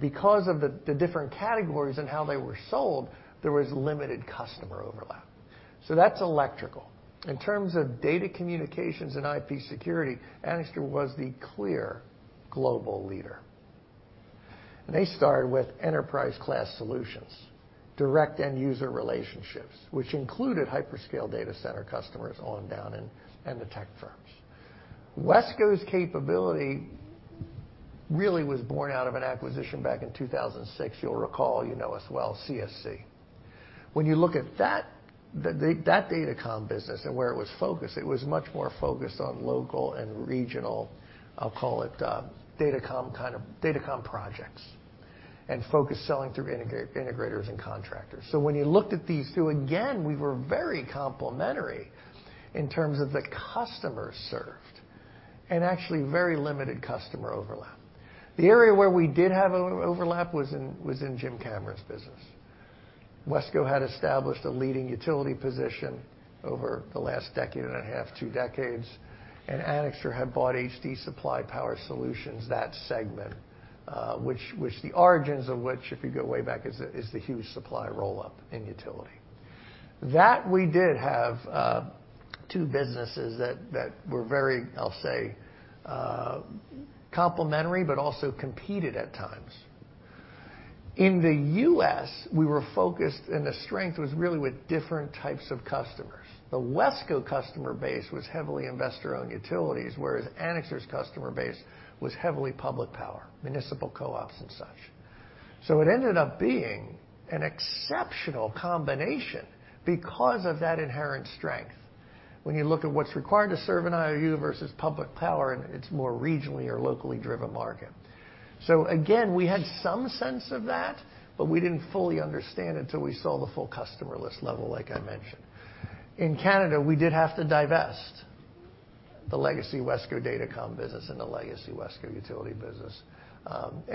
Because of the different categories and how they were sold, there was limited customer overlap. That's electrical. In terms of data communications and IP security, Anixter was the clear global leader. They started with enterprise-class solutions, direct end user relationships, which included hyperscale data center customers on down and the tech firms. WESCO's capability really was born out of an acquisition back in 2006. You'll recall, you know us well, CSC. When you look at that datacom business and where it was focused, it was much more focused on local and regional, I'll call it, datacom projects and focused selling through integrators and contractors. When you looked at these two, again, we were very complementary in terms of the customers served and actually very limited customer overlap. The area where we did have overlap was in Jim Cameron's business. WESCO had established a leading utility position over the last decade and a half, two decades, and Anixter had bought HD Supply Power Solutions, that segment, which the origins of which, if you go way back, is the huge supply roll-up in utility. We did have two businesses that were very, I'll say, complementary but also competed at times. In the US, we were focused, and the strength was really with different types of customers. The WESCO customer base was heavily investor-owned utilities, whereas Anixter's customer base was heavily public power, municipal co-ops, and such. It ended up being an exceptional combination because of that inherent strength. When you look at what's required to serve an IOU versus public power, and it's more regionally or locally driven market. Again, we had some sense of that, but we didn't fully understand until we saw the full customer list level, like I mentioned. In Canada, we did have to divest the legacy WESCO Datacom business and the legacy WESCO utility business.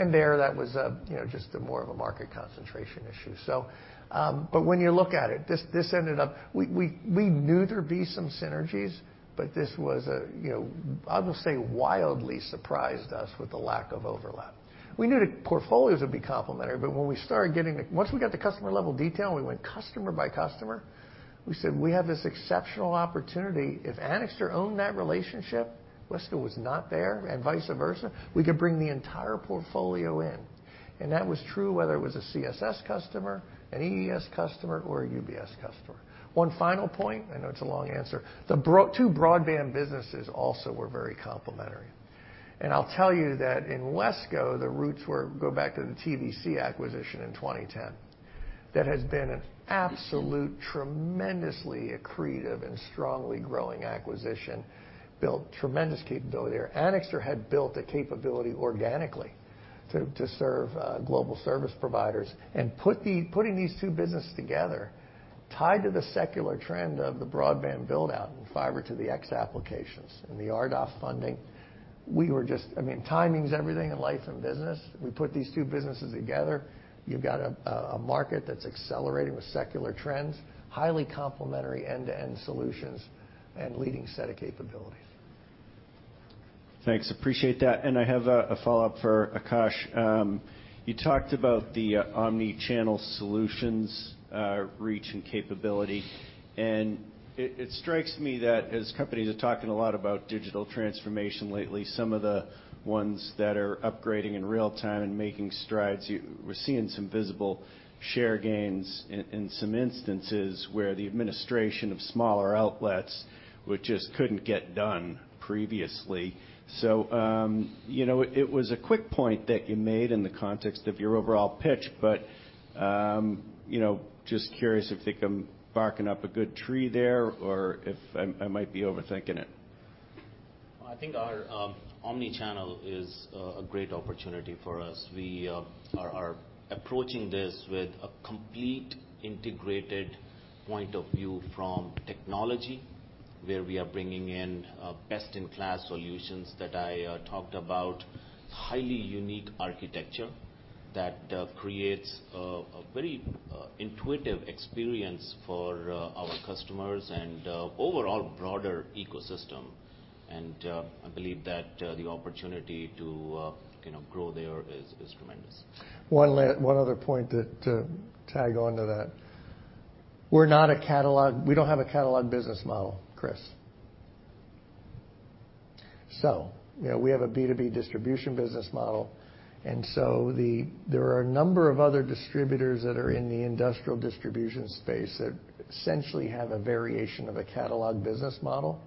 There, that was, you know, just more of a market concentration issue. When you look at it, this ended up. We knew there'd be some synergies, but this was a, you know, I will say, wildly surprised us with the lack of overlap. We knew the portfolios would be complementary, but once we got the customer-level detail, and we went customer by customer, we said, "We have this exceptional opportunity. If Anixter owned that relationship, WESCO was not there, and vice versa, we could bring the entire portfolio in." That was true whether it was a CSS customer, an EES customer, or a UBS customer. One final point, I know it's a long answer. The two broadband businesses also were very complementary. I'll tell you that in WESCO, the roots go back to the TVC acquisition in 2010. That has been an absolute tremendously accretive and strongly growing acquisition, built tremendous capability there. Anixter had built a capability organically to serve global service providers and putting these two businesses together, tied to the secular trend of the broadband build-out and fiber to the X applications and the RDOF funding. I mean, timing's everything in life and business. We put these two businesses together. You've got a market that's accelerating with secular trends, highly complementary end-to-end solutions, and leading set of capabilities. Thanks. Appreciate that. I have a follow-up for Akash. You talked about the omni-channel solutions, reach, and capability. It strikes me that as companies are talking a lot about digital transformation lately, some of the ones that are upgrading in real time and making strides, we're seeing some visible share gains in some instances where the administration of smaller outlets, which just couldn't get done previously. You know, it was a quick point that you made in the context of your overall pitch, but you know, just curious if I'm barking up a good tree there or if I might be overthinking it. Well, I think our omni-channel is a great opportunity for us. We are approaching this with a complete integrated point of view from technology, where we are bringing in best-in-class solutions that I talked about, highly unique architecture that creates a very intuitive experience for our customers and overall broader ecosystem. I believe that the opportunity to you know grow there is tremendous. One other point to tag onto that. We're not a catalog. We don't have a catalog business model, Chris. You know, we have a B2B distribution business model, and so there are a number of other distributors that are in the industrial distribution space that essentially have a variation of a catalog business model.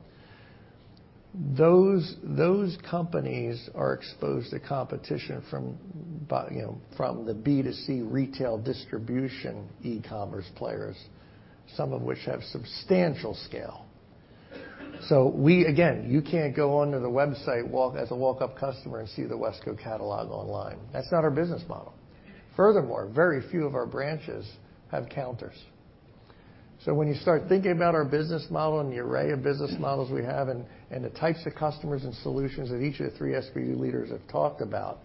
Those companies are exposed to competition from, you know, from the B2C retail distribution e-commerce players, some of which have substantial scale. We, again, you can't go onto the website as a walk-up customer and see the WESCO catalog online. That's not our business model. Furthermore, very few of our branches have counters. When you start thinking about our business model and the array of business models we have and the types of customers and solutions that each of the three SBU leaders have talked about,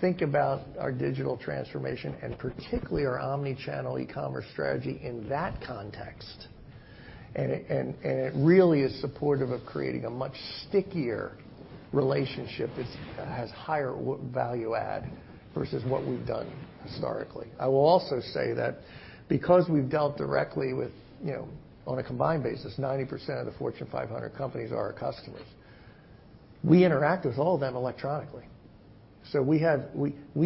think about our digital transformation and particularly our omni-channel e-commerce strategy in that context. It really is supportive of creating a much stickier relationship that has higher value add versus what we've done historically. I will also say that because we've dealt directly with, on a combined basis, 90% of the Fortune 500 companies are our customers, we interact with all of them electronically. We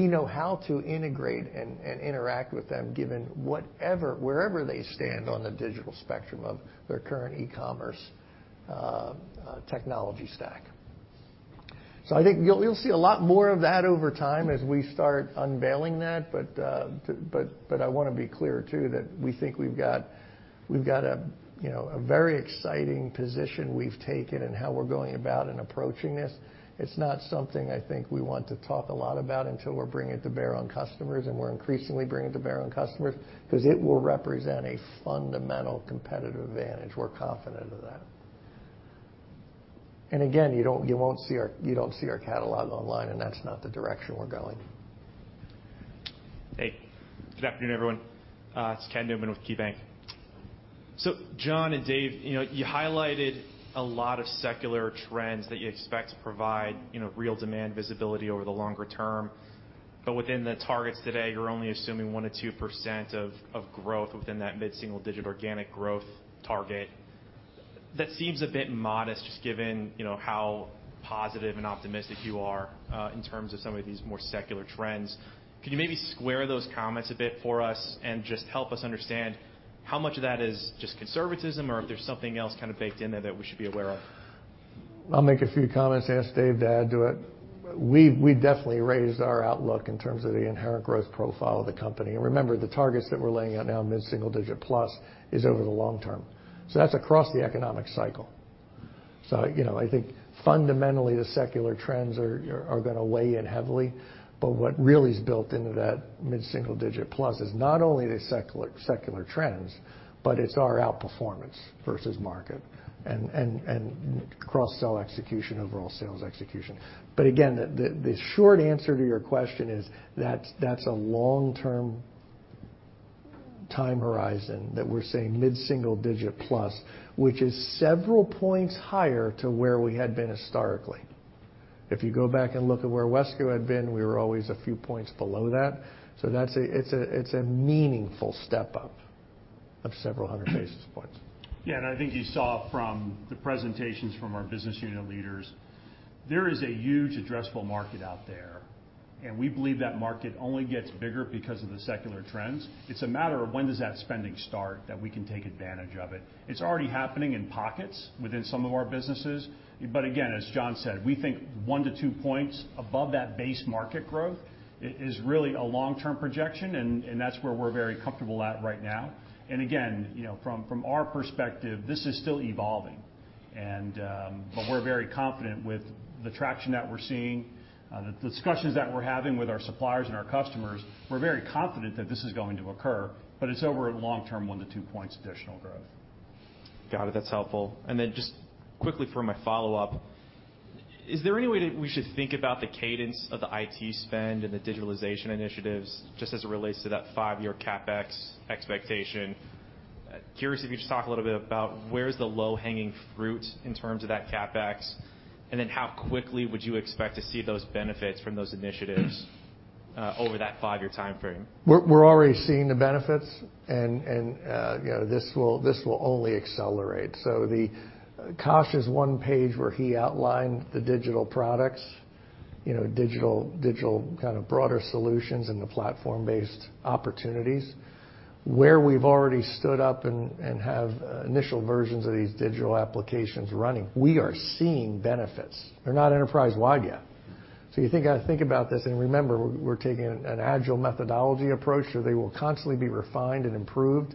know how to integrate and interact with them, given wherever they stand on the digital spectrum of their current e-commerce technology stack. I think you'll see a lot more of that over time as we start unveiling that, but I wanna be clear, too, that we think we've got you know a very exciting position we've taken in how we're going about and approaching this. It's not something I think we want to talk a lot about until we're bringing it to bear on customers, and we're increasingly bringing it to bear on customers, 'cause it will represent a fundamental competitive advantage. We're confident of that. And again, you don't see our catalog online, and that's not the direction we're going. Hey, good afternoon, everyone. It's Ken Newman with KeyBanc. John and Dave, you know, you highlighted a lot of secular trends that you expect to provide, you know, real demand visibility over the longer term. Within the targets today, you're only assuming 1%-2% of growth within that mid-single digit organic growth target. That seems a bit modest just given, you know, how positive and optimistic you are in terms of some of these more secular trends. Can you maybe square those comments a bit for us and just help us understand how much of that is just conservatism or if there's something else kind of baked in there that we should be aware of? I'll make a few comments, ask Dave to add to it. We definitely raised our outlook in terms of the inherent growth profile of the company. Remember, the targets that we're laying out now, mid-single digit plus is over the long term. That's across the economic cycle. You know, I think fundamentally the secular trends are gonna weigh in heavily. What really is built into that mid-single digit plus is not only the secular trends, but it's our outperformance versus market and cross-sell execution, overall sales execution. Again, the short answer to your question is that that's a long-term time horizon that we're saying mid-single digit plus, which is several points higher than where we had been historically. If you go back and look at where WESCO had been, we were always a few points below that. It's a meaningful step up of several hundred basis points. Yeah. I think you saw from the presentations from our business unit leaders, there is a huge addressable market out there, and we believe that market only gets bigger because of the secular trends. It's a matter of when does that spending start that we can take advantage of it. It's already happening in pockets within some of our businesses. Again, as John said, we think 1%-2% above that base market growth is really a long-term projection, and that's where we're very comfortable at right now. Again, you know, from our perspective, this is still evolving. We're very confident with the traction that we're seeing, the discussions that we're having with our suppliers and our customers. We're very confident that this is going to occur, but it's over a long term, 1%-2% additional growth. Got it. That's helpful. Just quickly for my follow-up, is there any way that we should think about the cadence of the IT spend and the digitalization initiatives just as it relates to that five-year CapEx expectation? Curious if you could just talk a little bit about where's the low-hanging fruit in terms of that CapEx, and then how quickly would you expect to see those benefits from those initiatives over that five year timeframe? We're already seeing the benefits, and you know, this will only accelerate. Akash's one page where he outlined the digital products, you know, digital kind of broader solutions and the platform-based opportunities. We've already stood up and have initial versions of these digital applications running; we are seeing benefits. They're not enterprise-wide yet. You gotta think about this, and remember, we're taking an Agile methodology approach, so they will constantly be refined and improved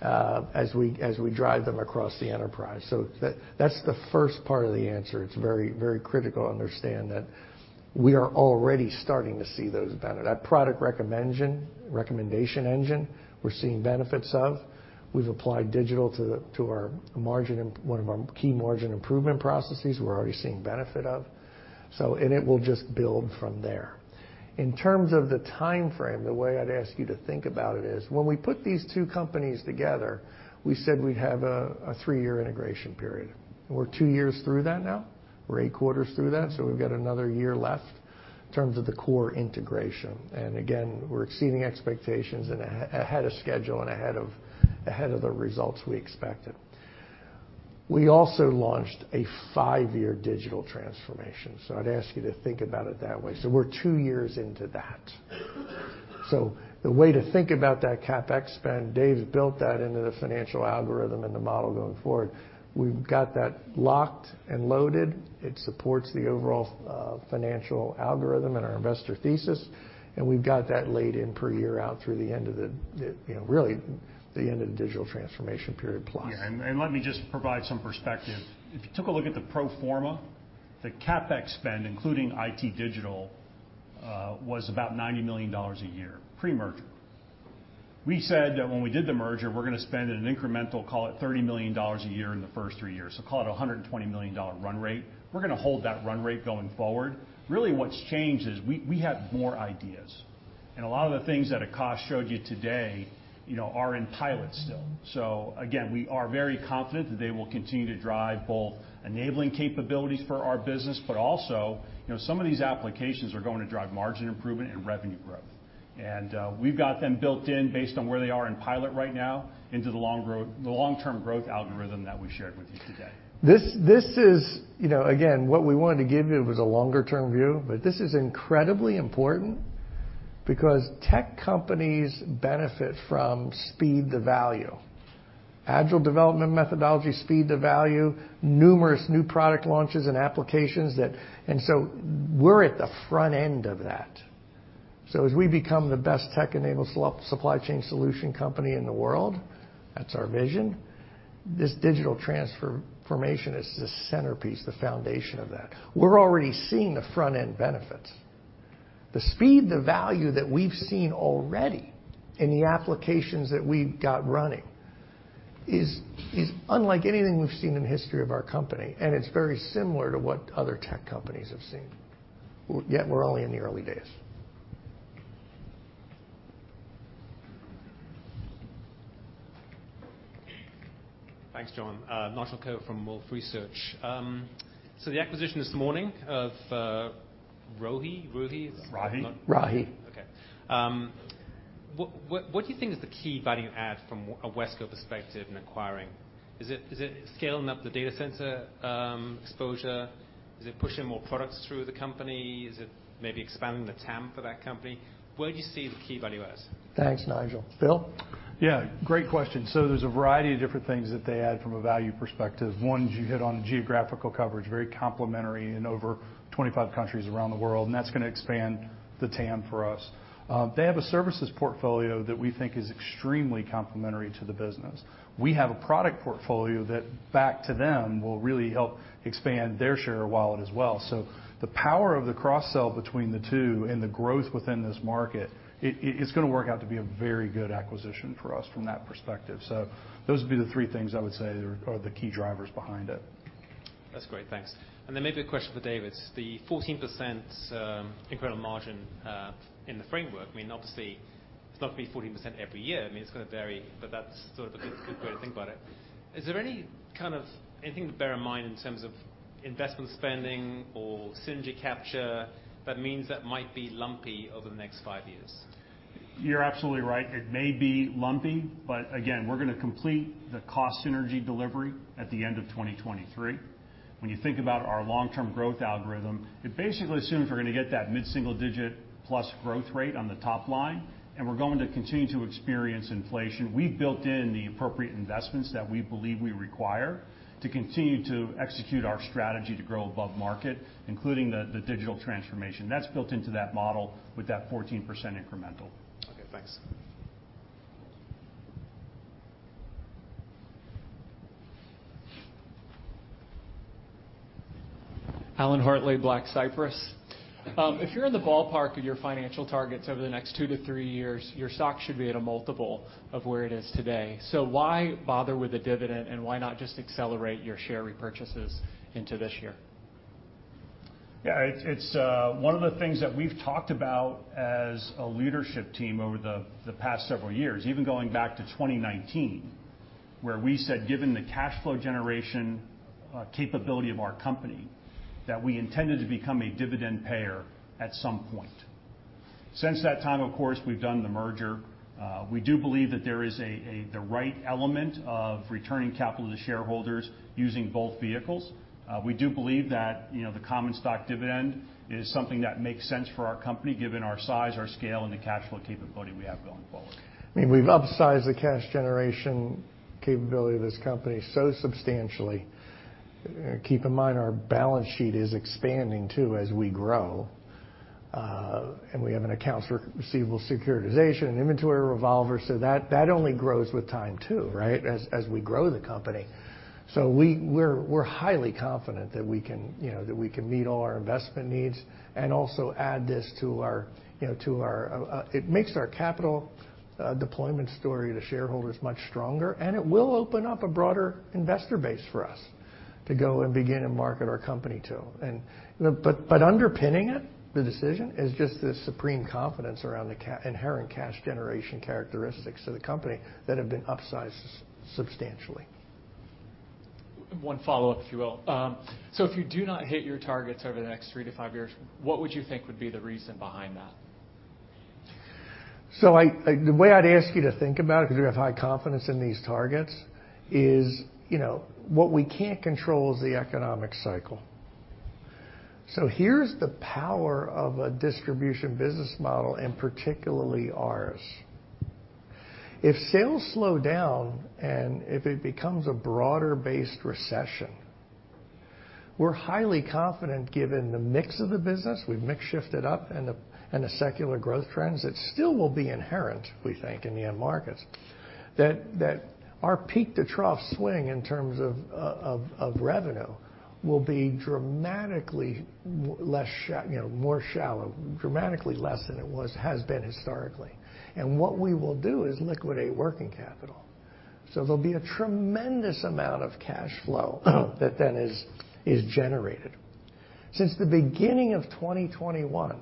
as we drive them across the enterprise. That's the first part of the answer. It's very critical to understand that we are already starting to see those benefits. That product recommendation engine, we're seeing benefits of. We've applied digital to one of our key margin improvement processes; we're already seeing benefits of. It will just build from there. In terms of the timeframe, the way I'd ask you to think about it is, when we put these two companies together, we said we'd have a three year integration period. We're two years through that now. We're eight quarters through that, so we've got another year left in terms of the core integration. Again, we're exceeding expectations and ahead of schedule and ahead of the results we expected. We also launched a five year digital transformation, so I'd ask you to think about it that way. We're two years into that. The way to think about that CapEx spend, Dave's built that into the financial algorithm and the model going forward. We've got that locked and loaded. It supports the overall financial algorithm and our investor thesis, and we've got that laid in per year out through the end of the, you know, really the end of the digital transformation period plus. Let me just provide some perspective. If you took a look at the pro forma, the CapEx spend, including IT digital, was about $90 million a year pre-merger. We said that when we did the merger, we're gonna spend an incremental, call it $30 million a year in the first three years. So call it a $120 million run rate. We're gonna hold that run rate going forward. Really, what's changed is we have more ideas. A lot of the things that Akash showed you today, you know, are in pilot still. So again, we are very confident that they will continue to drive both enabling capabilities for our business, but also, you know, some of these applications are going to drive margin improvement and revenue growth. We've got them built in based on where they are in pilot right now into the long-term growth algorithm that we shared with you today. This is, you know, again, what we wanted to give you was a longer-term view, but this is incredibly important because tech companies benefit from speed to value. Agile development methodology, speed to value, numerous new product launches and applications that and so we're at the front end of that. As we become the best tech-enabled supply chain solution company in the world, that's our vision, this digital transformation is the centerpiece, the foundation of that. We're already seeing the front-end benefits. The speed to value that we've seen already in the applications that we've got running is unlike anything we've seen in the history of our company, and it's very similar to what other tech companies have seen. Yet we're only in the early days. Thanks, John. Nigel Coe from Wolfe Research. The acquisition this morning of Rahi. Rahi. Rahi. Okay. What do you think is the key value add from a WESCO perspective in acquiring? Is it scaling up the data center exposure? Is it pushing more products through the company? Is it maybe expanding the TAM for that company? Where do you see the key value add? Thanks, Nigel. Bill? Yeah, great question. So there's a variety of different things that they add from a value perspective. One, you hit on geographical coverage, very complementary in over 25 countries around the world, and that's gonna expand the TAM for us. They have a services portfolio that we think is extremely complementary to the business. We have a product portfolio that back to them will really help expand their share of wallet as well. So the power of the cross-sell between the two and the growth within this market, it's gonna work out to be a very good acquisition for us from that perspective. So those would be the three things I would say are the key drivers behind it. That's great. Thanks. Maybe a question for Dave. The 14%, incremental margin, in the framework, I mean, obviously it's not gonna be 14% every year. I mean, it's gonna vary, but that's sort of a good way to think about it. Is there any kind of anything to bear in mind in terms of investment spending or synergy capture that means that might be lumpy over the next five years? You're absolutely right. It may be lumpy, but again, we're gonna complete the cost synergy delivery at the end of 2023. When you think about our long-term growth algorithm, it basically assumes we're gonna get that mid-single-digit plus growth rate on the top line, and we're going to continue to experience inflation. We built in the appropriate investments that we believe we require to continue to execute our strategy to grow above market, including the digital transformation. That's built into that model with that 14% incremental. Okay, thanks. Alan Hartley, Black Cypress. If you're in the ballpark of your financial targets over the next two to three years, your stock should be at a multiple of where it is today. Why bother with a dividend, and why not just accelerate your share repurchases into this year? Yeah, it's one of the things that we've talked about as a leadership team over the past several years, even going back to 2019, where we said, given the cash flow generation capability of our company, that we intended to become a dividend payer at some point. Since that time, of course, we've done the merger. We do believe that there is the right element of returning capital to shareholders using both vehicles. We do believe that, you know, the common stock dividend is something that makes sense for our company, given our size, our scale, and the cash flow capability we have going forward. I mean, we've upsized the cash generation capability of this company so substantially. Keep in mind, our balance sheet is expanding too as we grow, and we have an accounts receivable securitization, an inventory revolver, so that only grows with time too, right, as we grow the company. We're highly confident that we can, you know, meet all our investment needs and also add this to our, you know, to our. It makes our capital deployment story to shareholders much stronger, and it will open up a broader investor base for us to go and begin to market our company to. You know, but underpinning it, the decision, is just the supreme confidence around the inherent cash generation characteristics of the company that have been upsized substantially. One follow-up, if you will. If you do not hit your targets over the next three to five years, what would you think would be the reason behind that? The way I'd ask you to think about it, because we have high confidence in these targets, is, you know, what we can't control is the economic cycle. Here's the power of a distribution business model and particularly ours. If sales slow down and if it becomes a broader-based recession, we're highly confident, given the mix of the business, we've mix shifted up and the secular growth trends that still will be inherent, we think, in the end markets, that our peak-to-trough swing in terms of revenue will be dramatically less, you know, more shallow, dramatically less than it was, has been historically. What we will do is liquidate working capital. There'll be a tremendous amount of cash flow that then is generated. Since the beginning of 2021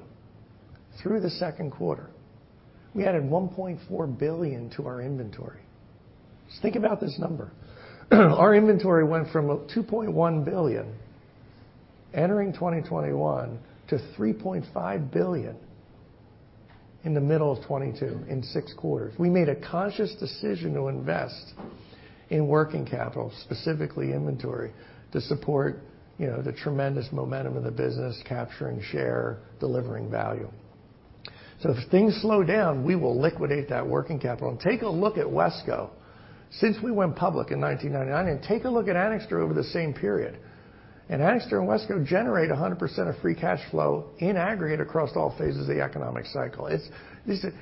through the second quarter, we added $1.4 billion to our inventory. Just think about this number. Our inventory went from $2.1 billion entering 2021 to $3.5 billion in the middle of 2022 in six quarters. We made a conscious decision to invest in working capital, specifically inventory, to support, you know, the tremendous momentum of the business, capturing share, delivering value. If things slow down, we will liquidate that working capital. Take a look at WESCO since we went public in 1999, and take a look at Anixter over the same period. Anixter and WESCO generate 100% of free cash flow in aggregate across all phases of the economic cycle. These are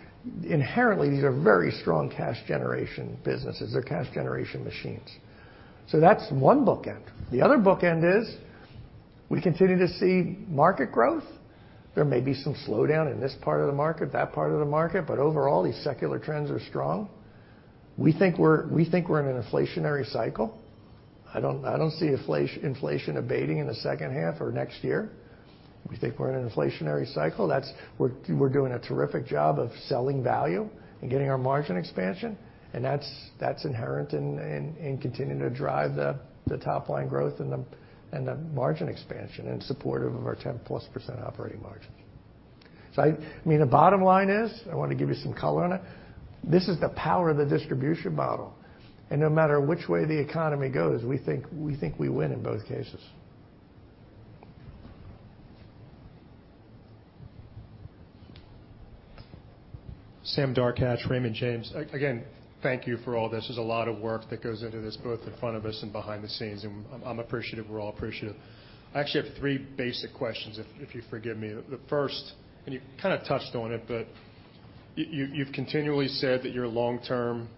inherently very strong cash generation businesses. They're cash generation machines. That's one bookend. The other bookend is we continue to see market growth. There may be some slowdown in this part of the market, that part of the market, but overall, these secular trends are strong. We think we're in an inflationary cycle. I don't see inflation abating in the second half or next year. We think we're in an inflationary cycle. We're doing a terrific job of selling value and getting our margin expansion, and that's inherent in continuing to drive the top-line growth and the margin expansion in support of our 10%+ operating margin. I mean, the bottom line is, I want to give you some color on it. This is the power of the distribution model. No matter which way the economy goes, we think we win in both cases. Sam Darkatsh, Raymond James. Again, thank you for all this. There's a lot of work that goes into this, both in front of us and behind the scenes, and I'm appreciative. We're all appreciative. I actually have three basic questions, if you forgive me. The first, and you kind of touched on it, but you've continually said that your long-term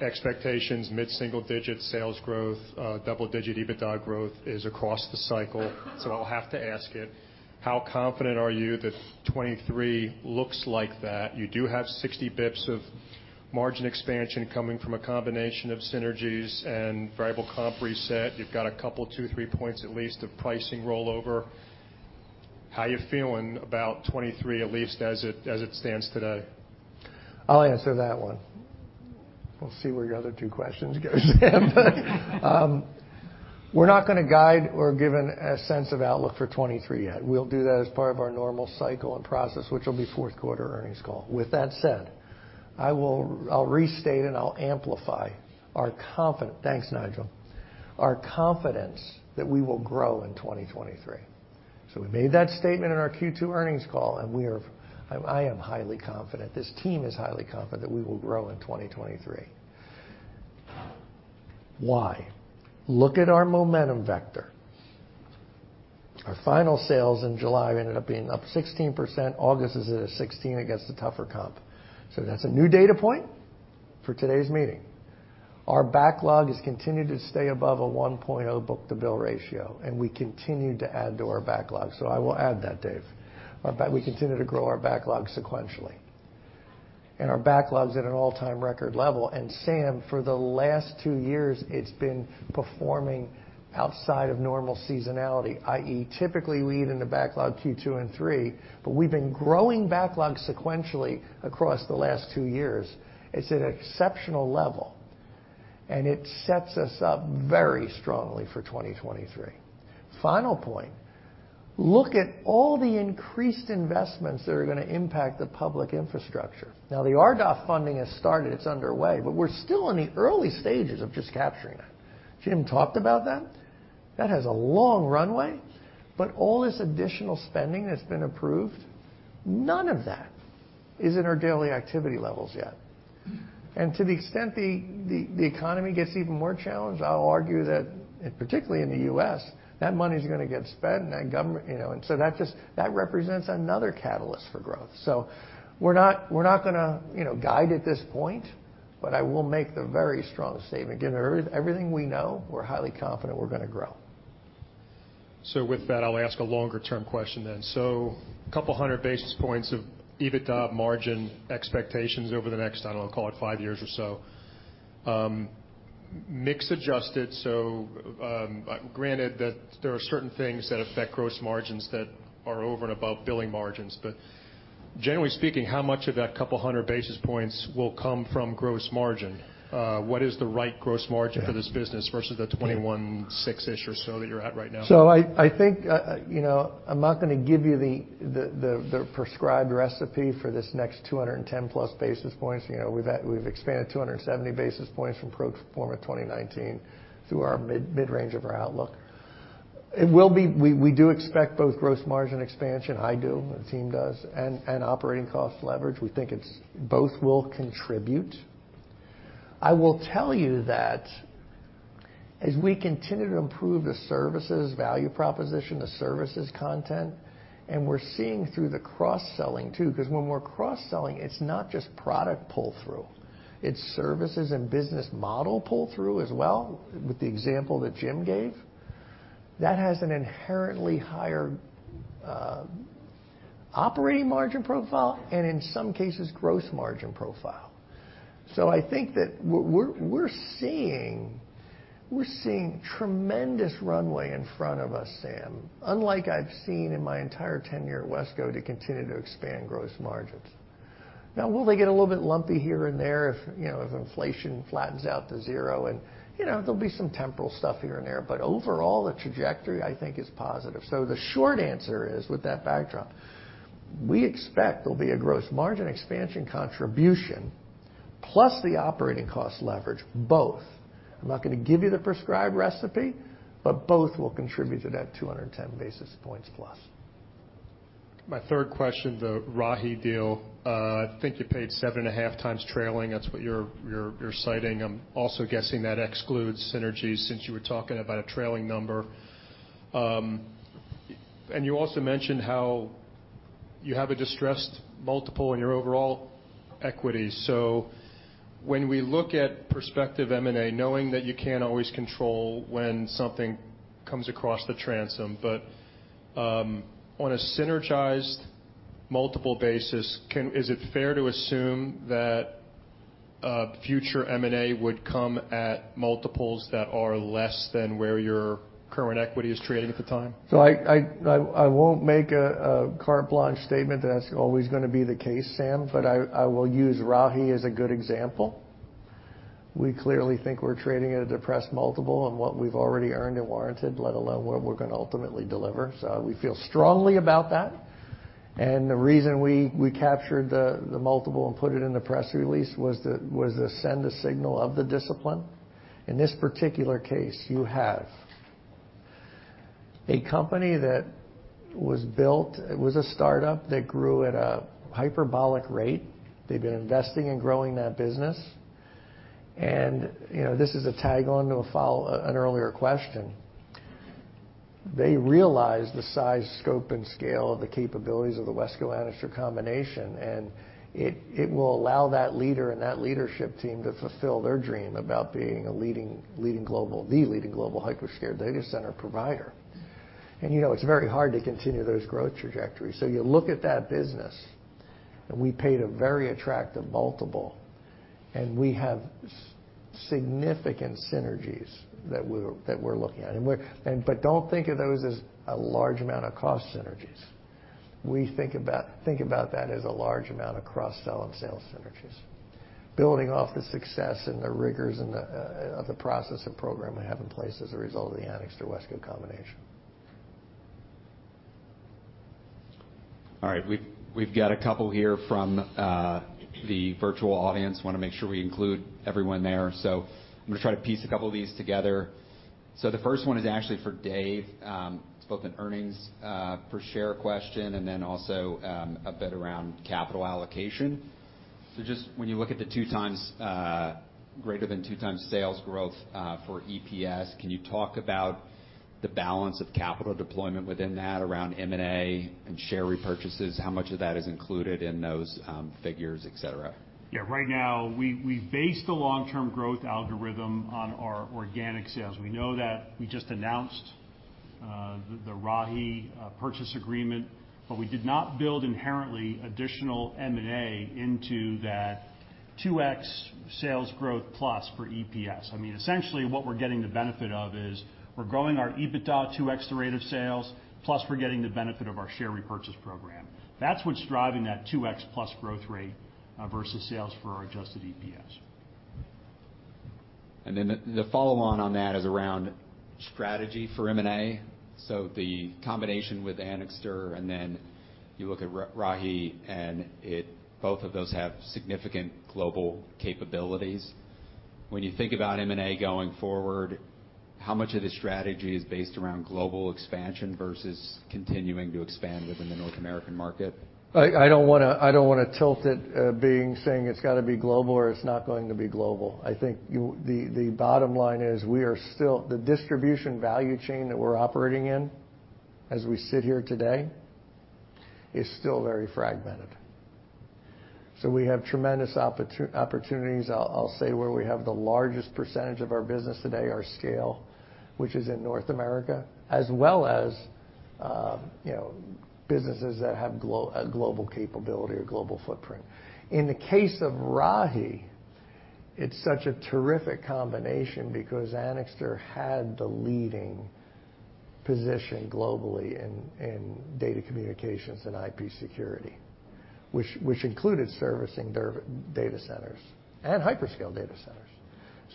expectations, mid-single digit sales growth, double-digit EBITDA growth is across the cycle. I'll have to ask it. How confident are you that 2023 looks like that? You do have 60 basis points of margin expansion coming from a combination of synergies and variable comp reset. You've got a couple, 2, 3 points at least, of pricing rollover. How you feeling about 2023, at least as it stands today? I'll answer that one. We'll see where your other two questions go, Sam. We're not gonna guide or give a sense of outlook for 2023 yet. We'll do that as part of our normal cycle and process, which will be fourth quarter earnings call. With that said, I'll restate, and I'll amplify our confidence that we will grow in 2023. Thanks, Nigel. We made that statement in our Q2 earnings call, and we are highly confident. I am highly confident. This team is highly confident that we will grow in 2023. Why? Look at our momentum vector. Our final sales in July ended up being up 16%. August is at a 16 against a tougher comp. That's a new data point for today's meeting. Our backlog has continued to stay above a 1.0 book-to-bill ratio, and we continue to add to our backlog. I will add that, Dave. We continue to grow our backlog sequentially. Our backlog's at an all-time record level. Sam, for the last two years, it's been performing outside of normal seasonality, i.e., typically we eat into the backlog Q2 and Q3, but we've been growing backlog sequentially across the last two years. It's an exceptional level, and it sets us up very strongly for 2023. Final point, look at all the increased investments that are gonna impact the public infrastructure. Now, the RDOF funding has started, it's underway, but we're still in the early stages of just capturing it. Jim talked about that. That has a long runway, but all this additional spending that's been approved, none of that is in our daily activity levels yet. To the extent the economy gets even more challenged, I'll argue that, and particularly in the US, that money's gonna get spent, and that government, you know, that just represents another catalyst for growth. We're not gonna, you know, guide at this point, but I will make the very strong statement. Again, everything we know, we're highly confident we're gonna grow. With that, I'll ask a longer-term question then. Couple hundred basis points of EBITDA margin expectations over the next, I don't know, call it five years or so. Mix adjusted, granted that there are certain things that affect gross margins that are over and above billing margins. Generally speaking, how much of that couple hundred basis points will come from gross margin? What is the right gross margin for this business versus the 21.6% or so that you're at right now? I think, you know, I'm not gonna give you the prescribed recipe for this next 210+ basis points. You know, we've expanded 270 basis points from pro forma 2019 through our mid-range of our outlook. We do expect both gross margin expansion, I do, the team does, and operating cost leverage. We think both will contribute. I will tell you that as we continue to improve the services value proposition, the services content, and we're seeing through the cross-selling too, 'cause when we're cross-selling, it's not just product pull-through. It's services and business model pull-through as well with the example that Jim gave. That has an inherently higher operating margin profile and in some cases, gross margin profile. I think that we're seeing tremendous runway in front of us, Sam, unlike I've seen in my entire tenure at WESCO, to continue to expand gross margins. Now, will they get a little bit lumpy here and there if, you know, if inflation flattens out to zero? You know, there'll be some temporal stuff here and there, but overall, the trajectory, I think, is positive. The short answer is, with that backdrop, we expect there'll be a gross margin expansion contribution plus the operating cost leverage, both. I'm not gonna give you the prescribed recipe, but both will contribute to that 210 basis points plus. My third question, the Rahi deal. I think you paid 7.5x trailing. That's what you're citing. I'm also guessing that excludes synergies since you were talking about a trailing number. You also mentioned how you have a distressed multiple in your overall equity. When we look at prospective M&A, knowing that you can't always control when something comes across the transom, but on a synergized multiple basis, is it fair to assume that future M&A would come at multiples that are less than where your current equity is trading at the time? I won't make a carte blanche statement that that's always gonna be the case, Sam, but I will use Rahi as a good example. We clearly think we're trading at a depressed multiple on what we've already earned and warranted, let alone what we're gonna ultimately deliver. We feel strongly about that. The reason we captured the multiple and put it in the press release was to send a signal of the discipline. In this particular case, you have a company that was built. It was a startup that grew at a hyperbolic rate. They've been investing in growing that business. You know, this is a tag-on to an earlier question. They realize the size, scope, and scale of the capabilities of the WESCO-Anixter combination, and it will allow that leader and that leadership team to fulfill their dream about being the leading global hyperscale data center provider. You know, it's very hard to continue those growth trajectories. You look at that business, and we paid a very attractive multiple, and we have significant synergies that we're looking at. But don't think of those as a large amount of cost synergies. We think about that as a large amount of cross-sell and sales synergies, building off the success and the rigors of the process and program we have in place as a result of the Anixter-WESCO combination. All right. We've got a couple here from the virtual audience. Want to make sure we include everyone there. I'm gonna try to piece a couple of these together. The first one is actually for Dave. It's both an earnings per share question and then also a bit around capital allocation. Just when you look at the 2x greater than 2x sales growth for EPS, can you talk about the balance of capital deployment within that around M&A and share repurchases? How much of that is included in those figures, et cetera? Yeah. Right now, we base the long-term growth algorithm on our organic sales. We know that we just announced the Rahi purchase agreement, but we did not build inherently additional M&A into that 2x sales growth plus for EPS. I mean, essentially, what we're getting the benefit of is we're growing our EBITDA 2x the rate of sales, plus we're getting the benefit of our share repurchase program. That's what's driving that 2x plus growth rate versus sales for our adjusted EPS. Then the follow-on on that is around strategy for M&A. The combination with Anixter, and then you look at Rahi, and both of those have significant global capabilities. When you think about M&A going forward, how much of the strategy is based around global expansion versus continuing to expand within the North American market? I don't want to tilt it, saying it's gotta be global, or it's not going to be global. I think the bottom line is we are the distribution value chain that we're operating in as we sit here today is still very fragmented. We have tremendous opportunities, I'll say, where we have the largest percentage of our business today, our scale, which is in North America, as well as you know, businesses that have global capability or global footprint. In the case of Rahi, it's such a terrific combination because Anixter had the leading position globally in data communications and IP security, which included servicing data centers and hyperscale data centers.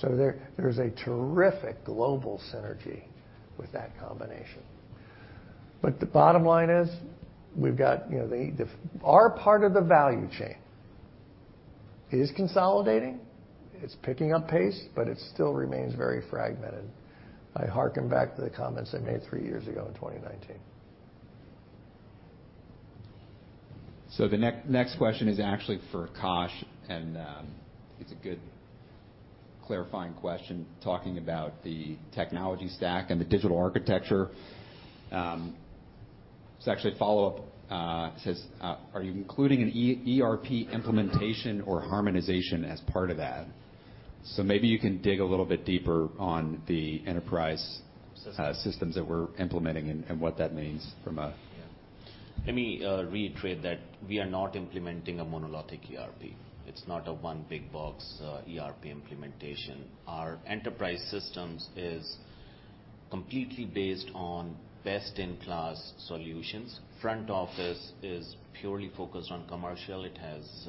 There's a terrific global synergy with that combination. The bottom line is we've got, you know, our part of the value chain is consolidating, it's picking up pace, but it still remains very fragmented. I harken back to the comments I made three years ago in 2019. The next question is actually for Akash, and it's a good clarifying question talking about the technology stack and the digital architecture. It's actually a follow-up. It says, "Are you including an ERP implementation or harmonization as part of that?" Maybe you can dig a little bit deeper on the enterprise Systems systems that we're implementing and what that means from a- Yeah. Let me reiterate that we are not implementing a monolithic ERP. It's not a one big box ERP implementation. Our enterprise systems is completely based on best-in-class solutions. Front office is purely focused on commercial. It has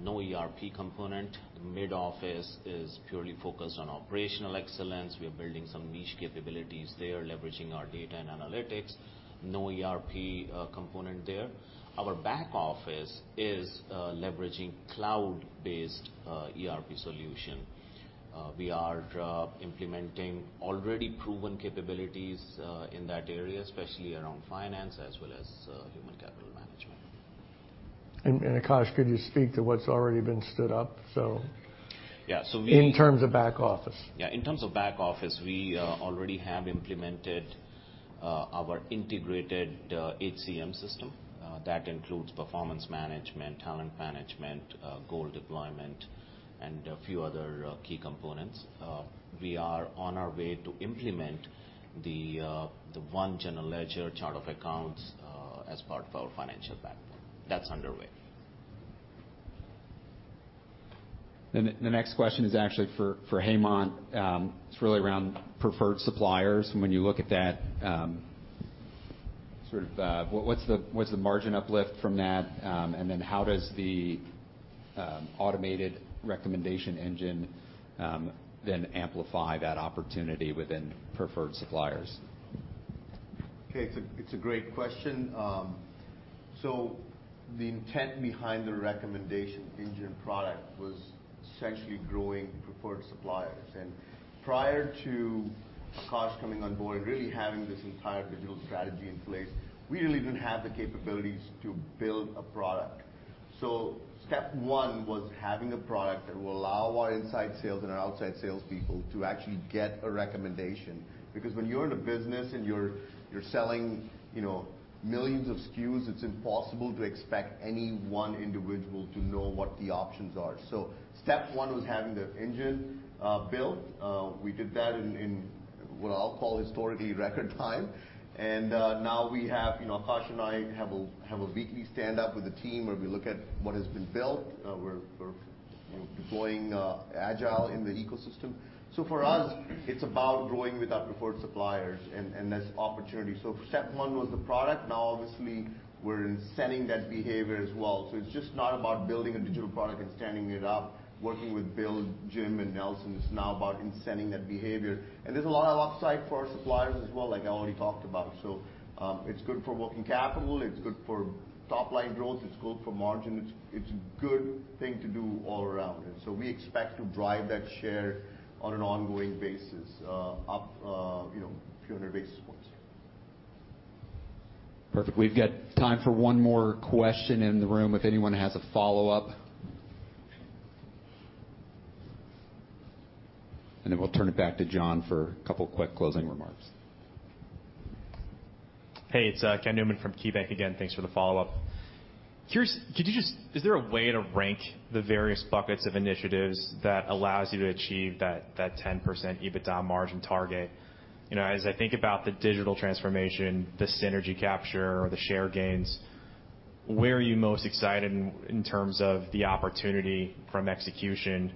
no ERP component. Mid office is purely focused on operational excellence. We are building some niche capabilities there, leveraging our data and analytics. No ERP component there. Our back office is leveraging cloud-based ERP solution. We are implementing already proven capabilities in that area, especially around finance as well as human capital management. Akash, could you speak to what's already been stood up? Yeah. In terms of back office. Yeah. In terms of back office, we already have implemented our integrated HCM system that includes performance management, talent management, goal deployment, and a few other key components. We are on our way to implement the one general ledger chart of accounts as part of our financial backbone. That's underway. The next question is actually for Hemant. It's really around preferred suppliers and when you look at that. Sort of, what's the margin uplift from that? How does the automated recommendation engine then amplify that opportunity within preferred suppliers? Okay. It's a great question. The intent behind the recommendation engine product was essentially growing preferred suppliers. Prior to Akash coming on board, really having this entire digital strategy in place, we really didn't have the capabilities to build a product. Step one was having a product that will allow our inside sales and our outside salespeople to actually get a recommendation, because when you're in a business and you're selling, you know, millions of SKUs, it's impossible to expect any one individual to know what the options are. Step one was having the engine built. We did that in what I'll call historically record time. Now we have, you know, Akash and I have a weekly standup with the team where we look at what has been built. We're, you know, deploying Agile in the ecosystem. For us, it's about growing with our preferred suppliers and there's opportunity. Step one was the product. Now obviously we're incenting that behavior as well. It's just not about building a digital product and standing it up. Working with Bill, Jim, and Nelson, it's now about incenting that behavior. There's a lot of upside for our suppliers as well, like I already talked about. It's good for working capital. It's good for top line growth. It's good for margin. It's good thing to do all around. We expect to drive that share on an ongoing basis, up, you know, a few hundred basis points. Perfect. We've got time for one more question in the room if anyone has a follow-up. We'll turn it back to John for a couple quick closing remarks. Hey, it's Ken Newman from KeyBanc again. Thanks for the follow-up. Curious, is there a way to rank the various buckets of initiatives that allows you to achieve that 10% EBITDA margin target? You know, as I think about the digital transformation, the synergy capture or the share gains, where are you most excited in terms of the opportunity from execution?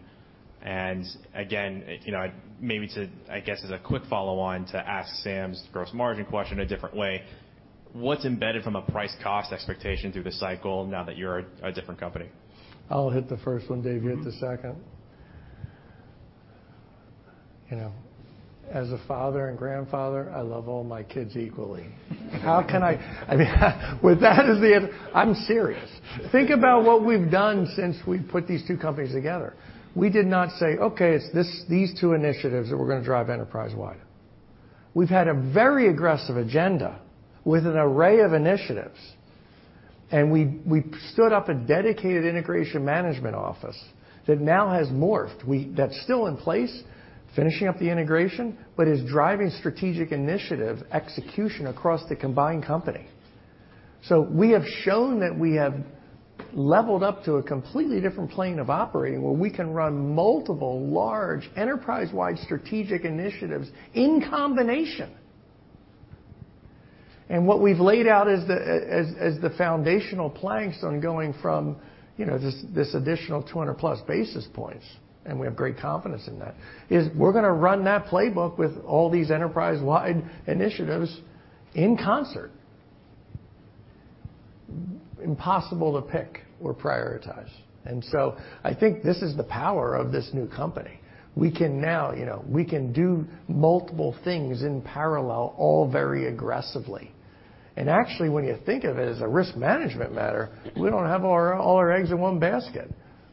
You know, maybe to, I guess, as a quick follow on to ask Sam's gross margin question a different way, what's embedded from a price-cost expectation through the cycle now that you're a different company? I'll hit the first one, Dave, you hit the second. You know, as a father and grandfather, I love all my kids equally. How can I? I mean, with that as the. I'm serious. Think about what we've done since we put these two companies together. We did not say, "Okay, it's this, these two initiatives that we're gonna drive enterprise-wide." We've had a very aggressive agenda with an array of initiatives, and we stood up a dedicated integration management office that now has morphed. That's still in place, finishing up the integration, but is driving strategic initiative execution across the combined company. We have shown that we have leveled up to a completely different plane of operating, where we can run multiple large enterprise-wide strategic initiatives in combination. What we've laid out as the foundational plank, so I'm going from, you know, this additional 200+ basis points, and we have great confidence in that, is we're gonna run that playbook with all these enterprise-wide initiatives in concert. Impossible to pick or prioritize. I think this is the power of this new company. We can now, you know, we can do multiple things in parallel, all very aggressively. Actually, when you think of it as a risk management matter, we don't have all our eggs in one basket.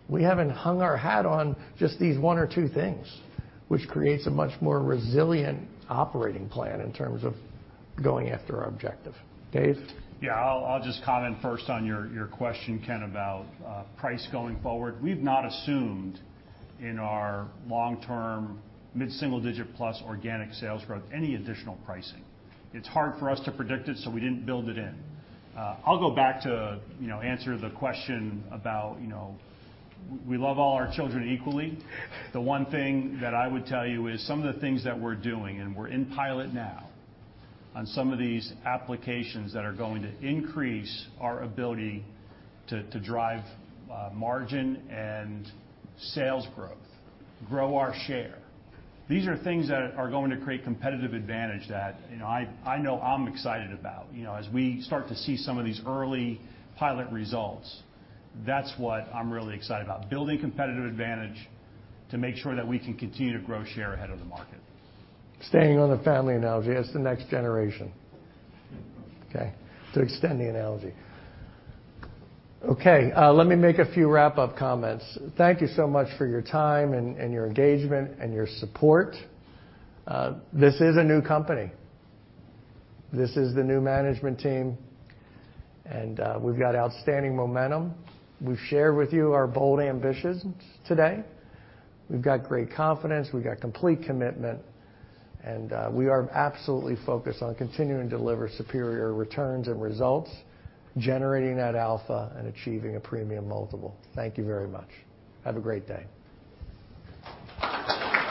We haven't hung our hat on just these one or two things, which creates a much more resilient operating plan in terms of going after our objective. Dave? Yeah, I'll just comment first on your question, Ken, about price going forward. We've not assumed in our long-term mid-single-digit plus organic sales growth any additional pricing. It's hard for us to predict it, so we didn't build it in. I'll go back to, you know, answer the question about, you know, we love all our children equally. The one thing that I would tell you is some of the things that we're doing, and we're in pilot now on some of these applications that are going to increase our ability to drive margin and sales growth, grow our share. These are things that are going to create competitive advantage that, you know, I know I'm excited about. You know, as we start to see some of these early pilot results, that's what I'm really excited about. Building competitive advantage to make sure that we can continue to grow share ahead of the market. Staying on the family analogy, that's the next generation. Okay? To extend the analogy. Okay, let me make a few wrap-up comments. Thank you so much for your time and your engagement and your support. This is a new company. This is the new management team, and we've got outstanding momentum. We've shared with you our bold ambitions today. We've got great confidence, we've got complete commitment, and we are absolutely focused on continuing to deliver superior returns and results, generating that alpha and achieving a premium multiple. Thank you very much. Have a great day.